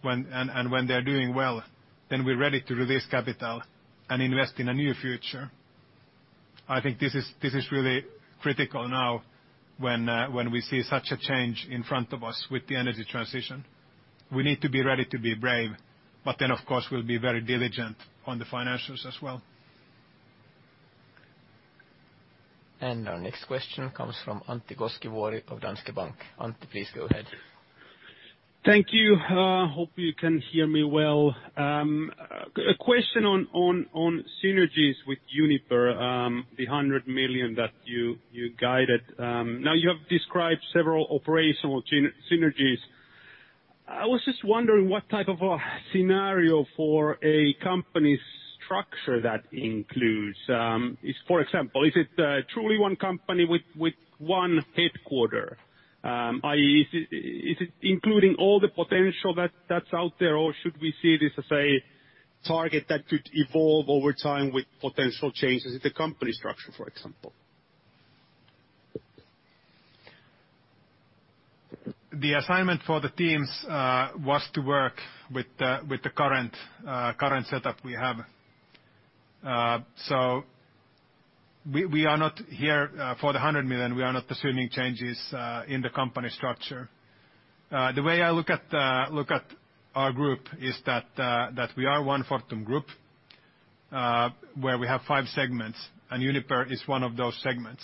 and when they're doing well, we're ready to release capital and invest in a new future. I think this is really critical now when we see such a change in front of us with the energy transition. We need to be ready to be brave, of course, we'll be very diligent on the financials as well. Our next question comes from Antti Koskivuori of Danske Bank. Antti, please go ahead. Thank you. Hope you can hear me well. A question on synergies with Uniper, the 100 million that you guided. You have described several operational synergies. I was just wondering what type of a scenario for a company's structure. For example, is it truly one company with one headquarter? Is it including all the potential that's out there, or should we see this as a target that could evolve over time with potential changes in the company structure, for example? The assignment for the teams was to work with the current setup we have. For the 100 million, we are not assuming changes in the company structure. The way I look at our group is that we are one Fortum Group, where we have five segments, and Uniper is one of those segments.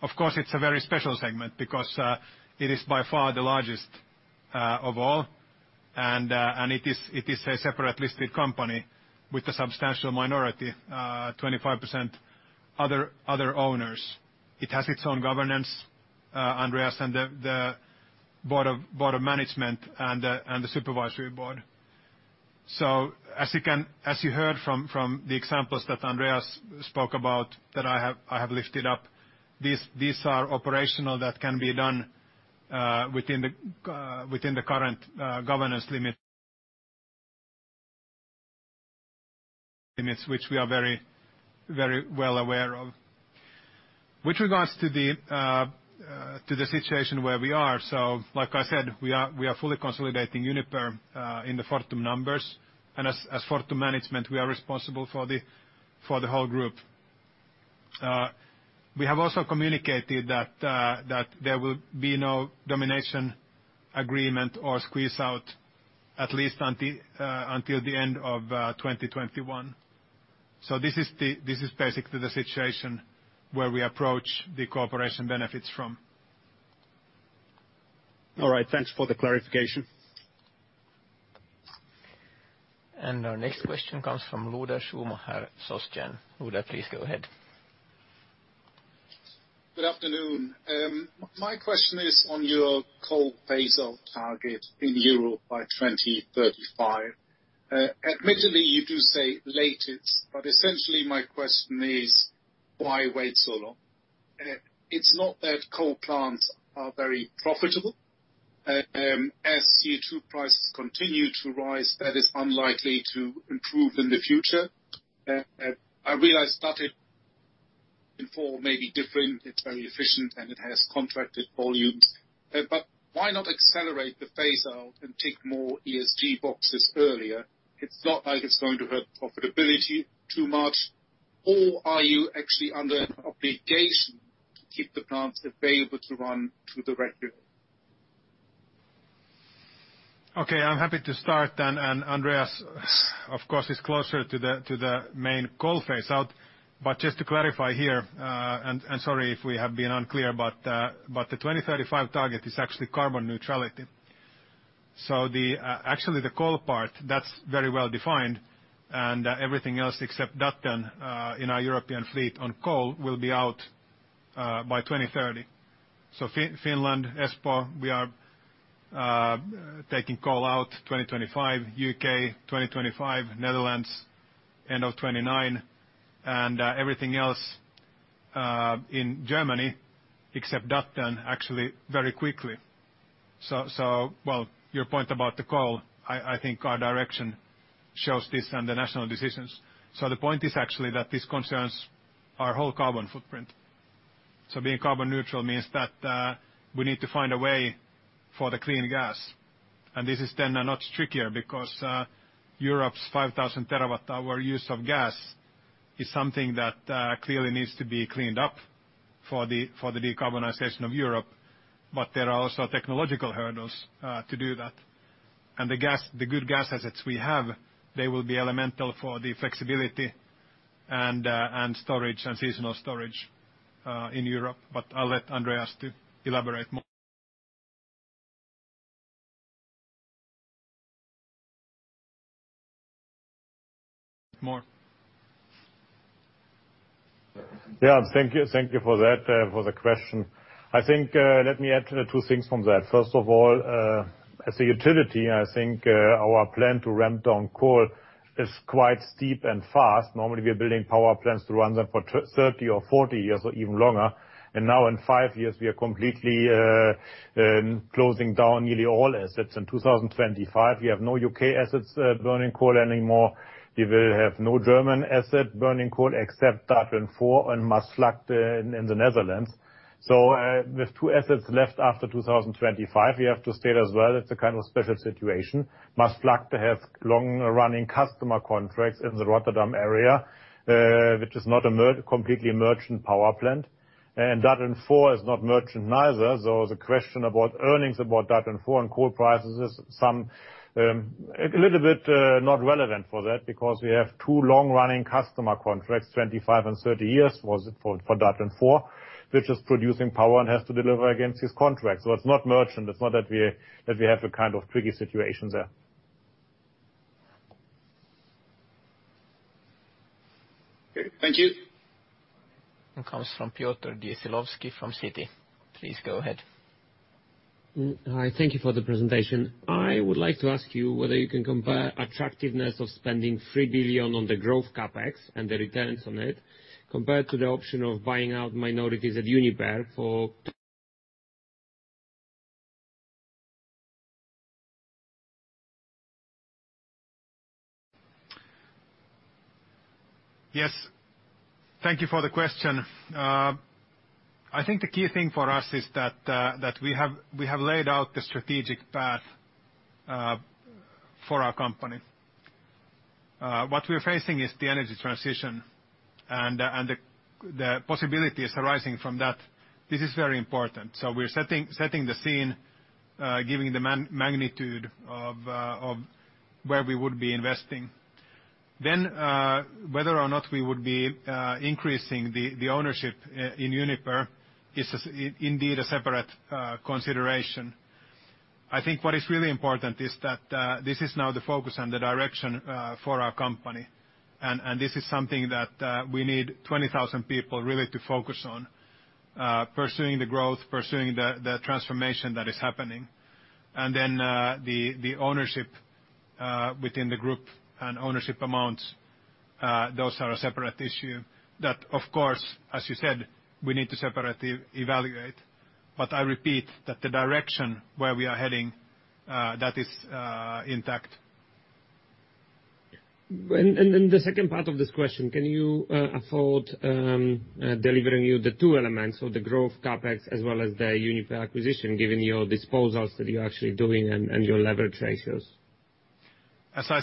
Of course, it's a very special segment because it is by far the largest of all, and it is a separate listed company with a substantial minority, 25% other owners. It has its own governance, Andreas, and the board of management and the supervisory board. As you heard from the examples that Andreas spoke about that I have lifted up, these are operational that can be done within the current governance limits, which we are very well aware of. With regards to the situation where we are, like I said, we are fully consolidating Uniper in the Fortum numbers, and as Fortum management, we are responsible for the whole group. We have also communicated that there will be no domination agreement or squeeze-out at least until the end of 2021. This is basically the situation where we approach the cooperation benefits from. All right. Thanks for the clarification. Our next question comes from Lueder Schumacher, Societe Generale. Lueder, please go ahead. Good afternoon. My question is on your coal phase-out target in Europe by 2035. Admittedly, you do say latest. Essentially, my question is why wait so long? It's not that coal plants are very profitable. As CO2 prices continue to rise, that is unlikely to improve in the future. I realize that it, before may be different. It's very efficient and it has contracted volumes. Why not accelerate the phase-out and tick more ESG boxes earlier? It's not like it's going to hurt profitability too much. Are you actually under an obligation to keep the plants available to run through the regulatory? I'm happy to start then, Andreas, of course, is closer to the main coal phase-out. Just to clarify here, sorry if we have been unclear, the 2035 target is actually carbon neutrality. Actually the coal part, that's very well-defined, everything else except Datteln in our European fleet on coal will be out by 2030. Finland, Espoo, we are taking coal out 2025, U.K. 2025, Netherlands end of 2029, everything else in Germany except Datteln actually very quickly. Well, your point about the coal, I think our direction shows this the national decisions. The point is actually that this concerns our whole carbon footprint. Being carbon neutral means that we need to find a way for the clean gas. This is then a lot trickier because Europe's 5,000 terawatt-hour use of gas is something that clearly needs to be cleaned up for the decarbonization of Europe. There are also technological hurdles to do that. The good gas assets we have, they will be elemental for the flexibility and seasonal storage in Europe. I'll let Andreas elaborate more. Thank you for the question. I think, let me add two things from that. First of all, as a utility, I think our plan to ramp down coal is quite steep and fast. Normally, we are building power plants to run them for 30 or 40 years or even longer, now in five years we are completely closing down nearly all assets. In 2025, we have no U.K. assets burning coal anymore. We will have no German asset burning coal except Datteln 4 and Maasvlakte in the Netherlands. With two assets left after 2025, we have to state as well, it's a kind of special situation. Maasvlakte have long-running customer contracts in the Rotterdam area, which is not a completely merchant power plant. Datteln 4 is not merchant neither. The question about earnings about Datteln 4 and coal prices is a little bit not relevant for that because we have two long-running customer contracts, 25 and 30 years was it for Datteln 4, which is producing power and has to deliver against these contracts. It's not merchant. It's not that we have a kind of tricky situation there. Okay. Thank you. Next comes from Piotr Dzieciolowski from Citi. Please go ahead. Hi. Thank you for the presentation. I would like to ask you whether you can compare attractiveness of spending 3 billion on the growth CapEx and the returns on it, compared to the option of buying out minorities at Uniper for- Yes. Thank you for the question. I think the key thing for us is that we have laid out the strategic path for our company. What we're facing is the energy transition and the possibilities arising from that. This is very important. We are setting the scene, giving the magnitude of where we would be investing. Whether or not we would be increasing the ownership in Uniper is indeed a separate consideration. I think what is really important is that this is now the focus and the direction for our company. This is something that we need 20,000 people really to focus on, pursuing the growth, pursuing the transformation that is happening. The ownership within the group and ownership amounts, those are a separate issue that of course, as you said, we need to separately evaluate. I repeat, that the direction where we are heading, that is intact. The second part of this question, can you afford delivering you the two elements of the growth CapEx as well as the Uniper acquisition given your disposals that you're actually doing and your leverage ratios? As I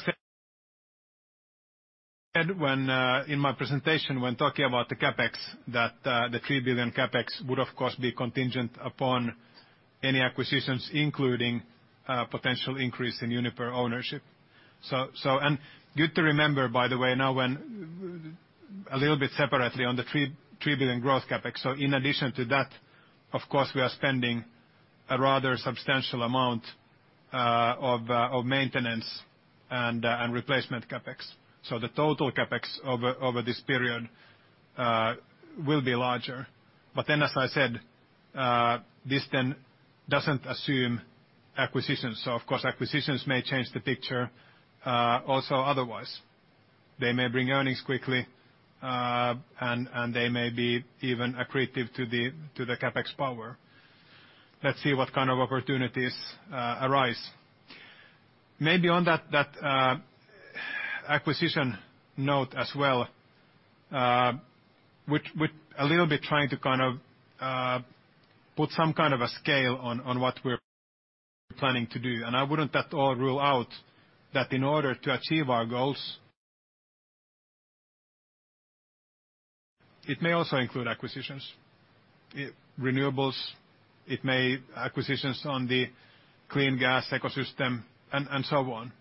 said in my presentation when talking about the CapEx, that the 3 billion CapEx would of course be contingent upon any acquisitions, including potential increase in Uniper ownership. Good to remember, by the way, now when a little bit separately on the 3 billion growth CapEx. In addition to that, of course, we are spending a rather substantial amount of maintenance and replacement CapEx. The total CapEx over this period will be larger. As I said, this then doesn't assume acquisitions. Of course, acquisitions may change the picture also otherwise. They may bring earnings quickly, and they may be even accretive to the CapEx power. Let's see what kind of opportunities arise. Maybe on that acquisition note as well, with a little bit trying to put some kind of a scale on what we're planning to do, and I wouldn't at all rule out that in order to achieve our goals, it may also include acquisitions. Renewables, it may acquisitions on the clean gas ecosystem and so on.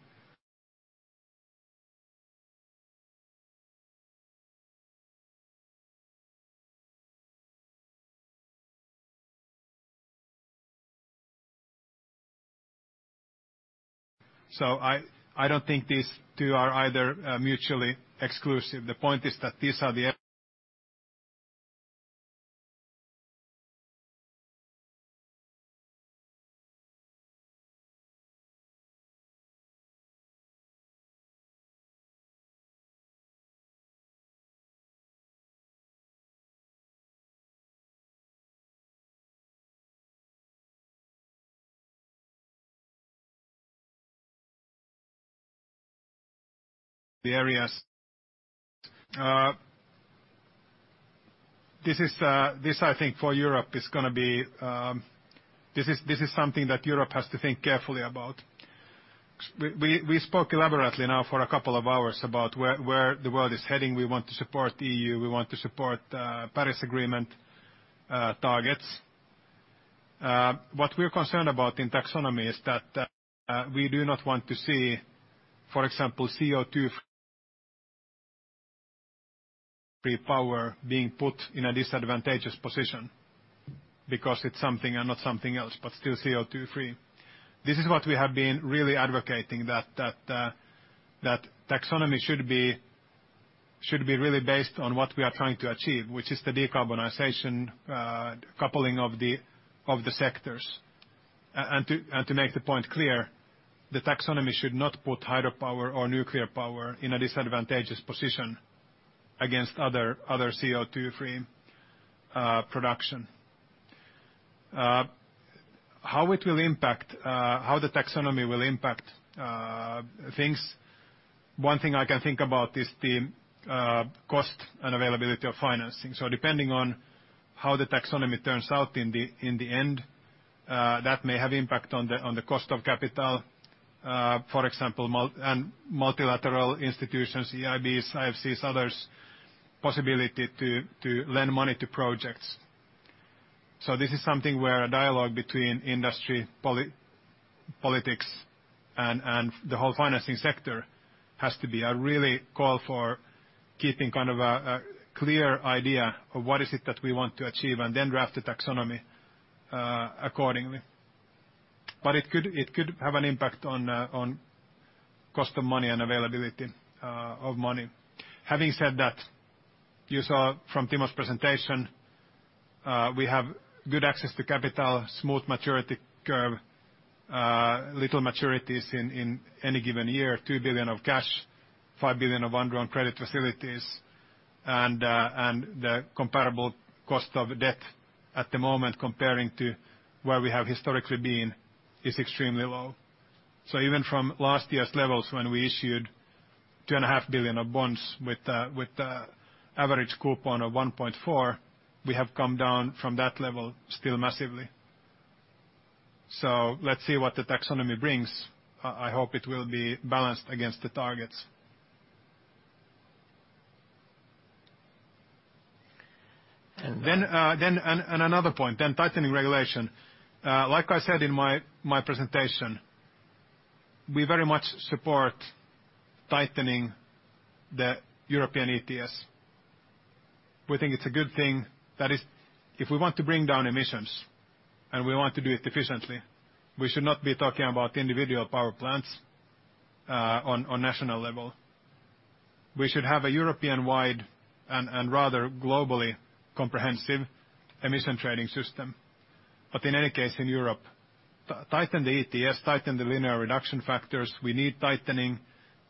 I don't think these two are either mutually exclusive. The point is that these are the areas. This, I think, for Europe is something that Europe has to think carefully about. We spoke elaborately now for a couple of hours about where the world is heading. We want to support the EU. We want to support Paris Agreement targets. What we're concerned about in taxonomy is that we do not want to see, for example, CO2-free power being put in a disadvantageous position because it's something and not something else, but still CO2-free. This is what we have been really advocating, that taxonomy should be really based on what we are trying to achieve, which is the decarbonization coupling of the sectors. To make the point clear, the taxonomy should not put hydropower or nuclear power in a disadvantageous position against other CO2-free production. How the taxonomy will impact things? One thing I can think about is the cost and availability of financing. Depending on how the taxonomy turns out in the end, that may have impact on the cost of capital. For example, multilateral institutions, EIBs, IFCs, others, possibility to lend money to projects. This is something where a dialogue between industry, politics, and the whole financing sector has to be. I really call for keeping a clear idea of what is it that we want to achieve and then draft the taxonomy accordingly. It could have an impact on cost of money and availability of money. Having said that, you saw from Timo's presentation we have good access to capital, smooth maturity curve, little maturities in any given year, 2 billion of cash, 5 billion of undrawn credit facilities, and the comparable cost of debt at the moment comparing to where we have historically been is extremely low. Even from last year's levels, when we issued 2.5 billion of bonds with the average coupon of 1.4%, we have come down from that level still massively. Let's see what the taxonomy brings. I hope it will be balanced against the targets. Another point, then tightening regulation. Like I said in my presentation, we very much support tightening the European ETS. We think it's a good thing that if we want to bring down emissions and we want to do it efficiently, we should not be talking about individual power plants on national level. We should have a European-wide and rather globally comprehensive Emission Trading System. In any case in Europe, tighten the ETS, tighten the linear reduction factors. We need tightening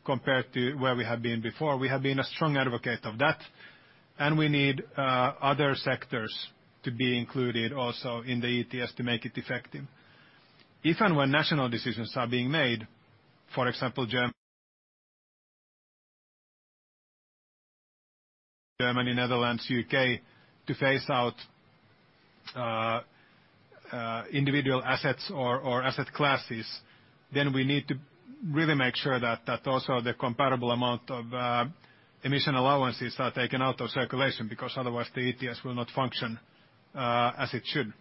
compared to where we have been before. We have been a strong advocate of that, and we need other sectors to be included also in the ETS to make it effective. If and when national decisions are being made, for example, Germany, Netherlands, U.K., to phase out individual assets or asset classes, then we need to really make sure that also the comparable amount of emission allowances are taken out of circulation, because otherwise the ETS will not function as it should.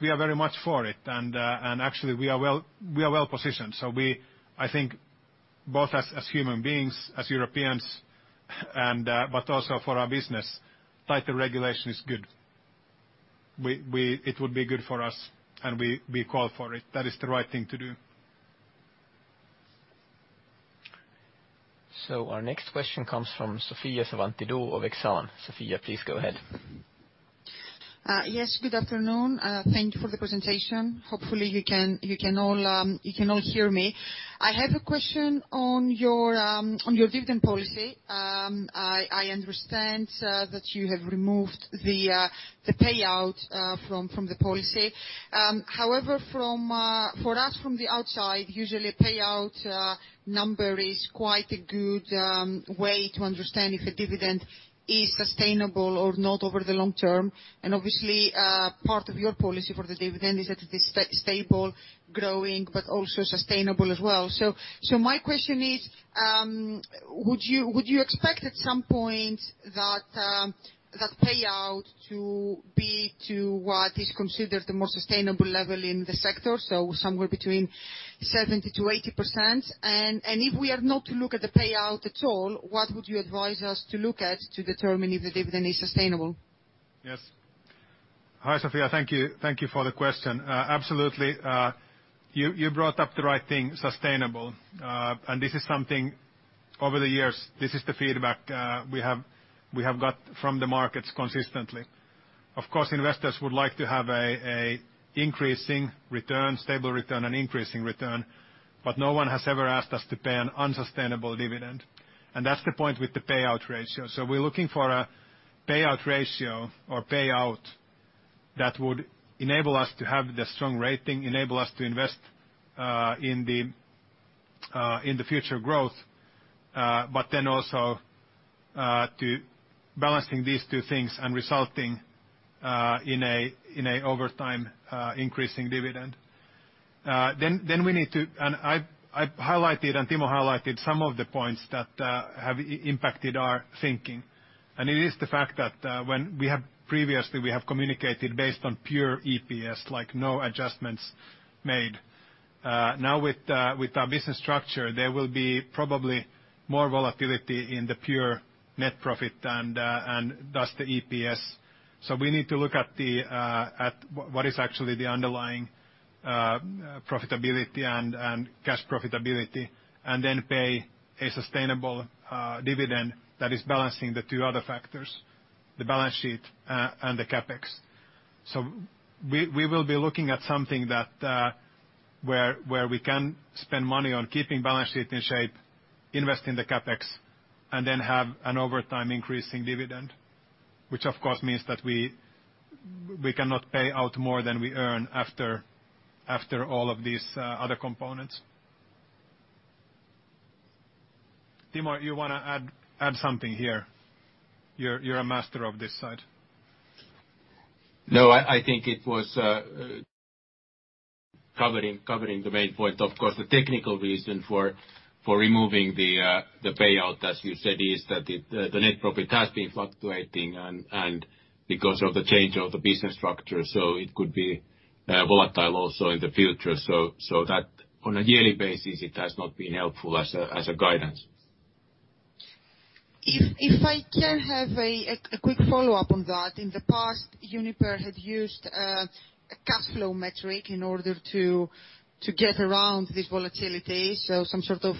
We are very much for it, and actually we are well-positioned. I think both as human beings, as Europeans, but also for our business, tighter regulation is good. It would be good for us, and we call for it. That is the right thing to do. Our next question comes from Sofia Savvantidou of Exane. Sofia, please go ahead. Yes, good afternoon. Thank you for the presentation. Hopefully you can all hear me. I have a question on your dividend policy. I understand that you have removed the payout from the policy. However, for us from the outside, usually payout number is quite a good way to understand if a dividend is sustainable or not over the long term. Obviously, part of your policy for the dividend is that it is stable, growing, but also sustainable as well. My question is, would you expect at some point that payout to be to what is considered the more sustainable level in the sector, so somewhere between 70%-80%? If we are not to look at the payout at all, what would you advise us to look at to determine if the dividend is sustainable? Yes. Hi, Sofia. Thank you for the question. Absolutely. You brought up the right thing, sustainable. This is something over the years, this is the feedback we have got from the markets consistently. Of course, investors would like to have a stable return, an increasing return, but no one has ever asked us to pay an unsustainable dividend. That's the point with the payout ratio. We're looking for a payout ratio or payout that would enable us to have the strong rating, enable us to invest in the future growth, also balancing these two things and resulting in a, over time, increasing dividend. I highlighted, and Timo highlighted, some of the points that have impacted our thinking. It is the fact that when previously we have communicated based on pure EPS, like no adjustments made. With our business structure, there will be probably more volatility in the pure net profit and thus the EPS. We need to look at what is actually the underlying profitability and cash profitability, and then pay a sustainable dividend that is balancing the two other factors, the balance sheet and the CapEx. We will be looking at something where we can spend money on keeping balance sheet in shape, invest in the CapEx, and then have an over time increasing dividend, which of course means that we cannot pay out more than we earn after all of these other components. Timo, you want to add something here? You're a master of this side. No, I think it was covering the main point. Of course, the technical reason for removing the payout, as you said, is that the net profit has been fluctuating and because of the change of the business structure, so it could be volatile also in the future. That on a yearly basis it has not been helpful as a guidance. If I can have a quick follow-up on that. In the past, Uniper had used a cash flow metric in order to get around this volatility, so some sort of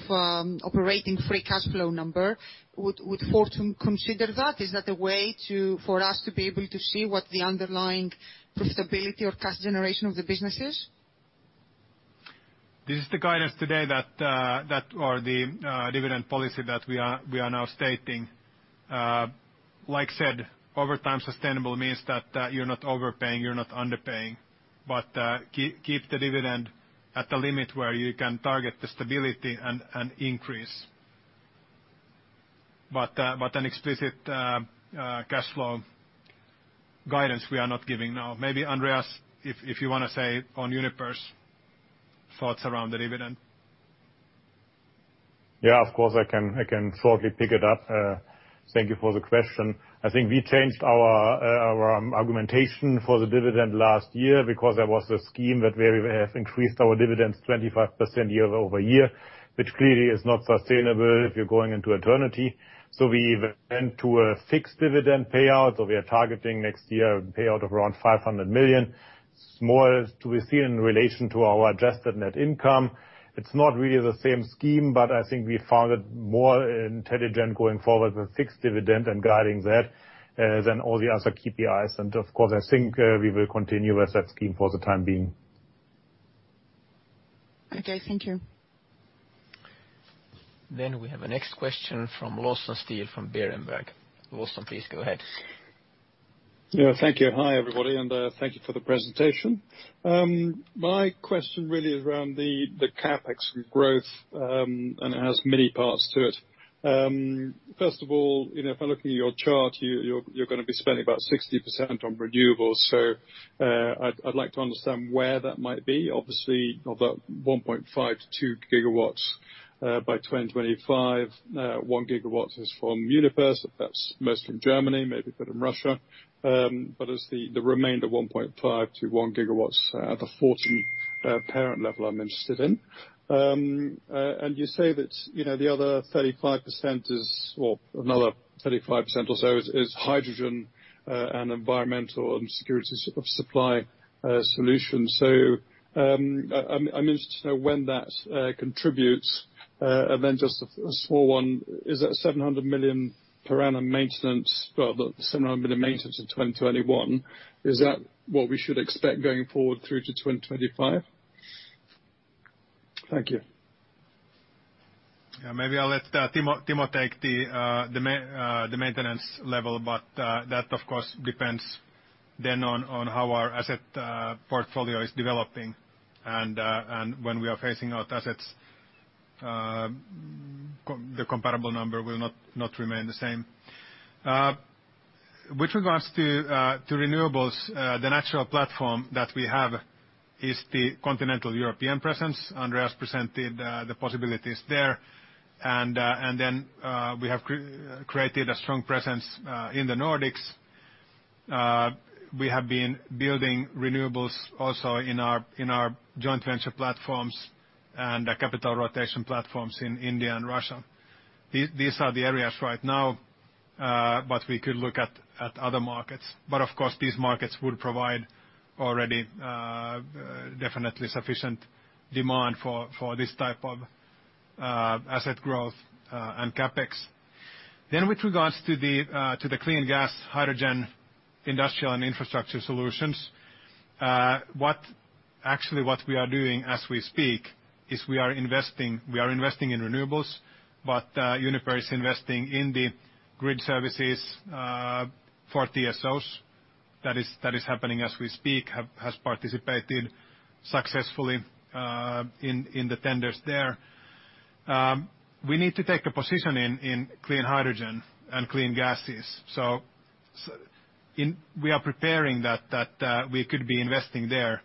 operating free cash flow number. Would Fortum consider that? Is that a way for us to be able to see what the underlying profitability or cash generation of the business is? This is the guidance today that are the dividend policy that we are now stating. Like said, over time sustainable means that you're not overpaying, you're not underpaying. Keep the dividend at the limit where you can target the stability and increase. An explicit cash flow guidance we are not giving now. Maybe Andreas, if you want to say on Uniper's thoughts around the dividend. Yeah, of course I can shortly pick it up. Thank you for the question. I think we changed our argumentation for the dividend last year because there was a scheme that we have increased our dividends 25% year-over-year, which clearly is not sustainable if you are going into eternity. We went to a fixed dividend payout, we are targeting next year a payout of around 500 million. Small to receive in relation to our adjusted net income. It is not really the same scheme, but I think we found it more intelligent going forward with fixed dividend and guiding that, than all the other KPIs. Of course, I think we will continue with that scheme for the time being. Okay, thank you. We have a next question from Lawson Steele from Berenberg. Lawson, please go ahead. Yeah, thank you. Hi everybody, and thank you for the presentation. My question really is around the CapEx growth, and it has many parts to it. First of all, if I look at your chart, you're going to be spending about 60% on renewables, so I'd like to understand where that might be. Obviously, of that 1.5-2 GW by 2025, 1 gigawatts is from Uniper. That's most from Germany, maybe a bit in Russia. As the remainder 1.5-1 GW at the Fortum parent level, I'm interested in. You say that another 35% or so is hydrogen and environmental and security of supply solutions. I'm interested to know when that contributes. Just a small one, is that 700 million per annum maintenance, the 700 million maintenance in 2021, is that what we should expect going forward through to 2025? Thank you. Yeah, maybe I'll let Timo take the maintenance level, but that of course depends then on how our asset portfolio is developing and when we are phasing out assets the comparable number will not remain the same. With regards to renewables, the natural platform that we have is the continental European presence. Andreas presented the possibilities there. We have created a strong presence in the Nordics. We have been building renewables also in our joint venture platforms and capital rotation platforms in India and Russia. These are the areas right now, but we could look at other markets. Of course, these markets would provide already definitely sufficient demand for this type of asset growth and CapEx. With regards to the clean gas, hydrogen, industrial and infrastructure solutions, actually what we are doing as we speak is we are investing in renewables, but Uniper is investing in the grid services for TSOs. That is happening as we speak, has participated successfully in the tenders there. We need to take a position in clean hydrogen and clean gases. We are preparing that we could be investing there.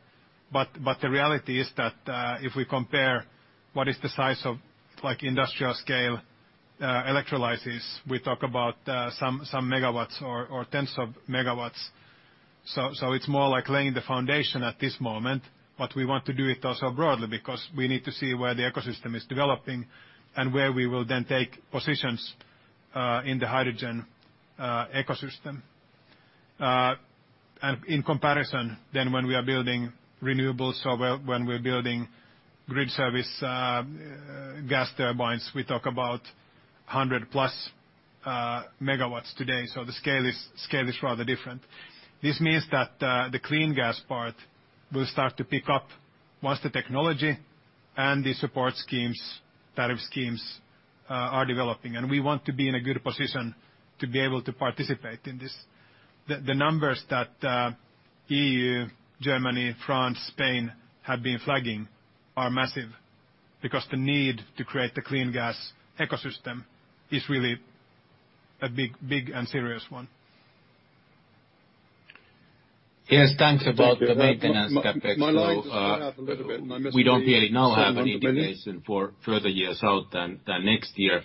The reality is that if we compare what is the size of industrial-scale electrolyzers, we talk about some megawatts or tens of megawatts. It's more like laying the foundation at this moment, but we want to do it also broadly because we need to see where the ecosystem is developing and where we will then take positions in the hydrogen ecosystem. In comparison, when we're building renewables or when we're building grid service gas turbines, we talk about 100+ MW today. The scale is rather different. This means that the clean gas part will start to pick up once the technology and the support schemes, tariff schemes are developing. We want to be in a good position to be able to participate in this. The numbers that EU, Germany, France, Spain have been flagging are massive because the need to create the clean gas ecosystem is really a big and serious one. Yes, thanks about the maintenance CapEx. My line just went out a little bit and I missed the beginning. We don't yet now have any indication for further years out than next year.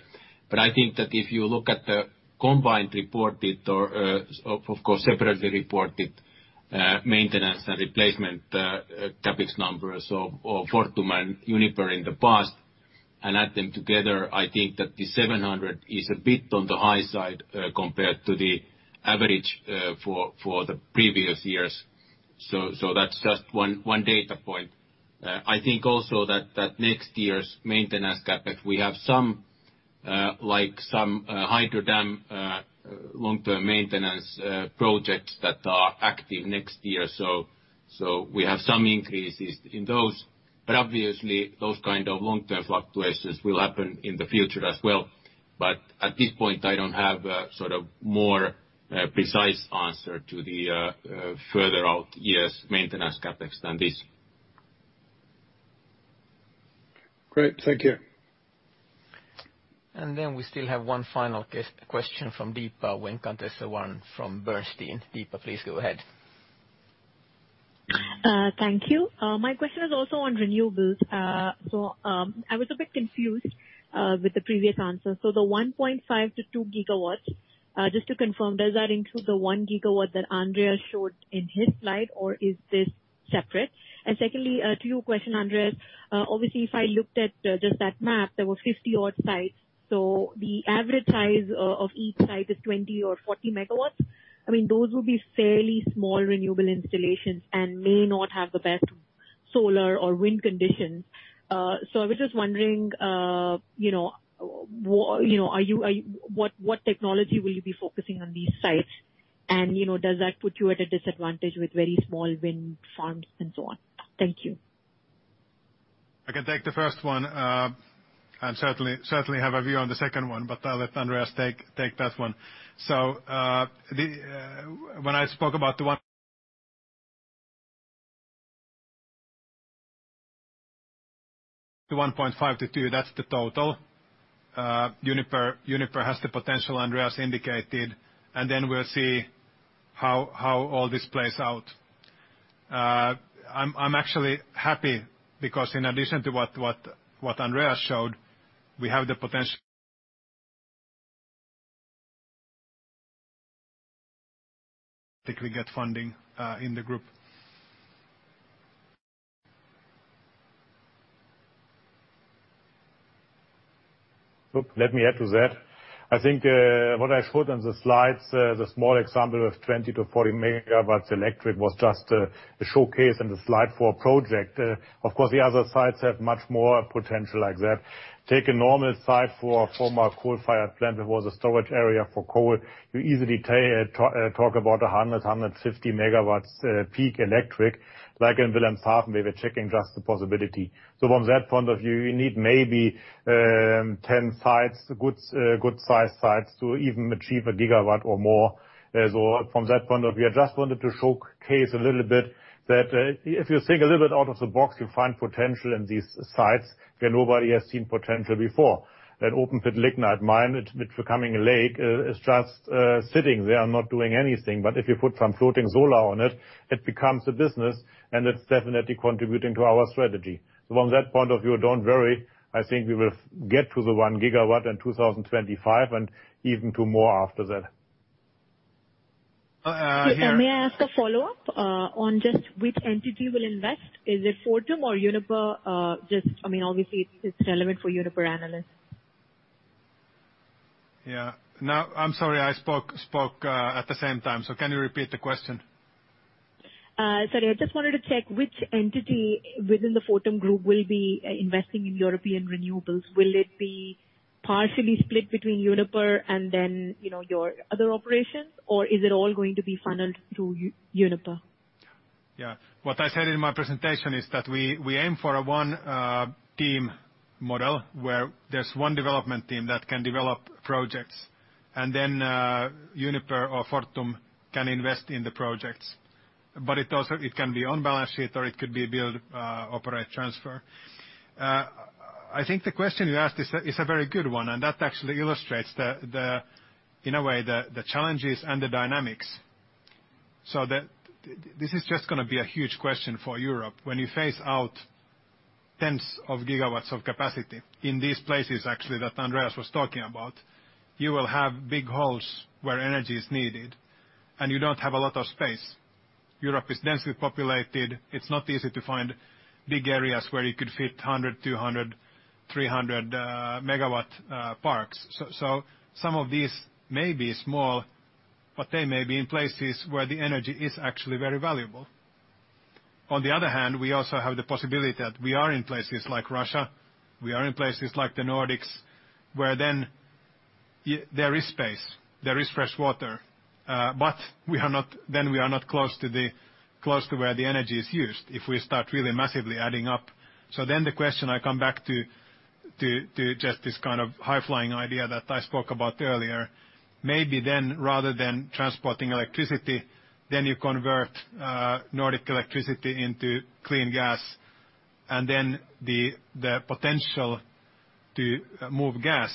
I think that if you look at the combined reported or of course, separately reported maintenance and replacement CapEx numbers of Fortum and Uniper in the past and add them together, I think that the 700 is a bit on the high side compared to the average for the previous years. That's just one data point. I think also that next year's maintenance CapEx, we have some hydro dam long-term maintenance projects that are active next year. We have some increases in those, obviously those kind of long-term fluctuations will happen in the future as well. At this point, I don't have a more precise answer to the further out years maintenance CapEx than this. Great. Thank you. We still have one final question from Deepa Venkateswaran, from Bernstein. Deepa, please go ahead. Thank you. My question is also on renewables. I was a bit confused with the previous answer. The 1.5-2 GW, just to confirm, does that include the 1 GW that Andreas showed in his slide, or is this separate? Secondly, to your question, Andreas, obviously if I looked at just that map, there were 50 odd sites. The average size of each site is 20 or 40 MW. Those would be fairly small renewable installations and may not have the best solar or wind conditions. I was just wondering, what technology will you be focusing on these sites and, does that put you at a disadvantage with very small wind farms and so on? Thank you. I can take the first one, and certainly have a view on the second one, but I'll let Andreas take that one. When I spoke about the 1.5-2, that's the total. Uniper has the potential Andreas indicated, we'll see how all this plays out. I'm actually happy because in addition to what Andreas showed, we have the potential that we get funding in the group. Let me add to that. I think what I showed on the slides, the small example of 20-40 MW electric was just a showcase and a slide for a project. Of course, the other sites have much more potential like that. Take a normal site for a former coal-fired plant that was a storage area for coal, you easily talk about 100, 150 MW peak electric. Like in Wilhelmshaven, we were checking just the possibility. From that point of view, you need maybe 10 sites, good-sized sites to even achieve 1 GW or more. From that point of view, I just wanted to showcase a little bit that if you think a little bit out of the box, you'll find potential in these sites where nobody has seen potential before. That open pit lignite mine, it becoming a lake is just sitting there, not doing anything. If you put some floating solar on it becomes a business, and it's definitely contributing to our strategy. From that point of view, don't worry, I think we will get to the 1 GW in 2025 and even to more after that. May I ask a follow-up on just which entity will invest? Is it Fortum or Uniper? Obviously, it's relevant for Uniper analysts. Yeah. No, I'm sorry. I spoke at the same time. Can you repeat the question? Sorry. I just wanted to check which entity within the Fortum group will be investing in European renewables. Will it be partially split between Uniper and then your other operations, or is it all going to be funneled through Uniper? Yeah. What I said in my presentation is that we aim for a one-team model, where there's one development team that can develop projects, and then Uniper or Fortum can invest in the projects. It can be on balance sheet or it could be build, operate, transfer. I think the question you asked is a very good one, and that actually illustrates, in a way, the challenges and the dynamics. This is just going to be a huge question for Europe. When you phase out tens of gigawatts of capacity in these places, actually, that Andreas was talking about, you will have big holes where energy is needed, and you don't have a lot of space. Europe is densely populated. It's not easy to find big areas where you could fit 100, 200, 300 MW parks. Some of these may be small, but they may be in places where the energy is actually very valuable. On the other hand, we also have the possibility that we are in places like Russia, we are in places like the Nordics, where then there is space, there is fresh water, but then we are not close to where the energy is used if we start really massively adding up. The question I come back to just this kind of high-flying idea that I spoke about earlier, maybe then rather than transporting electricity, then you convert Nordic electricity into clean gas, and then the potential to move gas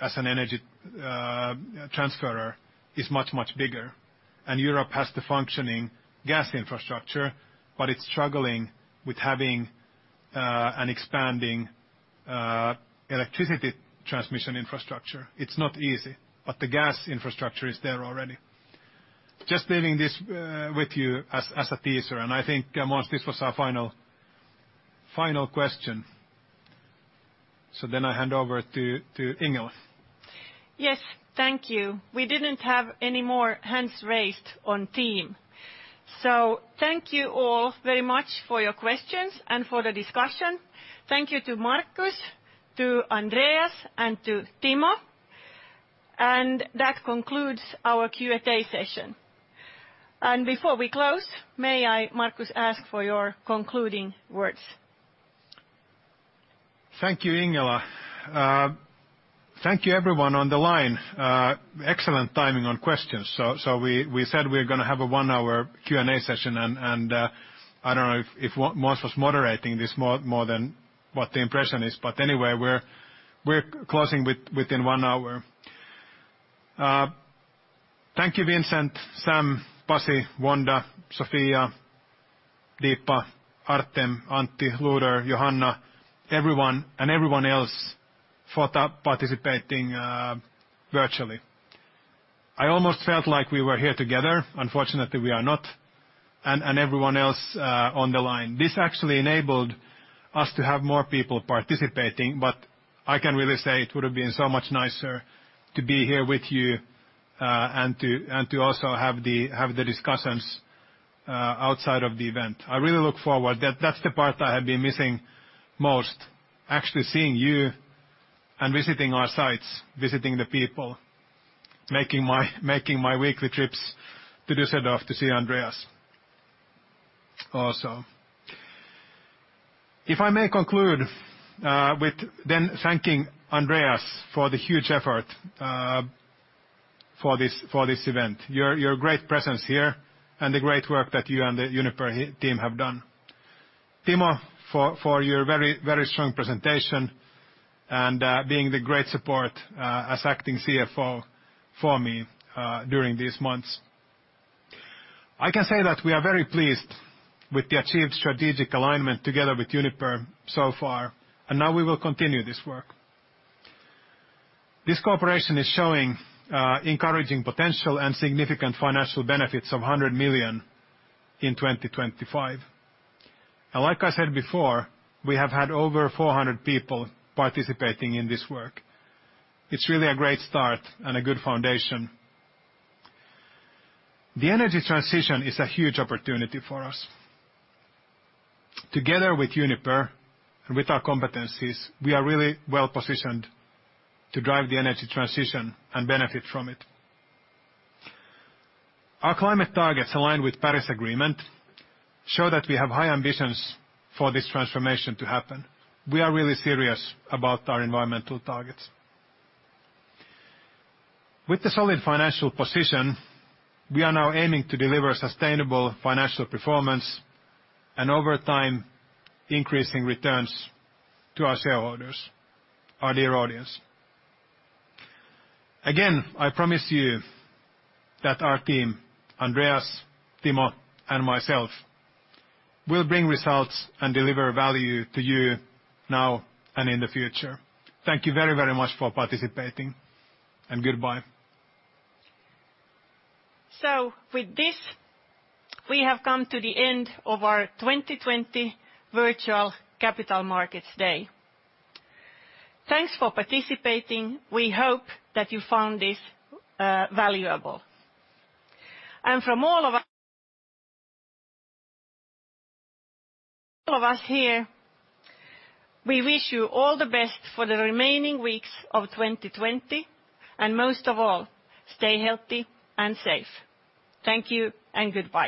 as an energy transferer is much, much bigger. Europe has the functioning gas infrastructure, but it's struggling with having an expanding electricity transmission infrastructure. It's not easy, but the gas infrastructure is there already. Just leaving this with you as a teaser, and I think, Måns, this was our final question. I hand over to Ingela. Yes. Thank you. We didn't have any more hands raised on Teams. Thank you all very much for your questions and for the discussion. Thank you to Markus, to Andreas, and to Timo. That concludes our Q&A session. Before we close, may I, Markus, ask for your concluding words? Thank you, Ingela. Thank you everyone on the line. Excellent timing on questions. We said we're going to have a one-hour Q&A session. I don't know if Måns was moderating this more than what the impression is. Anyway, we're closing within one hour. Thank you, Vincent, Sam, Pasi, Wanda, Sofia, Deepa, Artem, Antti, Lueder, Johanna, everyone, and everyone else for participating virtually. I almost felt like we were here together. Unfortunately, we are not, and everyone else on the line. This actually enabled us to have more people participating. I can really say it would have been so much nicer to be here with you and to also have the discussions outside of the event. I really look forward. That's the part I have been missing most, actually seeing you and visiting our sites, visiting the people, making my weekly trips to Düsseldorf to see Andreas also. If I may conclude with then thanking Andreas for the huge effort for this event, your great presence here, and the great work that you and the Uniper team have done. Timo, for your very strong presentation and being the great support as acting CFO for me during these months. I can say that we are very pleased with the achieved strategic alignment together with Uniper so far. Now we will continue this work. This cooperation is showing encouraging potential and significant financial benefits of 100 million in 2025. Like I said before, we have had over 400 people participating in this work. It's really a great start and a good foundation. The energy transition is a huge opportunity for us. Together with Uniper and with our competencies, we are really well-positioned to drive the energy transition and benefit from it. Our climate targets, aligned with Paris Agreement, show that we have high ambitions for this transformation to happen. We are really serious about our environmental targets. With a solid financial position, we are now aiming to deliver sustainable financial performance, and over time, increasing returns to our shareholders, our dear audience. Again, I promise you that our team, Andreas, Timo, and myself will bring results and deliver value to you now and in the future. Thank you very, very much for participating, and goodbye. With this, we have come to the end of our 2020 virtual Capital Markets Day. Thanks for participating. We hope that you found this valuable. From all of us here, we wish you all the best for the remaining weeks of 2020, and most of all, stay healthy and safe. Thank you and goodbye.